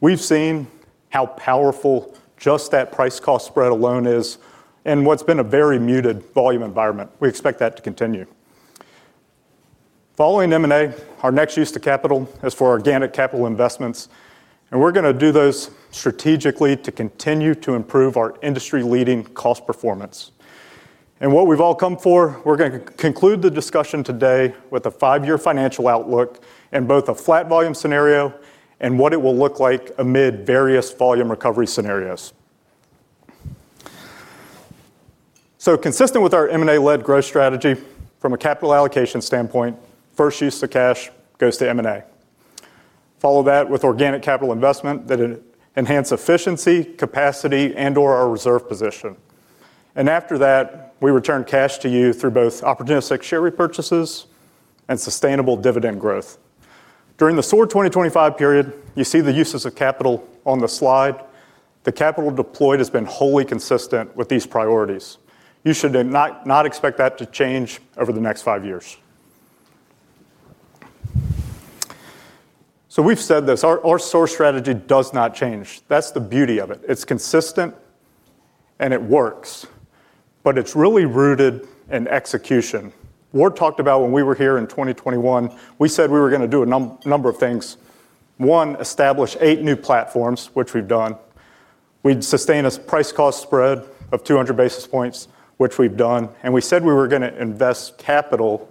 We've seen how powerful just that price-cost spread alone is and what's been a very muted volume environment. We expect that to continue. Following M&A, our next use of capital is for organic capital investments, and we're going to do those strategically to continue to improve our industry-leading cost performance. What we've all come for, we're going to conclude the discussion today with a five-year financial outlook and both a flat volume scenario and what it will look like amid various volume recovery scenarios. Consistent with our M&A-led growth strategy, from a capital allocation standpoint, first use of cash goes to M&A. Follow that with organic capital investment that enhances efficiency, capacity, and/or our reserve position. And after that, we return cash to you through both opportunistic share repurchases and sustainable dividend growth. During the SOAR 2025 period, you see the uses of capital on the slide. The capital deployed has been wholly consistent with these priorities. You should not expect that to change over the next five years. We've said this, our SOAR strategy does not change. That's the beauty of it. It's consistent, and it works, but it's really rooted in execution. What we talked about when we were here in 2021, we said we were going to do a number of things. One, establish eight new platforms, which we've done. We'd sustain a price-cost spread of 200 basis points, which we've done, and we said we were going to invest capital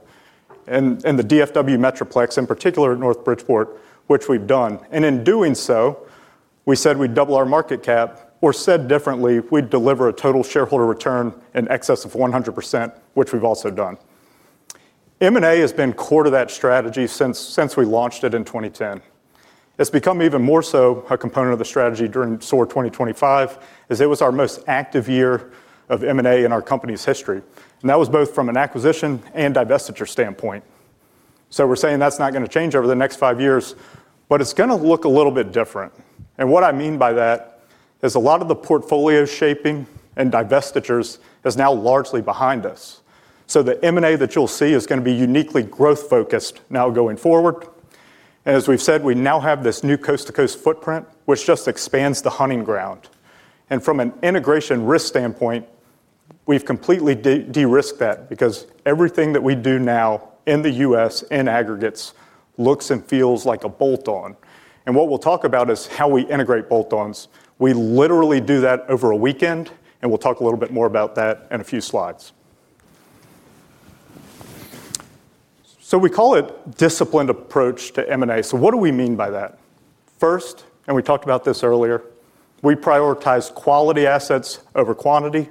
in the DFW Metroplex, in particular at North Bridgeport, which we've done, and in doing so, we said we'd double our market cap, or said differently, we'd deliver a total shareholder return in excess of 100%, which we've also done. M&A has been core to that strategy since we launched it in 2010. It's become even more so a component of the strategy during SOAR 2025, as it was our most active year of M&A in our company's history, and that was both from an acquisition and divestiture standpoint. So we're saying that's not going to change over the next five years, but it's going to look a little bit different. And what I mean by that is a lot of the portfolio shaping and divestitures is now largely behind us. So the M&A that you'll see is going to be uniquely growth-focused now going forward. And as we've said, we now have this new coast-to-coast footprint, which just expands the hunting ground. And from an integration risk standpoint, we've completely de-risked that because everything that we do now in the U.S. in aggregates looks and feels like a bolt-on. And what we'll talk about is how we integrate bolt-ons. We literally do that over a weekend, and we'll talk a little bit more about that in a few slides. So we call it a disciplined approach to M&A. So what do we mean by that? First, and we talked about this earlier, we prioritize quality assets over quantity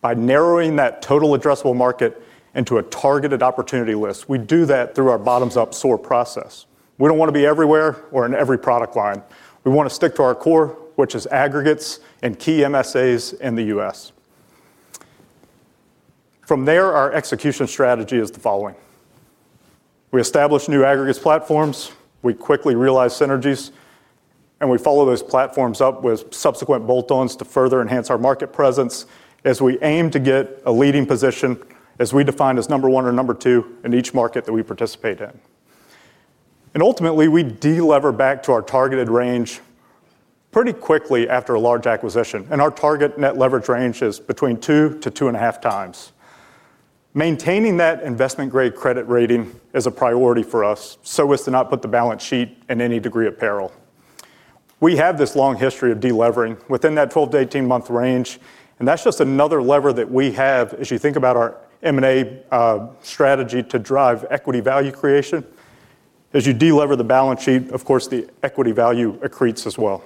by narrowing that total addressable market into a targeted opportunity list. We do that through our bottoms-up SOAR process. We don't want to be everywhere or in every product line. We want to stick to our core, which is aggregates and key MSAs in the U.S. From there, our execution strategy is the following. We establish new aggregates platforms, we quickly realize synergies, and we follow those platforms up with subsequent bolt-ons to further enhance our market presence as we aim to get a leading position as we define as number one or number two in each market that we participate in, and ultimately, we delever back to our targeted range pretty quickly after a large acquisition, and our target net leverage range is between two to two and a half times. Maintaining that investment-grade credit rating is a priority for us so as to not put the balance sheet in any degree of peril. We have this long history of delevering within that 12 to 18-month range, and that's just another lever that we have as you think about our M&A strategy to drive equity value creation. As you delever the balance sheet, of course, the equity value accretes as well.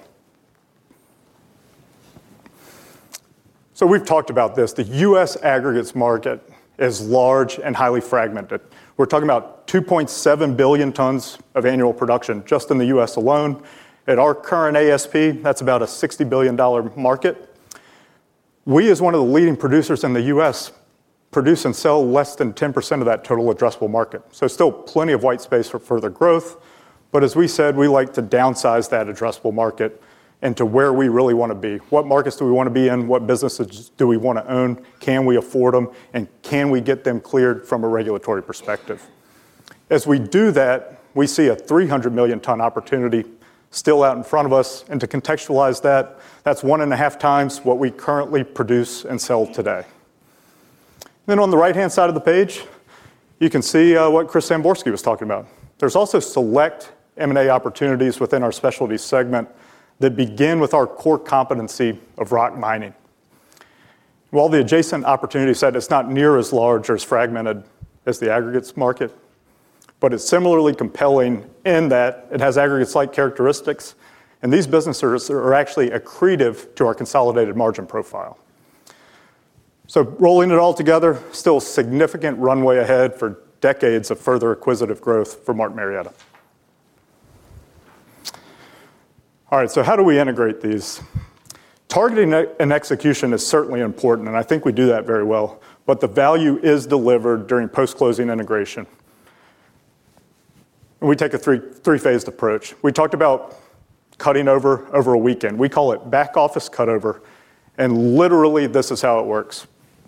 So we've talked about this. The U.S. aggregates market is large and highly fragmented. We're talking about 2.7 billion tons of annual production just in the U.S. alone. At our current ASP, that's about a $60 billion market. We, as one of the leading producers in the U.S., produce and sell less than 10% of that total addressable market. So still plenty of white space for further growth, but as we said, we like to downsize that addressable market into where we really want to be. What markets do we want to be in? What businesses do we want to own? Can we afford them? And can we get them cleared from a regulatory perspective? As we do that, we see a 300-million-ton opportunity still out in front of us. And to contextualize that, that's one and a half times what we currently produce and sell today. And then on the right-hand side of the page, you can see what Chris Samborski was talking about. There's also select M&A opportunities within our specialty segment that begin with our core competency of rock mining. While the adjacent opportunity set is not nearly as large or as fragmented as the aggregates market, but it's similarly compelling in that it has aggregates-like characteristics, and these businesses are actually accretive to our consolidated margin profile. So rolling it all together, still a significant runway ahead for decades of further acquisitive growth for Martin Marietta. All right, so how do we integrate these? Targeting and execution is certainly important, and I think we do that very well, but the value is delivered during post-closing integration. And we take a three-phased approach. We talked about cutting over a weekend. We call it back office cutover, and literally, this is how it works.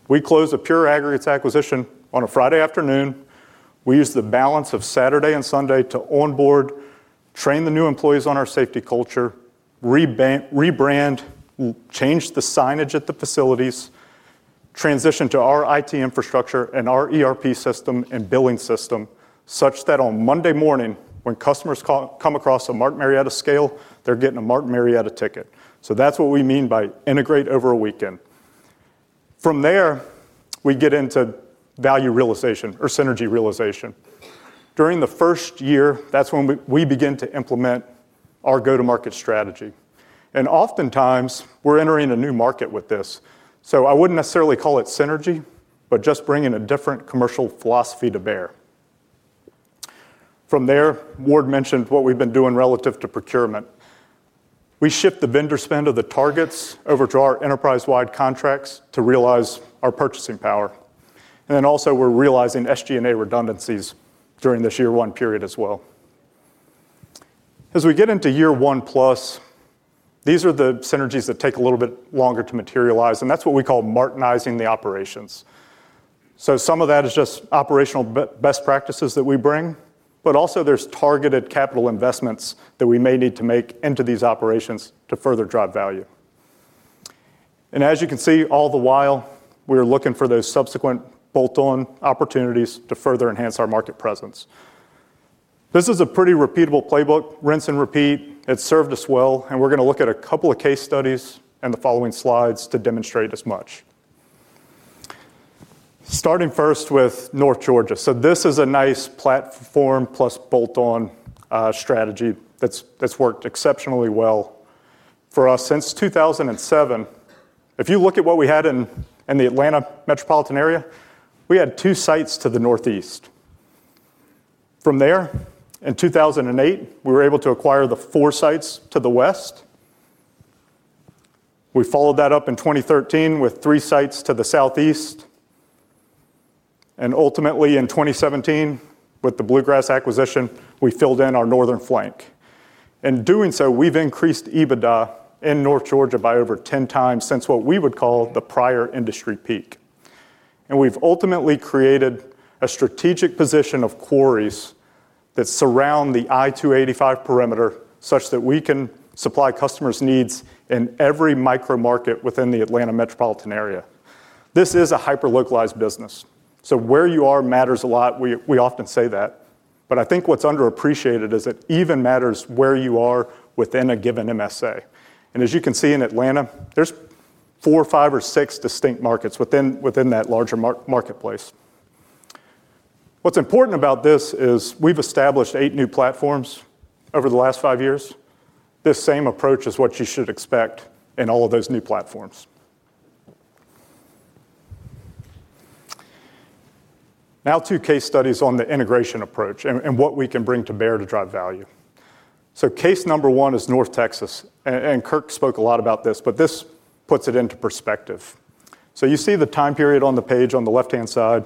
We close a pure aggregates acquisition on a Friday afternoon. We use the balance of Saturday and Sunday to onboard, train the new employees on our safety culture, rebrand, change the signage at the facilities, transition to our IT infrastructure and our ERP system and billing system such that on Monday morning, when customers come across a Martin Marietta scale, they're getting a Martin Marietta ticket. So that's what we mean by integrate over a weekend. From there, we get into value realization or synergy realization. During the first year, that's when we begin to implement our go-to-market strategy, and oftentimes, we're entering a new market with this. So I wouldn't necessarily call it synergy, but just bringing a different commercial philosophy to bear. From there, Ward mentioned what we've been doing relative to procurement. We shift the vendor spend of the targets over to our enterprise-wide contracts to realize our purchasing power. And then also, we're realizing SG&A redundancies during this year-one period as well. As we get into year-one plus, these are the synergies that take a little bit longer to materialize, and that's what we call Martinizing the operations. So some of that is just operational best practices that we bring, but also there's targeted capital investments that we may need to make into these operations to further drive value. And as you can see, all the while, we're looking for those subsequent bolt-on opportunities to further enhance our market presence. This is a pretty repeatable playbook, rinse and repeat. It's served us well, and we're going to look at a couple of case studies and the following slides to demonstrate as much. Starting first with North Georgia. So this is a nice platform plus bolt-on strategy that's worked exceptionally well for us since 2007. If you look at what we had in the Atlanta metropolitan area, we had two sites to the northeast. From there, in 2008, we were able to acquire the four sites to the west. We followed that up in 2013 with three sites to the southeast, and ultimately, in 2017, with the Bluegrass acquisition, we filled in our northern flank. In doing so, we've increased EBITDA in North Georgia by over 10 times since what we would call the prior industry peak, and we've ultimately created a strategic position of quarries that surround the I-285 perimeter such that we can supply customers' needs in every micro-market within the Atlanta metropolitan area. This is a hyper-localized business, so where you are matters a lot. We often say that, but I think what's underappreciated is it even matters where you are within a given MSA. As you can see in Atlanta, there's four, five, or six distinct markets within that larger marketplace. What's important about this is we've established eight new platforms over the last five years. This same approach is what you should expect in all of those new platforms. Now, two case studies on the integration approach and what we can bring to bear to drive value. Case number one is North Texas, and Kirk spoke a lot about this, but this puts it into perspective. You see the time period on the page on the left-hand side,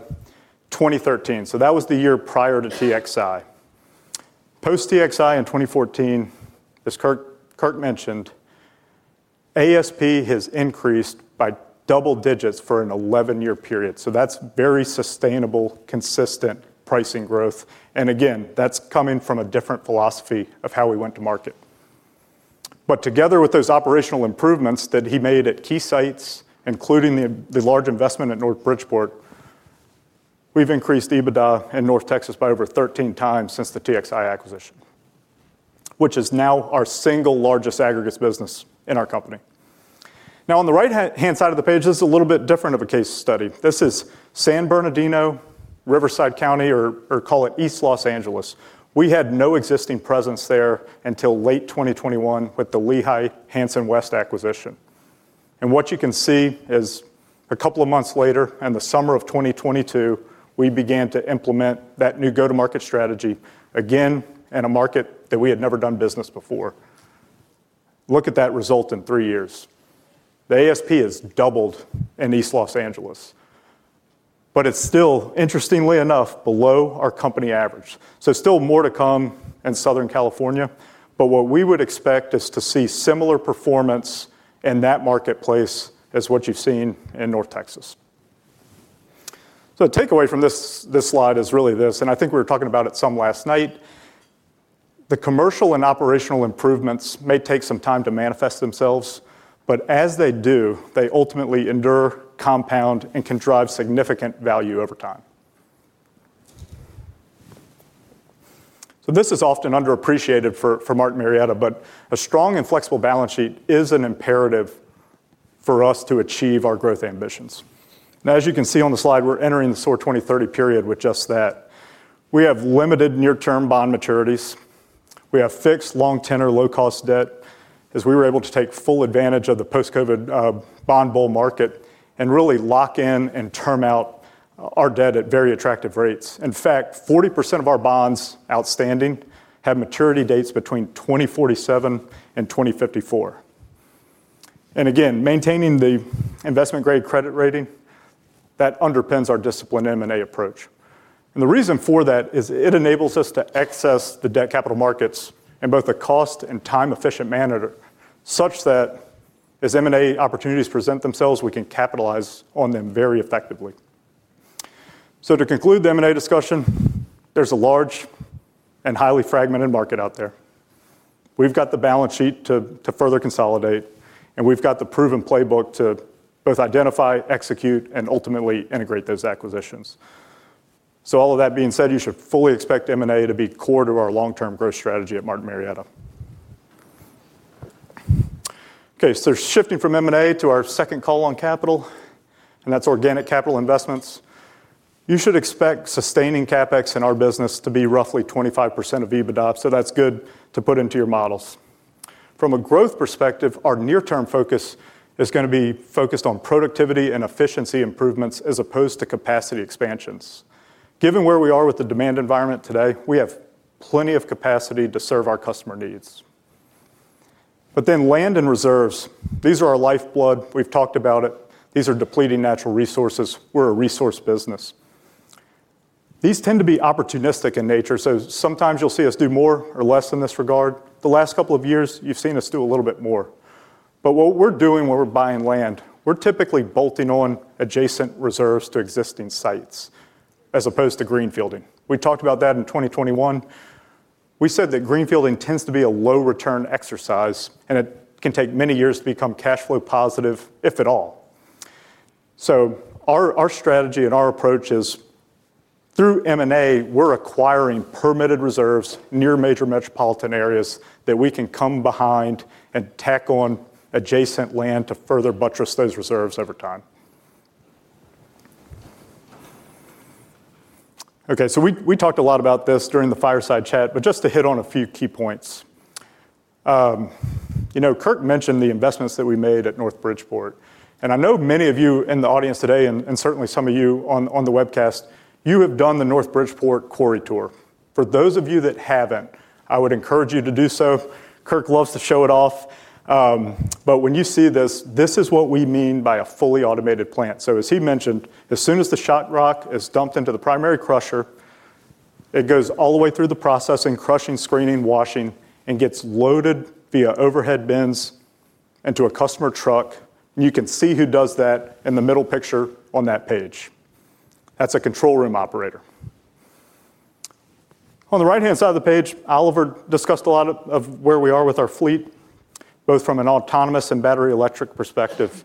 2013. That was the year prior to TXI. Post-TXI in 2014, as Kirk mentioned, ASP has increased by double digits for an 11-year period. That's very sustainable, consistent pricing growth. Again, that's coming from a different philosophy of how we went to market. But together with those operational improvements that he made at key sites, including the large investment at North Bridgeport, we've increased EBITDA in North Texas by over 13 times since the TXI acquisition, which is now our single largest aggregates business in our company. Now, on the right-hand side of the page, this is a little bit different of a case study. This is San Bernardino, Riverside County, or call it East Los Angeles. We had no existing presence there until late 2021 with the Lehigh Hanson West acquisition. And what you can see is a couple of months later, in the summer of 2022, we began to implement that new go-to-market strategy again in a market that we had never done business before. Look at that result in three years. The ASP has doubled in East Los Angeles, but it's still, interestingly enough, below our company average. So still more to come in Southern California, but what we would expect is to see similar performance in that marketplace as what you've seen in North Texas. So the takeaway from this slide is really this, and I think we were talking about it some last night. The commercial and operational improvements may take some time to manifest themselves, but as they do, they ultimately endure, compound, and can drive significant value over time. So this is often underappreciated for Martin Marietta, but a strong and flexible balance sheet is an imperative for us to achieve our growth ambitions. Now, as you can see on the slide, we're entering the SOAR 2030 period with just that. We have limited near-term bond maturities. We have fixed long-tenor low-cost debt as we were able to take full advantage of the post-COVID bond bull market and really lock in and term out our debt at very attractive rates. In fact, 40% of our bonds outstanding have maturity dates between 2047 and 2054, and again, maintaining the investment-grade credit rating, that underpins our disciplined M&A approach, and the reason for that is it enables us to access the debt capital markets in both a cost and time-efficient manner such that as M&A opportunities present themselves, we can capitalize on them very effectively, so to conclude the M&A discussion, there's a large and highly fragmented market out there. We've got the balance sheet to further consolidate, and we've got the proven playbook to both identify, execute, and ultimately integrate those acquisitions. All of that being said, you should fully expect M&A to be core to our long-term growth strategy at Martin Marietta. Okay, so shifting from M&A to our second call on capital, and that's organic capital investments, you should expect sustaining CapEx in our business to be roughly 25% of EBITDA, so that's good to put into your models. From a growth perspective, our near-term focus is going to be focused on productivity and efficiency improvements as opposed to capacity expansions. Given where we are with the demand environment today, we have plenty of capacity to serve our customer needs. But then land and reserves, these are our lifeblood. We've talked about it. These are depleting natural resources. We're a resource business. These tend to be opportunistic in nature, so sometimes you'll see us do more or less in this regard. The last couple of years, you've seen us do a little bit more. But what we're doing when we're buying land, we're typically bolting on adjacent reserves to existing sites as opposed to greenfielding. We talked about that in 2021. We said that greenfielding tends to be a low-return exercise, and it can take many years to become cash flow positive, if at all. So our strategy and our approach is through M&A, we're acquiring permitted reserves near major metropolitan areas that we can come behind and tack on adjacent land to further buttress those reserves over time. Okay, so we talked a lot about this during the fireside chat, but just to hit on a few key points. Kirk mentioned the investments that we made at North Bridgeport, and I know many of you in the audience today, and certainly some of you on the webcast, you have done the North Bridgeport quarry tour. For those of you that haven't, I would encourage you to do so. Kirk loves to show it off, but when you see this, this is what we mean by a fully automated plant. So as he mentioned, as soon as the shot rock is dumped into the primary crusher, it goes all the way through the processing, crushing, screening, washing, and gets loaded via overhead bins into a customer truck. And you can see who does that in the middle picture on that page. That's a control room operator. On the right-hand side of the page, Oliver discussed a lot of where we are with our fleet, both from an autonomous and battery electric perspective.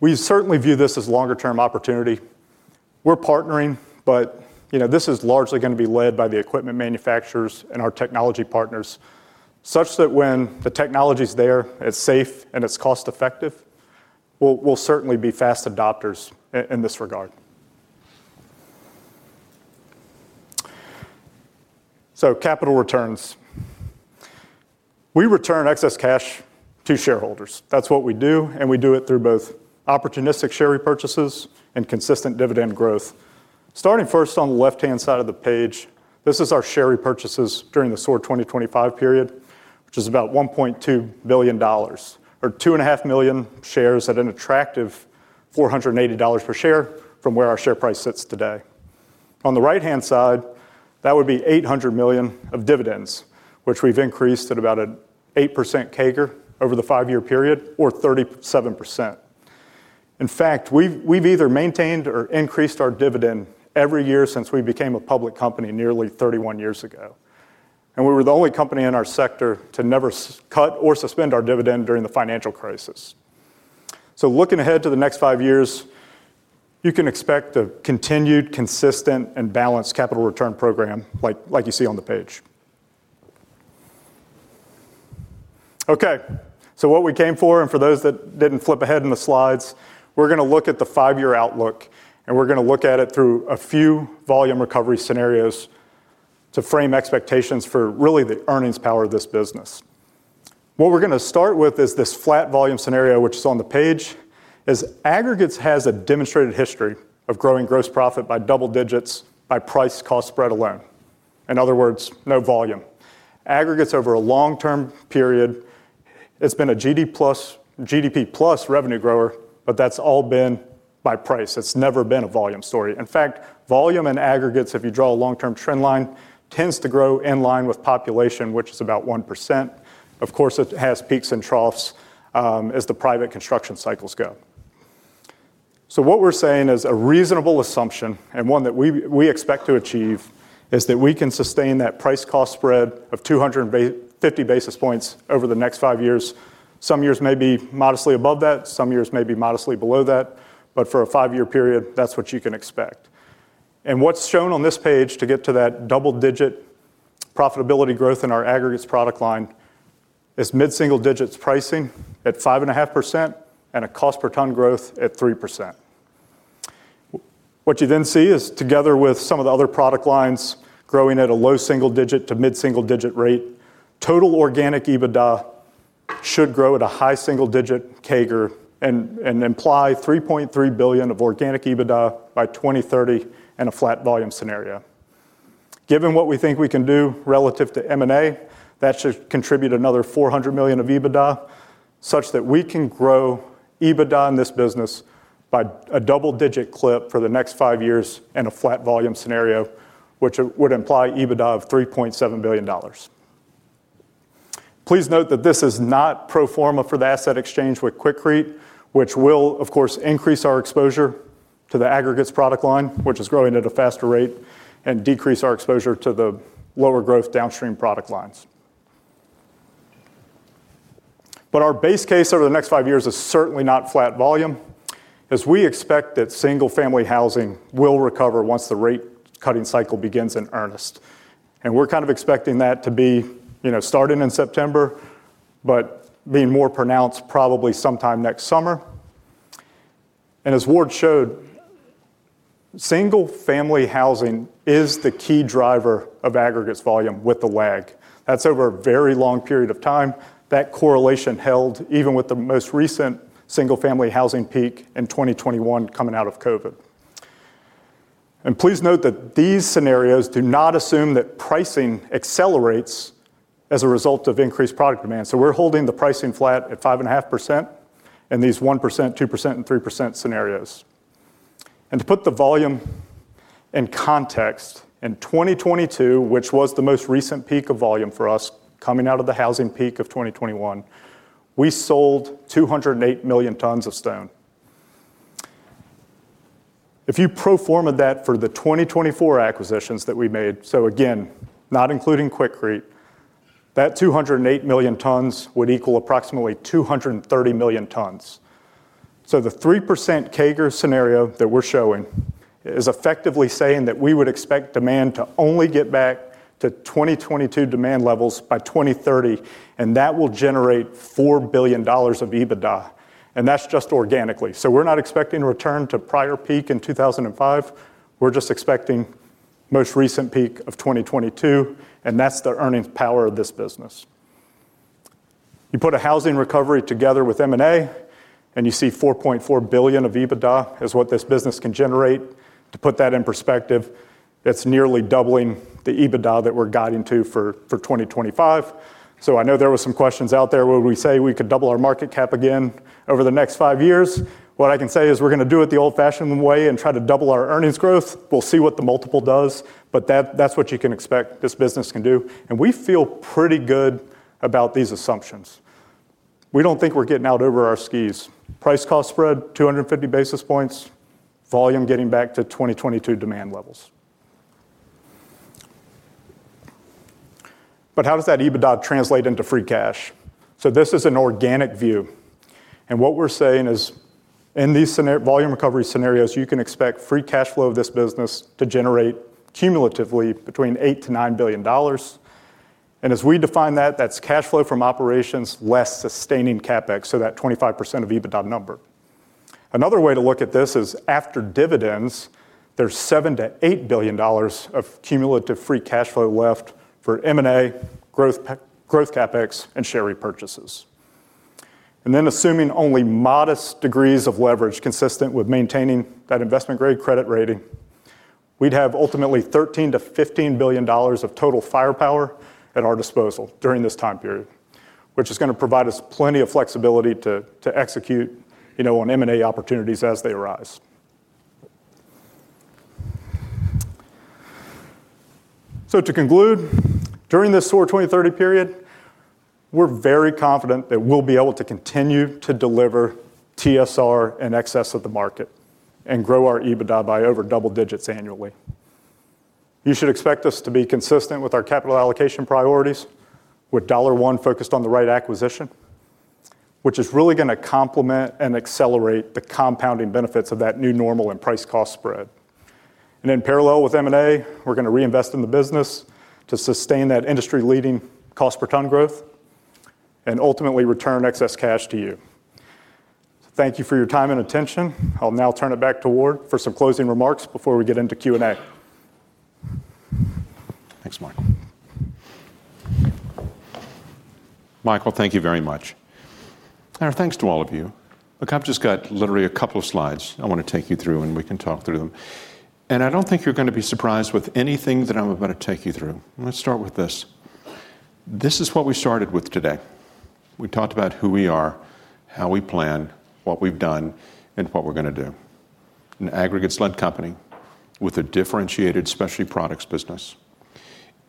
We certainly view this as a longer-term opportunity. We're partnering, but this is largely going to be led by the equipment manufacturers and our technology partners such that when the technology's there, it's safe and it's cost-effective, we'll certainly be fast adopters in this regard. So capital returns. We return excess cash to shareholders. That's what we do, and we do it through both opportunistic share repurchases and consistent dividend growth. Starting first on the left-hand side of the page, this is our share repurchases during the SOAR 2025 period, which is about $1.2 billion or 2.5 million shares at an attractive $480 per share from where our share price sits today. On the right-hand side, that would be $800 million of dividends, which we've increased at about an 8% CAGR over the five-year period or 37%. In fact, we've either maintained or increased our dividend every year since we became a public company nearly 31 years ago, and we were the only company in our sector to never cut or suspend our dividend during the financial crisis, so looking ahead to the next five years, you can expect a continued, consistent, and balanced capital return program like you see on the page, okay, so what we came for, and for those that didn't flip ahead in the slides, we're going to look at the five-year outlook, and we're going to look at it through a few volume recovery scenarios to frame expectations for really the earnings power of this business. What we're going to start with is this flat volume scenario, which is on the page. Aggregates has a demonstrated history of growing gross profit by double digits by price-cost spread alone. In other words, no volume. Aggregates over a long-term period, it's been a GDP plus revenue grower, but that's all been by price. It's never been a volume story. In fact, volume in aggregates, if you draw a long-term trend line, tends to grow in line with population, which is about 1%. Of course, it has peaks and troughs as the private construction cycles go. So what we're saying is a reasonable assumption, and one that we expect to achieve, is that we can sustain that price-cost spread of 250 basis points over the next five years. Some years may be modestly above that, some years may be modestly below that, but for a five-year period, that's what you can expect. And what's shown on this page to get to that double-digit profitability growth in our aggregates product line is mid-single digits pricing at 5.5% and a cost-per-ton growth at 3%. What you then see is, together with some of the other product lines growing at a low single-digit to mid-single digit rate, total organic EBITDA should grow at a high single-digit CAGR and imply $3.3 billion of organic EBITDA by 2030 in a flat volume scenario. Given what we think we can do relative to M&A, that should contribute another $400 million of EBITDA such that we can grow EBITDA in this business by a double-digit clip for the next five years in a flat volume scenario, which would imply EBITDA of $3.7 billion. Please note that this is not pro forma for the asset exchange with Quikrete, which will, of course, increase our exposure to the aggregates product line, which is growing at a faster rate, and decrease our exposure to the lower growth downstream product lines. Our base case over the next five years is certainly not flat volume, as we expect that single-family housing will recover once the rate-cutting cycle begins in earnest. We're kind of expecting that to be starting in September, but being more pronounced probably sometime next summer. As Ward showed, single-family housing is the key driver of aggregates volume with the lag. That's over a very long period of time. That correlation held even with the most recent single-family housing peak in 2021 coming out of COVID. And please note that these scenarios do not assume that pricing accelerates as a result of increased product demand. So we're holding the pricing flat at 5.5% in these 1%, 2%, and 3% scenarios. And to put the volume in context, in 2022, which was the most recent peak of volume for us coming out of the housing peak of 2021, we sold 208 million tons of stone. If you pro forma that for the 2024 acquisitions that we made, so again, not including Quikrete, that 208 million tons would equal approximately 230 million tons. So the 3% CAGR scenario that we're showing is effectively saying that we would expect demand to only get back to 2022 demand levels by 2030, and that will generate $4 billion of EBITDA. And that's just organically. So we're not expecting a return to prior peak in 2005. We're just expecting the most recent peak of 2022, and that's the earnings power of this business. You put a housing recovery together with M&A, and you see $4.4 billion of EBITDA is what this business can generate. To put that in perspective, that's nearly doubling the EBITDA that we're guiding to for 2025. So I know there were some questions out there, "Will we say we could double our market cap again over the next five years?" What I can say is we're going to do it the old-fashioned way and try to double our earnings growth. We'll see what the multiple does, but that's what you can expect this business can do. And we feel pretty good about these assumptions. We don't think we're getting out over our skis. Price-cost spread, 250 basis points, volume getting back to 2022 demand levels. But how does that EBITDA translate into free cash? So this is an organic view. And what we're saying is, in these volume recovery scenarios, you can expect free cash flow of this business to generate cumulatively between $8-$9 billion. And as we define that, that's cash flow from operations less sustaining CapEx, so that 25% of EBITDA number. Another way to look at this is, after dividends, there's $7-$8 billion of cumulative free cash flow left for M&A, growth CapEx, and share repurchases. And then assuming only modest degrees of leverage consistent with maintaining that investment-grade credit rating, we'd have ultimately $13-$15 billion of total firepower at our disposal during this time period, which is going to provide us plenty of flexibility to execute on M&A opportunities as they arise. So to conclude, during this SOAR 2030 period, we're very confident that we'll be able to continue to deliver TSR in excess of the market and grow our EBITDA by over double digits annually. You should expect us to be consistent with our capital allocation priorities, with Dollar One focused on the right acquisition, which is really going to complement and accelerate the compounding benefits of that new normal and price-cost spread. In parallel with M&A, we're going to reinvest in the business to sustain that industry-leading cost-per-ton growth and ultimately return excess cash to you. Thank you for your time and attention. I'll now turn it back to Ward for some closing remarks before we get into Q&A. Thanks, Michael. Michael, thank you very much. And thanks to all of you. Look, I've just got literally a couple of slides I want to take you through, and we can talk through them. And I don't think you're going to be surprised with anything that I'm about to take you through. Let's start with this. This is what we started with today. We talked about who we are, how we plan, what we've done, and what we're going to do. An aggregates-led company with a differentiated specialty products business,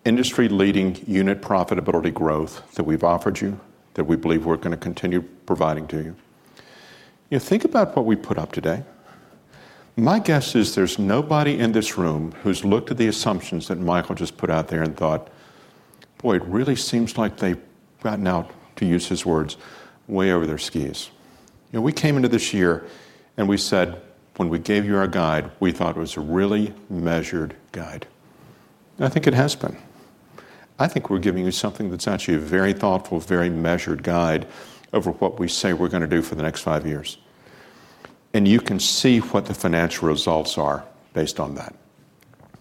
industry-leading unit profitability growth that we've offered you, that we believe we're going to continue providing to you. Think about what we put up today. My guess is there's nobody in this room who's looked at the assumptions that Michael just put out there and thought, "Boy, it really seems like they've gotten out," to use his words, "way over their skis." We came into this year and we said, when we gave you our guide, we thought it was a really measured guide. And I think it has been. I think we're giving you something that's actually a very thoughtful, very measured guide over what we say we're going to do for the next five years. And you can see what the financial results are based on that.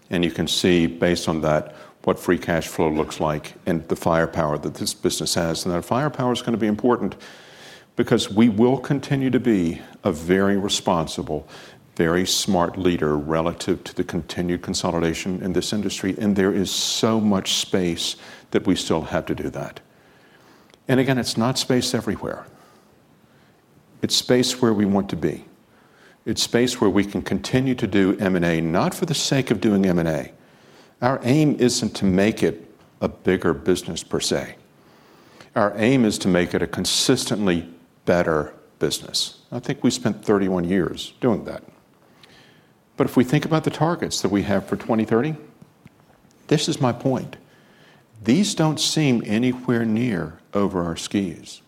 And you can see based on that what free cash flow looks like and the firepower that this business has. And that firepower is going to be important because we will continue to be a very responsible, very smart leader relative to the continued consolidation in this industry. And there is so much space that we still have to do that. And again, it's not space everywhere. It's space where we want to be. It's space where we can continue to do M&A, not for the sake of doing M&A. Our aim isn't to make it a bigger business per se. Our aim is to make it a consistently better business. I think we spent 31 years doing that. But if we think about the targets that we have for 2030, this is my point. These don't seem anywhere near over our skis.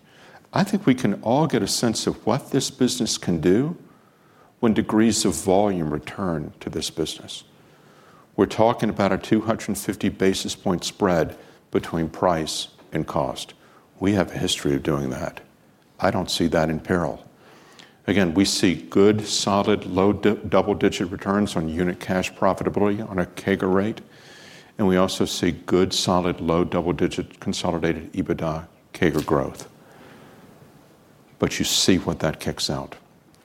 I think we can all get a sense of what this business can do when degrees of volume return to this business. We're talking about a 250 basis point spread between price and cost. We have a history of doing that. I don't see that in peril. Again, we see good, solid, low double-digit returns on unit cash profitability on a CAGR rate. And we also see good, solid, low double-digit consolidated EBITDA CAGR growth. But you see what that kicks out.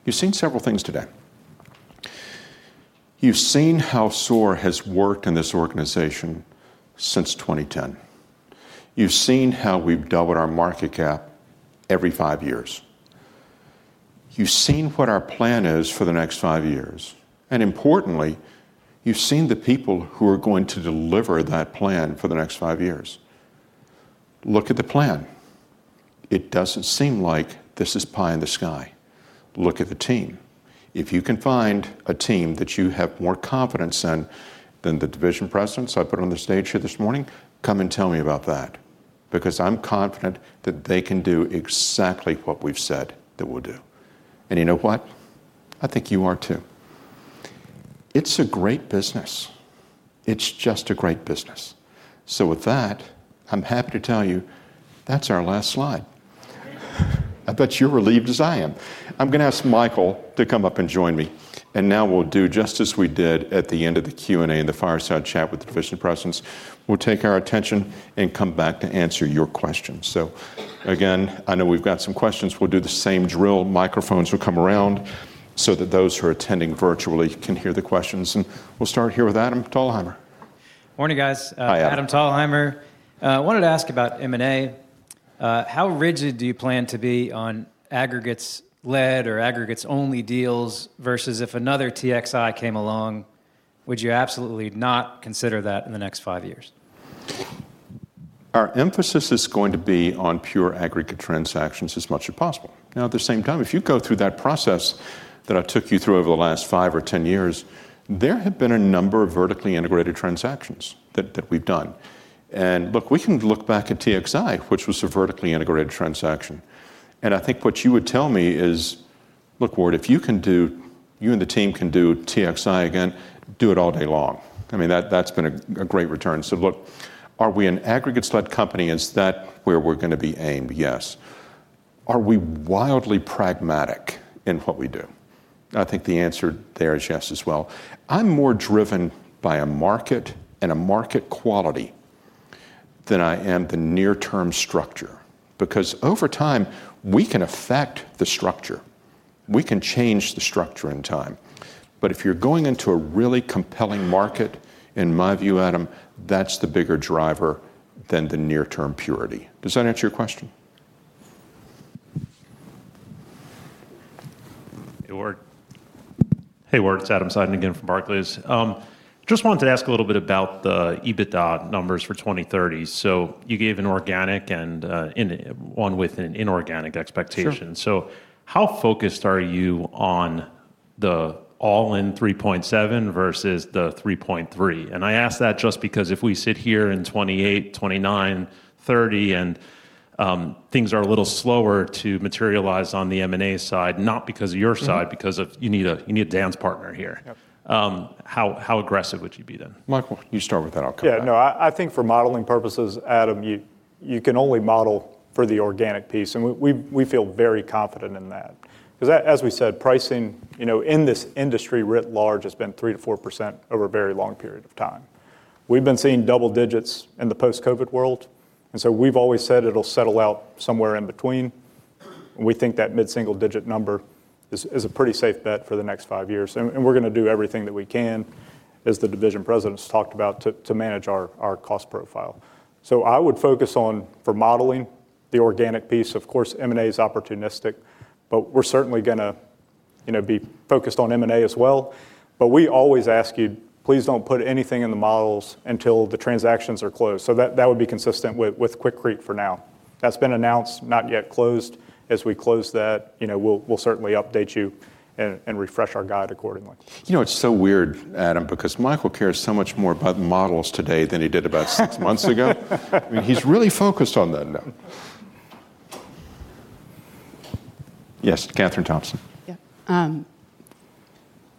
You've seen several things today. You've seen how SOAR has worked in this organization since 2010. You've seen how we've doubled our market cap every five years. You've seen what our plan is for the next five years. And importantly, you've seen the people who are going to deliver that plan for the next five years. Look at the plan. It doesn't seem like this is pie in the sky. Look at the team. If you can find a team that you have more confidence in than the division presidents I put on the stage here this morning, come and tell me about that. Because I'm confident that they can do exactly what we've said that we'll do. And you know what? I think you are too. It's a great business. It's just a great business. So with that, I'm happy to tell you that's our last slide. I bet you're relieved as I am. I'm going to ask Michael to come up and join me. And now we'll do just as we did at the end of the Q&A in the fireside chat with the division presidents. We'll take our attention and come back to answer your questions. So again, I know we've got some questions. We'll do the same drill. Microphones will come around so that those who are attending virtually can hear the questions. And we'll start here with Adam Thalhimer. Morning, guys. Hi, Adam. Adam Thalhimer. I wanted to ask about M&A. How rigid do you plan to be on aggregates-led or aggregates-only deals versus if another TXI came along, would you absolutely not consider that in the next five years? Our emphasis is going to be on pure aggregate transactions as much as possible. Now, at the same time, if you go through that process that I took you through over the last five or ten years, there have been a number of vertically integrated transactions that we've done. And look, we can look back at TXI, which was a vertically integrated transaction. I think what you would tell me is, "Look, Ward, if you can do, you and the team can do TXI again, do it all day long." I mean, that's been a great return. So look, are we an aggregates-led company? Is that where we're going to be aimed? Yes. Are we wildly pragmatic in what we do? I think the answer there is yes as well. I'm more driven by a market and a market quality than I am the near-term structure. Because over time, we can affect the structure. We can change the structure in time. But if you're going into a really compelling market, in my view, Adam, that's the bigger driver than the near-term purity. Does that answer your question? Hey, Ward. Hey, Ward. It's Adam Seiden again from Barclays. Just wanted to ask a little bit about the EBITDA numbers for 2030. So you gave an organic and one with an inorganic expectation. So how focused are you on the all-in 3.7 versus the 3.3? And I ask that just because if we sit here in 2028, 2029, 2030, and things are a little slower to materialize on the M&A side, not because of your side, because you need a dance partner here, how aggressive would you be then? Michael, you start with that. I'll come up. Yeah. No, I think for modeling purposes, Adam, you can only model for the organic piece. And we feel very confident in that. Because as we said, pricing in this industry writ large has been 3%-4% over a very long period of time. We've been seeing double digits in the post-COVID world. And so we've always said it'll settle out somewhere in between. We think that mid-single digit number is a pretty safe bet for the next five years. We're going to do everything that we can, as the division presidents talked about, to manage our cost profile. I would focus on, for modeling, the organic piece. Of course, M&A is opportunistic, but we're certainly going to be focused on M&A as well. We always ask you, please don't put anything in the models until the transactions are closed. That would be consistent with Quikrete for now. That's been announced, not yet closed. As we close that, we'll certainly update you and refresh our guide accordingly. You know, it's so weird, Adam, because Michael cares so much more about models today than he did about six months ago. I mean, he's really focused on that now. Yes, Kathryn Thompson. Yeah.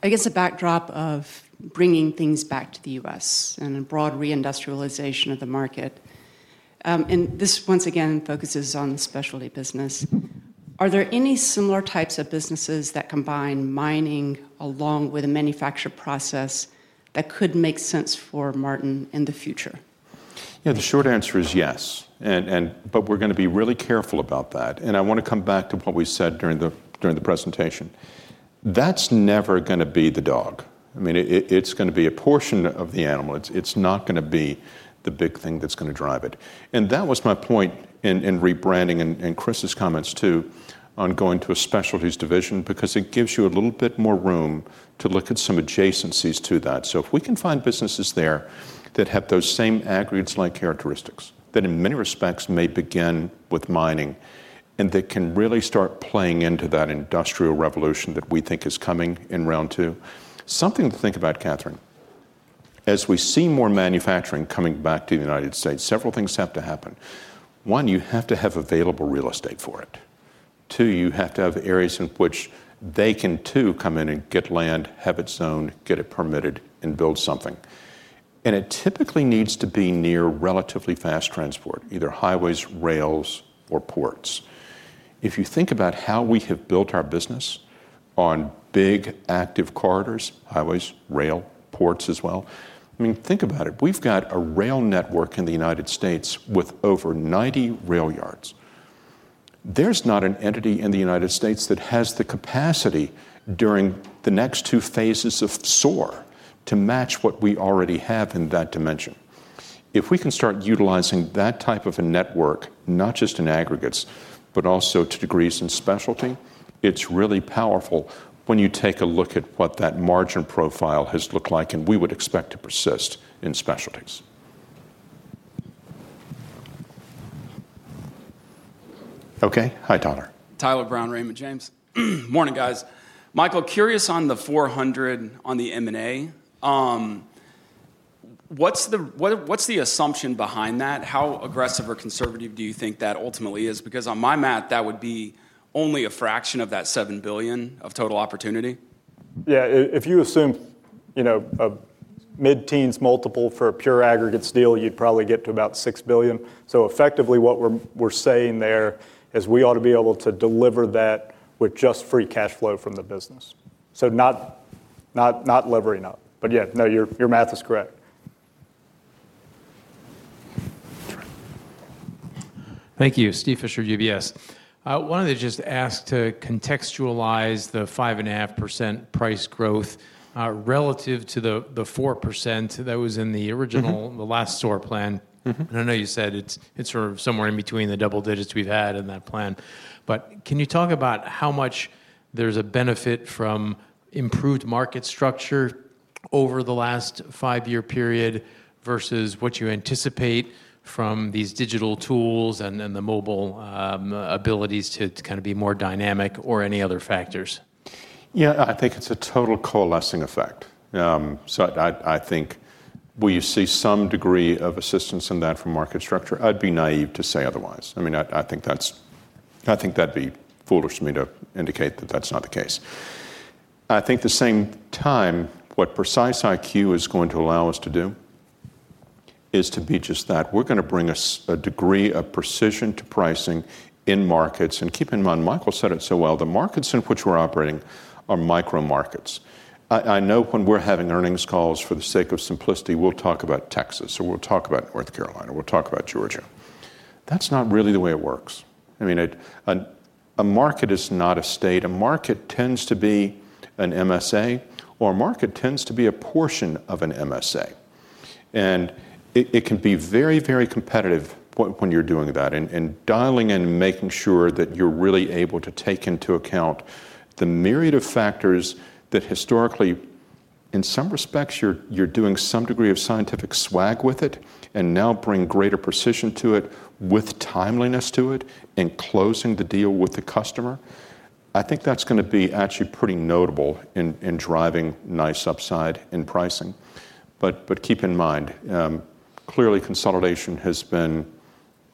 I guess a backdrop of bringing things back to the U.S. and a broad reindustrialization of the market, and this once again focuses on the specialty business. Are there any similar types of businesses that combine mining along with a manufacture process that could make sense for Martin in the future? Yeah, the short answer is yes. But we're going to be really careful about that. And I want to come back to what we said during the presentation. That's never going to be the dog. I mean, it's going to be a portion of the animal. It's not going to be the big thing that's going to drive it. And that was my point in rebranding and Chris's comments too on going to a specialties division because it gives you a little bit more room to look at some adjacencies to that. If we can find businesses there that have those same aggregates-like characteristics that in many respects may begin with mining and that can really start playing into that industrial revolution that we think is coming in round two, something to think about, Kathryn. As we see more manufacturing coming back to the United States, several things have to happen. One, you have to have available real estate for it. Two, you have to have areas in which they can too come in and get land, have it zoned, get it permitted, and build something. And it typically needs to be near relatively fast transport, either highways, rails, or ports. If you think about how we have built our business on big active corridors, highways, rail, ports as well, I mean, think about it. We've got a rail network in the United States with over 90 rail yards. There's not an entity in the United States that has the capacity during the next two phases of SOAR to match what we already have in that dimension. If we can start utilizing that type of a network, not just in aggregates, but also to degrees in specialty, it's really powerful when you take a look at what that margin profile has looked like, and we would expect to persist in specialties. Okay. Hi, Tyler. Tyler Brown, Raymond James. Morning, guys. Michael, curious on the $400 million on the M&A. What's the assumption behind that? How aggressive or conservative do you think that ultimately is? Because on my math, that would be only a fraction of that $7 billion of total opportunity. Yeah. If you assume a mid-teens multiple for a pure aggregates deal, you'd probably get to about $6 billion. So effectively, what we're saying there is we ought to be able to deliver that with just free cash flow from the business. So not levering up. But yeah, no, your math is correct. Thank you. Steve Fisher, UBS. I wanted to just ask to contextualize the 5.5% price growth relative to the 4% that was in the original, the last SOAR plan. And I know you said it's sort of somewhere in between the double digits we've had in that plan. But can you talk about how much there's a benefit from improved market structure over the last five-year period versus what you anticipate from these digital tools and the mobile abilities to kind of be more dynamic or any other factors? Yeah, I think it's a total coalescing effect. So I think we see some degree of assistance in that from market structure. I'd be naive to say otherwise. I mean, I think that'd be foolish to me to indicate that that's not the case. I think at the same time, what Precise IQ is going to allow us to do is to be just that. We're going to bring a degree of precision to pricing in markets. And keep in mind, Michael said it so well, the markets in which we're operating are micro-markets. I know when we're having earnings calls for the sake of simplicity, we'll talk about Texas, or we'll talk about North Carolina, or we'll talk about Georgia. That's not really the way it works. I mean, a market is not a state. A market tends to be an MSA, or a market tends to be a portion of an MSA. And it can be very, very competitive when you're doing that and dialing and making sure that you're really able to take into account the myriad of factors that historically, in some respects, you're doing some degree of scientific swag with it and now bring greater precision to it with timeliness to it and closing the deal with the customer. I think that's going to be actually pretty notable in driving nice upside in pricing. But keep in mind, clearly, consolidation has been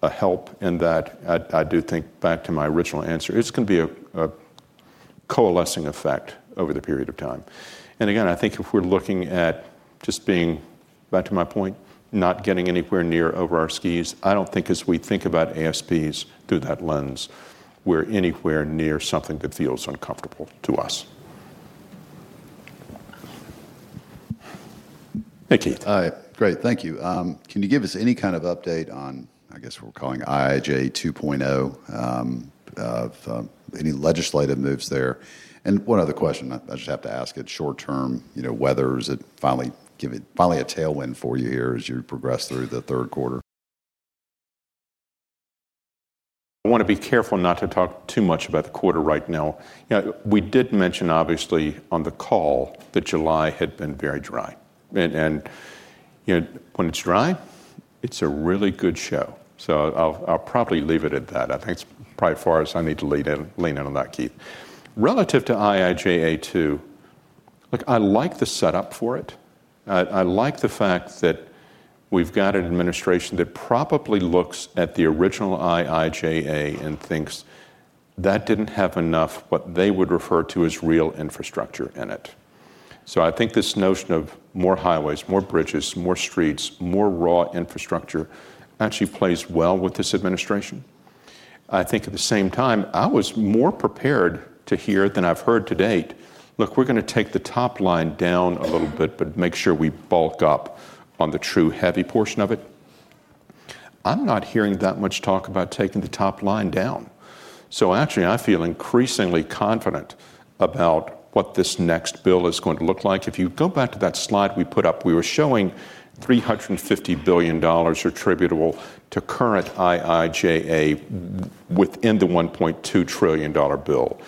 a help in that. I do think back to my original answer, it's going to be a coalescing effect over the period of time. And again, I think if we're looking at just being back to my point, not getting anywhere near over our skis, I don't think as we think about ASPs through that lens, we're anywhere near something that feels uncomfortable to us. Hey, Keith. Hi. Great. Thank you. Can you give us any kind of update on, I guess we're calling IIJA 2.0, of any legislative moves there? And one other question, I just have to ask it short term, whether is it finally a tailwind for you here as you progress through the third quarter? I want to be careful not to talk too much about the quarter right now. We did mention, obviously, on the call that July had been very dry. And when it's dry, it's a really good show. So I'll probably leave it at that. I think it's probably far as I need to lean in on that, Keith. Relative to IIJA too, look, I like the setup for it. I like the fact that we've got an administration that probably looks at the original IIJA and thinks that didn't have enough, what they would refer to as real infrastructure in it. So I think this notion of more highways, more bridges, more streets, more raw infrastructure actually plays well with this administration. I think at the same time, I was more prepared to hear than I've heard to date, "Look, we're going to take the top line down a little bit, but make sure we bulk up on the true heavy portion of it." I'm not hearing that much talk about taking the top line down. So actually, I feel increasingly confident about what this next bill is going to look like. If you go back to that slide we put up, we were showing $350 billion attributable to current IIJA within the $1.2 trillion bill.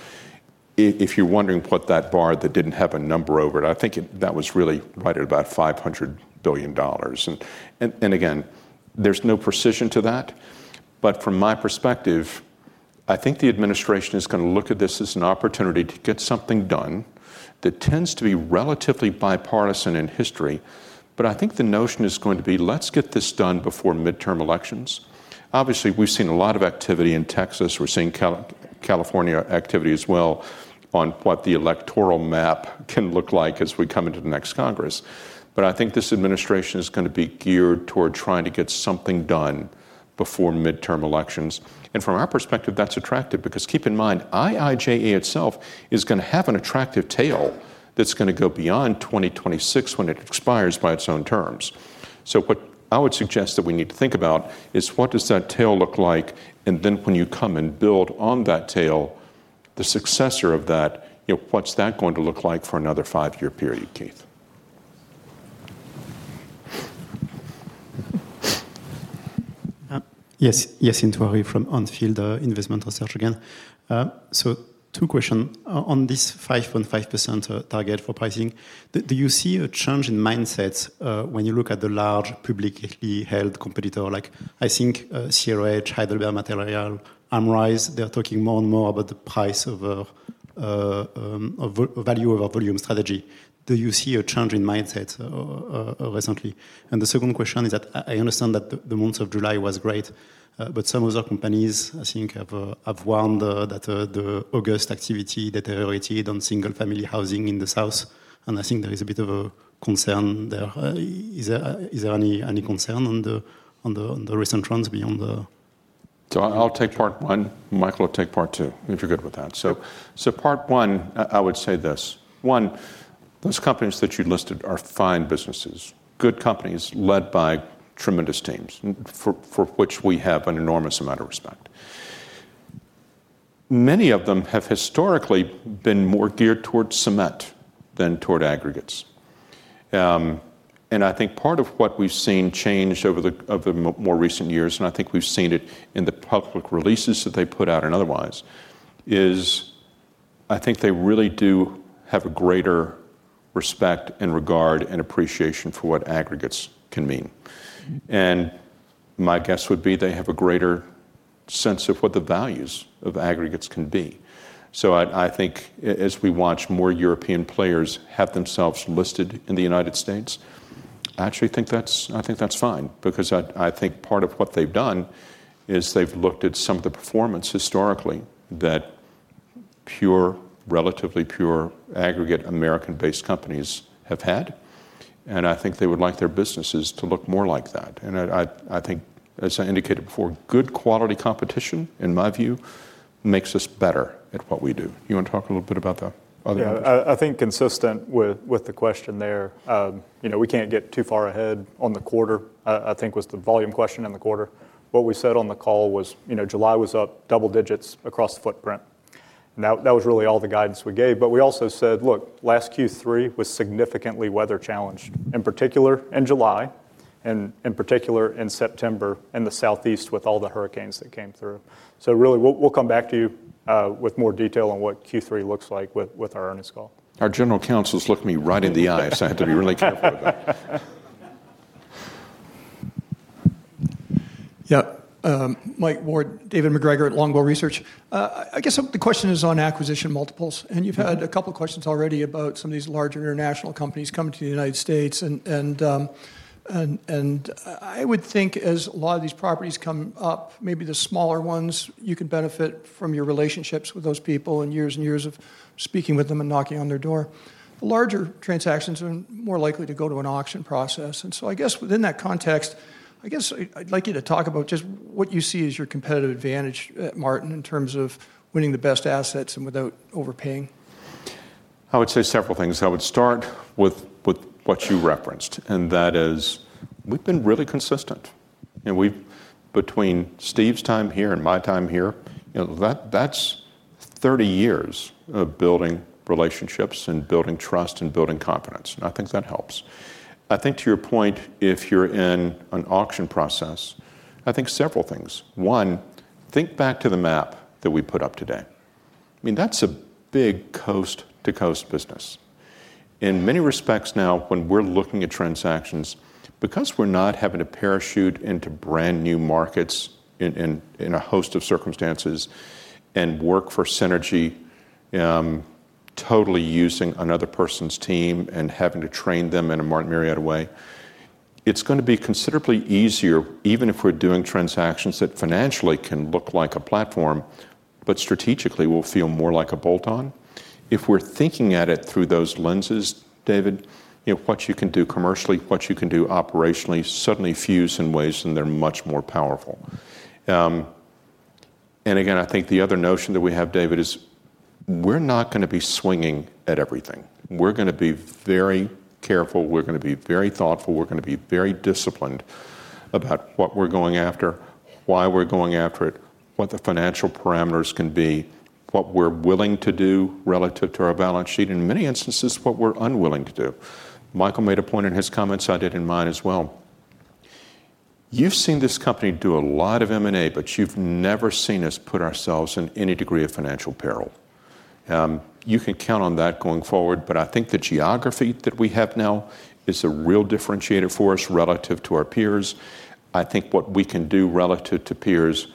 If you're wondering what that bar that didn't have a number over it, I think that was really right at about $500 billion. And again, there's no precision to that. But from my perspective, I think the administration is going to look at this as an opportunity to get something done that tends to be relatively bipartisan in history. But I think the notion is going to be, "Let's get this done before midterm elections." Obviously, we've seen a lot of activity in Texas. We're seeing California activity as well on what the electoral map can look like as we come into the next Congress. But I think this administration is going to be geared toward trying to get something done before midterm elections. From our perspective, that's attractive because keep in mind, IIJA itself is going to have an attractive tail that's going to go beyond 2026 when it expires by its own terms. What I would suggest that we need to think about is what does that tail look like? Then when you come and build on that tail, the successor of that, what's that going to look like for another five-year period, Keith? Yes. Yes, [Antoine] from Anfield Investment Research again. Two questions. On this 5.5% target for pricing, do you see a change in mindsets when you look at the large publicly held competitor like I think CRH, Heidelberg Materials, Amrize, they're talking more and more about the price over value over volume strategy. Do you see a change in mindsets recently? The second question is that I understand that the month of July was great, but some of the companies, I think, have warned that the August activity deteriorated on single-family housing in the South. I think there is a bit of a concern there. Is there any concern on the recent trends beyond the? I'll take part one. Michael, I'll take part two if you're good with that. Part one, I would say this. One, those companies that you listed are fine businesses, good companies led by tremendous teams for which we have an enormous amount of respect. Many of them have historically been more geared toward cement than toward aggregates. And I think part of what we've seen change over the more recent years, and I think we've seen it in the public releases that they put out and otherwise, is I think they really do have a greater respect and regard and appreciation for what aggregates can mean. And my guess would be they have a greater sense of what the values of aggregates can be. So I think as we watch more European players have themselves listed in the United States, I actually think that's fine because I think part of what they've done is they've looked at some of the performance historically that pure, relatively pure, aggregate American-based companies have had. And I think they would like their businesses to look more like that. And I think, as I indicated before, good quality competition, in my view, makes us better at what we do. Do you want to talk a little bit about that? Yeah. I think consistent with the question there, we can't get too far ahead on the quarter. I think was the volume question in the quarter. What we said on the call was July was up double digits across the footprint, and that was really all the guidance we gave, but we also said, "Look, last Q3 was significantly weather challenged, in particular in July and in particular in September and the Southeast with all the hurricanes that came through," so really, we'll come back to you with more detail on what Q3 looks like with our earnings call. Our general counsel's looking me right in the eye, so I have to be really careful about it. Yeah. Mike, Ward, David MacGregor at Longbow Research. I guess the question is on acquisition multiples. You've had a couple of questions already about some of these larger international companies coming to the United States. I would think as a lot of these properties come up, maybe the smaller ones, you can benefit from your relationships with those people and years and years of speaking with them and knocking on their door. The larger transactions are more likely to go to an auction process. So I guess within that context, I guess I'd like you to talk about just what you see as your competitive advantage, Martin, in terms of winning the best assets and without overpaying. I would say several things. I would start with what you referenced, and that is we've been really consistent. Between Steve's time here and my time here, that's 30 years of building relationships and building trust and building confidence. I think that helps. I think to your point, if you're in an auction process, I think several things. One, think back to the map that we put up today. I mean, that's a big coast-to-coast business. In many respects now, when we're looking at transactions, because we're not having to parachute into brand new markets in a host of circumstances and work for synergy totally using another person's team and having to train them in a Martin Marietta way, it's going to be considerably easier, even if we're doing transactions that financially can look like a platform, but strategically will feel more like a bolt-on. If we're thinking at it through those lenses, David, what you can do commercially, what you can do operationally suddenly fuse in ways and they're much more powerful. And again, I think the other notion that we have, David, is we're not going to be swinging at everything. We're going to be very careful. We're going to be very thoughtful. We're going to be very disciplined about what we're going after, why we're going after it, what the financial parameters can be, what we're willing to do relative to our balance sheet, and in many instances, what we're unwilling to do. Michael made a point in his comments. I did in mine as well. You've seen this company do a lot of M&A, but you've never seen us put ourselves in any degree of financial peril. You can count on that going forward. But I think the geography that we have now is a real differentiator for us relative to our peers. I think what we can do relative to peers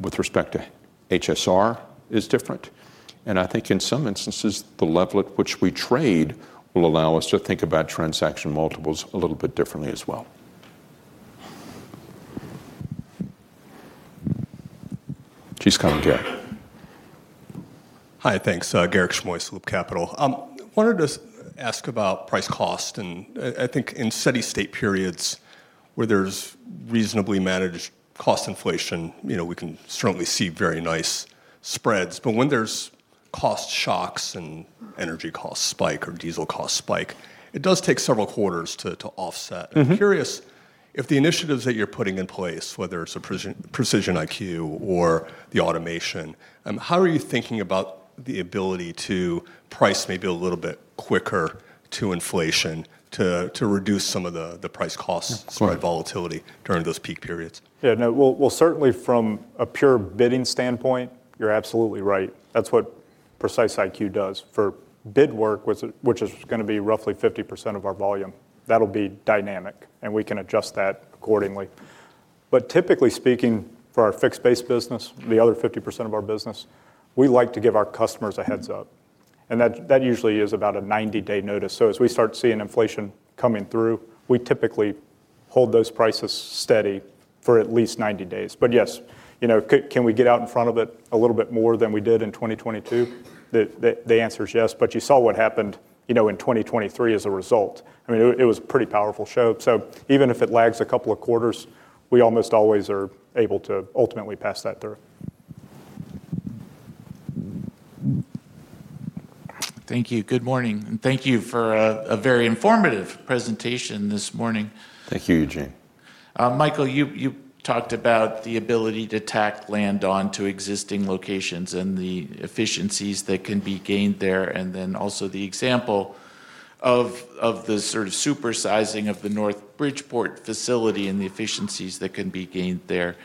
with respect to HSR is different. I think in some instances, the level at which we trade will allow us to think about transaction multiples a little bit differently as well. Hi. Thanks. Garik Shmois, Loop Capital. I wanted to ask about price-cost. I think in steady-state periods where there's reasonably managed cost inflation, we can certainly see very nice spreads. But when there's cost shocks and energy cost spike or diesel cost spike, it does take several quarters to offset. I'm curious if the initiatives that you're putting in place, whether it's a Precise IQ or the automation, how are you thinking about the ability to price maybe a little bit quicker to inflation to reduce some of the price-cost volatility during those peak periods? Yeah. No. Well, certainly from a pure bidding standpoint, you're absolutely right. That's what Precise IQ does for bid work, which is going to be roughly 50% of our volume. That'll be dynamic, and we can adjust that accordingly, but typically speaking, for our fixed-based business, the other 50% of our business, we like to give our customers a heads-up. And that usually is about a 90-day notice, so as we start seeing inflation coming through, we typically hold those prices steady for at least 90 days. But, yes, can we get out in front of it a little bit more than we did in 2022? The answer is yes. But you saw what happened in 2023 as a result. I mean, it was a pretty powerful show, so even if it lags a couple of quarters, we almost always are able to ultimately pass that through. Thank you. Good morning, and thank you for a very informative presentation this morning. Thank you, Eugene. Michael, you talked about the ability to tack land onto existing locations and the efficiencies that can be gained there, and then also the example of the sort of supersizing of the North Bridgeport facility and the efficiencies that can be gained there.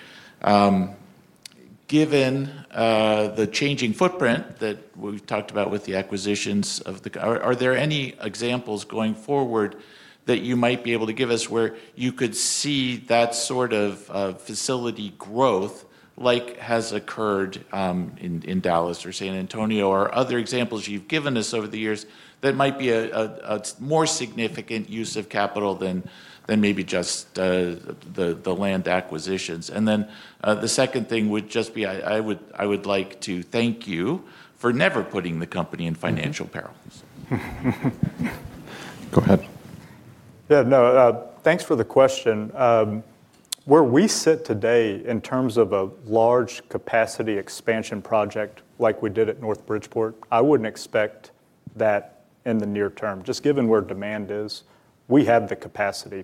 Given the changing footprint that we talked about with the acquisitions of the, are there any examples going forward that you might be able to give us where you could see that sort of facility growth like has occurred in Dallas or San Antonio or other examples you've given us over the years that might be a more significant use of capital than maybe just the land acquisitions? And then the second thing would just be I would like to thank you for never putting the company in financial peril. Go ahead. Yeah. No. Thanks for the question. Where we sit today in terms of a large capacity expansion project like we did at North Bridgeport, I wouldn't expect that in the near term. Just given where demand is, we have the capacity.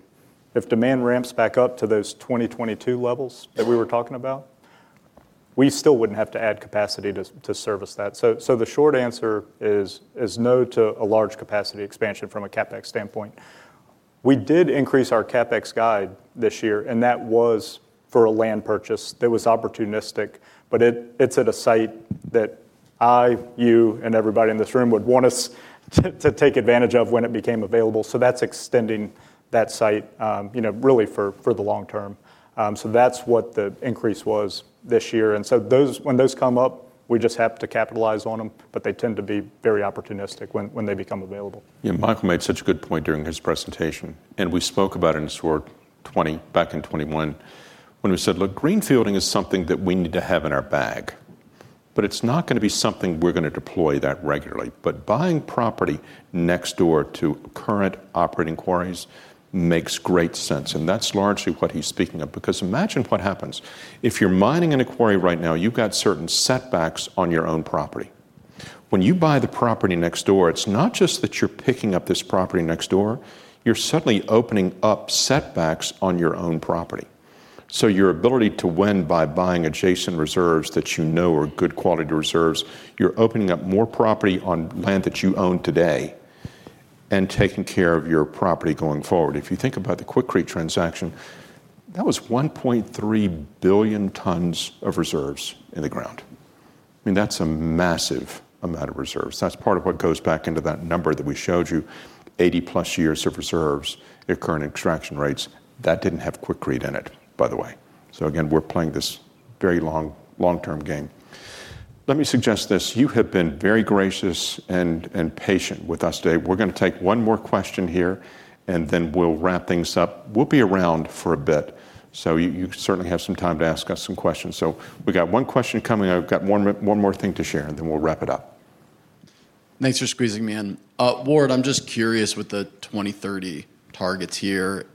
If demand ramps back up to those 2022 levels that we were talking about, we still wouldn't have to add capacity to service that. So the short answer is no to a large capacity expansion from a CapEx standpoint. We did increase our CapEx guide this year, and that was for a land purchase that was opportunistic, but it's at a site that I, you, and everybody in this room would want us to take advantage of when it became available. So that's extending that site really for the long term. So that's what the increase was this year. And so when those come up, we just have to capitalize on them, but they tend to be very opportunistic when they become available. Yeah. Michael made such a good point during his presentation. And we spoke about it in SOAR 20 back in 2021 when we said, "Look, greenfielding is something that we need to have in our bag, but it's not going to be something we're going to deploy that regularly. But buying property next door to current operating quarries makes great sense." And that's largely what he's speaking of because imagine what happens. If you're mining in a quarry right now, you've got certain setbacks on your own property. When you buy the property next door, it's not just that you're picking up this property next door. You're suddenly opening up setbacks on your own property. Your ability to win by buying adjacent reserves that you know are good quality reserves, you're opening up more property on land that you own today and taking care of your property going forward. If you think about the Bluegrass transaction, that was 1.3 billion tons of reserves in the ground. I mean, that's a massive amount of reserves. That's part of what goes back into that number that we showed you, 80-plus years of reserves, your current extraction rates. That didn't have Quikrete in it, by the way. So again, we're playing this very long-term game. Let me suggest this. You have been very gracious and patient with us today. We're going to take one more question here, and then we'll wrap things up. We'll be around for a bit. So you certainly have some time to ask us some questions. So we got one question coming. I've got one more thing to share, and then we'll wrap it up. Thanks for squeezing me in. Ward, I'm just curious with the 2030 targets here.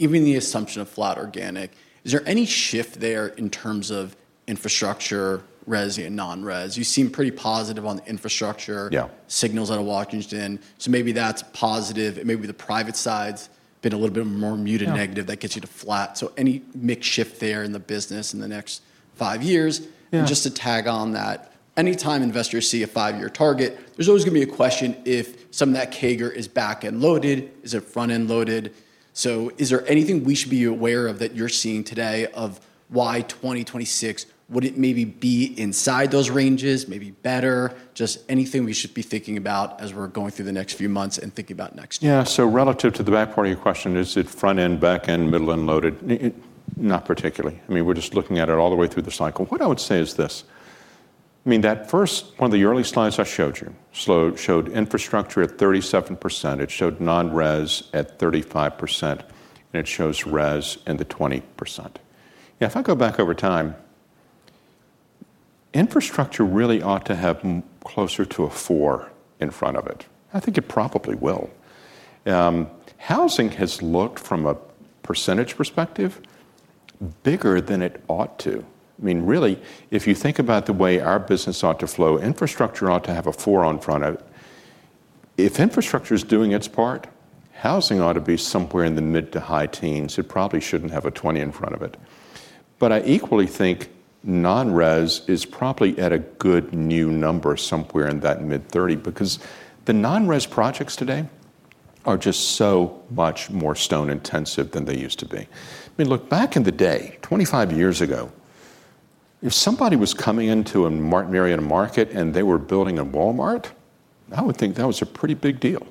Even the assumption of flat organic, is there any shift there in terms of infrastructure, res and non-res? You seem pretty positive on the infrastructure signals out of Washington. So maybe that's positive. Maybe the private side's been a little bit more muted negative that gets you to flat. So any mixed shift there in the business in the next five years? And just to tag on that, anytime investors see a five-year target, there's always going to be a question if some of that CAGR is back-end loaded, is it front-end loaded? So, is there anything we should be aware of that you're seeing today of why 2026 would it maybe be inside those ranges, maybe better? Just anything we should be thinking about as we're going through the next few months and thinking about next year? Yeah. So relative to the back part of your question, is it front-end, back-end, middle-end loaded? Not particularly. I mean, we're just looking at it all the way through the cycle. What I would say is this. I mean, that first, one of the early slides I showed you showed infrastructure at 37%. It showed non-res at 35%, and it shows res in the 20%. Now, if I go back over time, infrastructure really ought to have closer to a 4 in front of it. I think it probably will. Housing has looked from a percentage perspective bigger than it ought to. I mean, really, if you think about the way our business ought to flow, infrastructure ought to have a 4 in front of it. If infrastructure is doing its part, housing ought to be somewhere in the mid to high teens. It probably shouldn't have a 20 in front of it. But I equally think non-res is probably at a good new number somewhere in that mid-30 because the non-res projects today are just so much more stone-intensive than they used to be. I mean, look, back in the day, 25 years ago, if somebody was coming into a Martin Marietta market and they were building a Walmart, I would think that was a pretty big deal.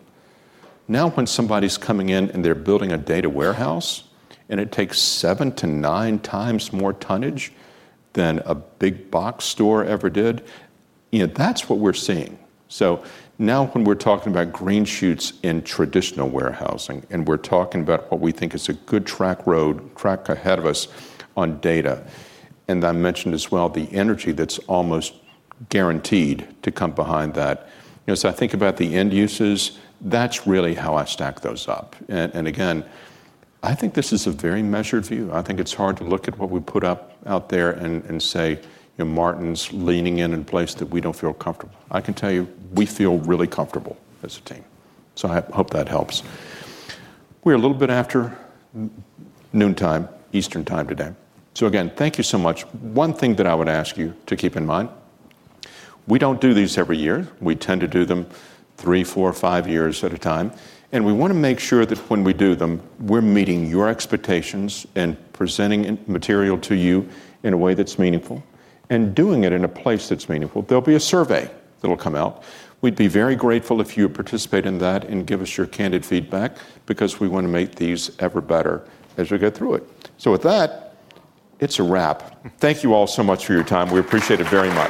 Now, when somebody's coming in and they're building a data warehouse and it takes seven to nine times more tonnage than a big box store ever did, that's what we're seeing. So now when we're talking about green shoots in traditional warehousing and we're talking about what we think is a good track ahead of us on data, and I mentioned as well the energy that's almost guaranteed to come behind that. So I think about the end uses. That's really how I stack those up. And again, I think this is a very measured view. I think it's hard to look at what we put out there and say Martin Marietta's leaning in in a place that we don't feel comfortable. I can tell you we feel really comfortable as a team. So I hope that helps. We're a little bit after noontime, Eastern Time today. So again, thank you so much. One thing that I would ask you to keep in mind, we don't do these every year. We tend to do them three, four, five years at a time. We want to make sure that when we do them, we're meeting your expectations and presenting material to you in a way that's meaningful and doing it in a place that's meaningful. There'll be a survey that'll come out. We'd be very grateful if you participate in that and give us your candid feedback because we want to make these ever better as we go through it. With that, it's a wrap. Thank you all so much for your time. We appreciate it very much.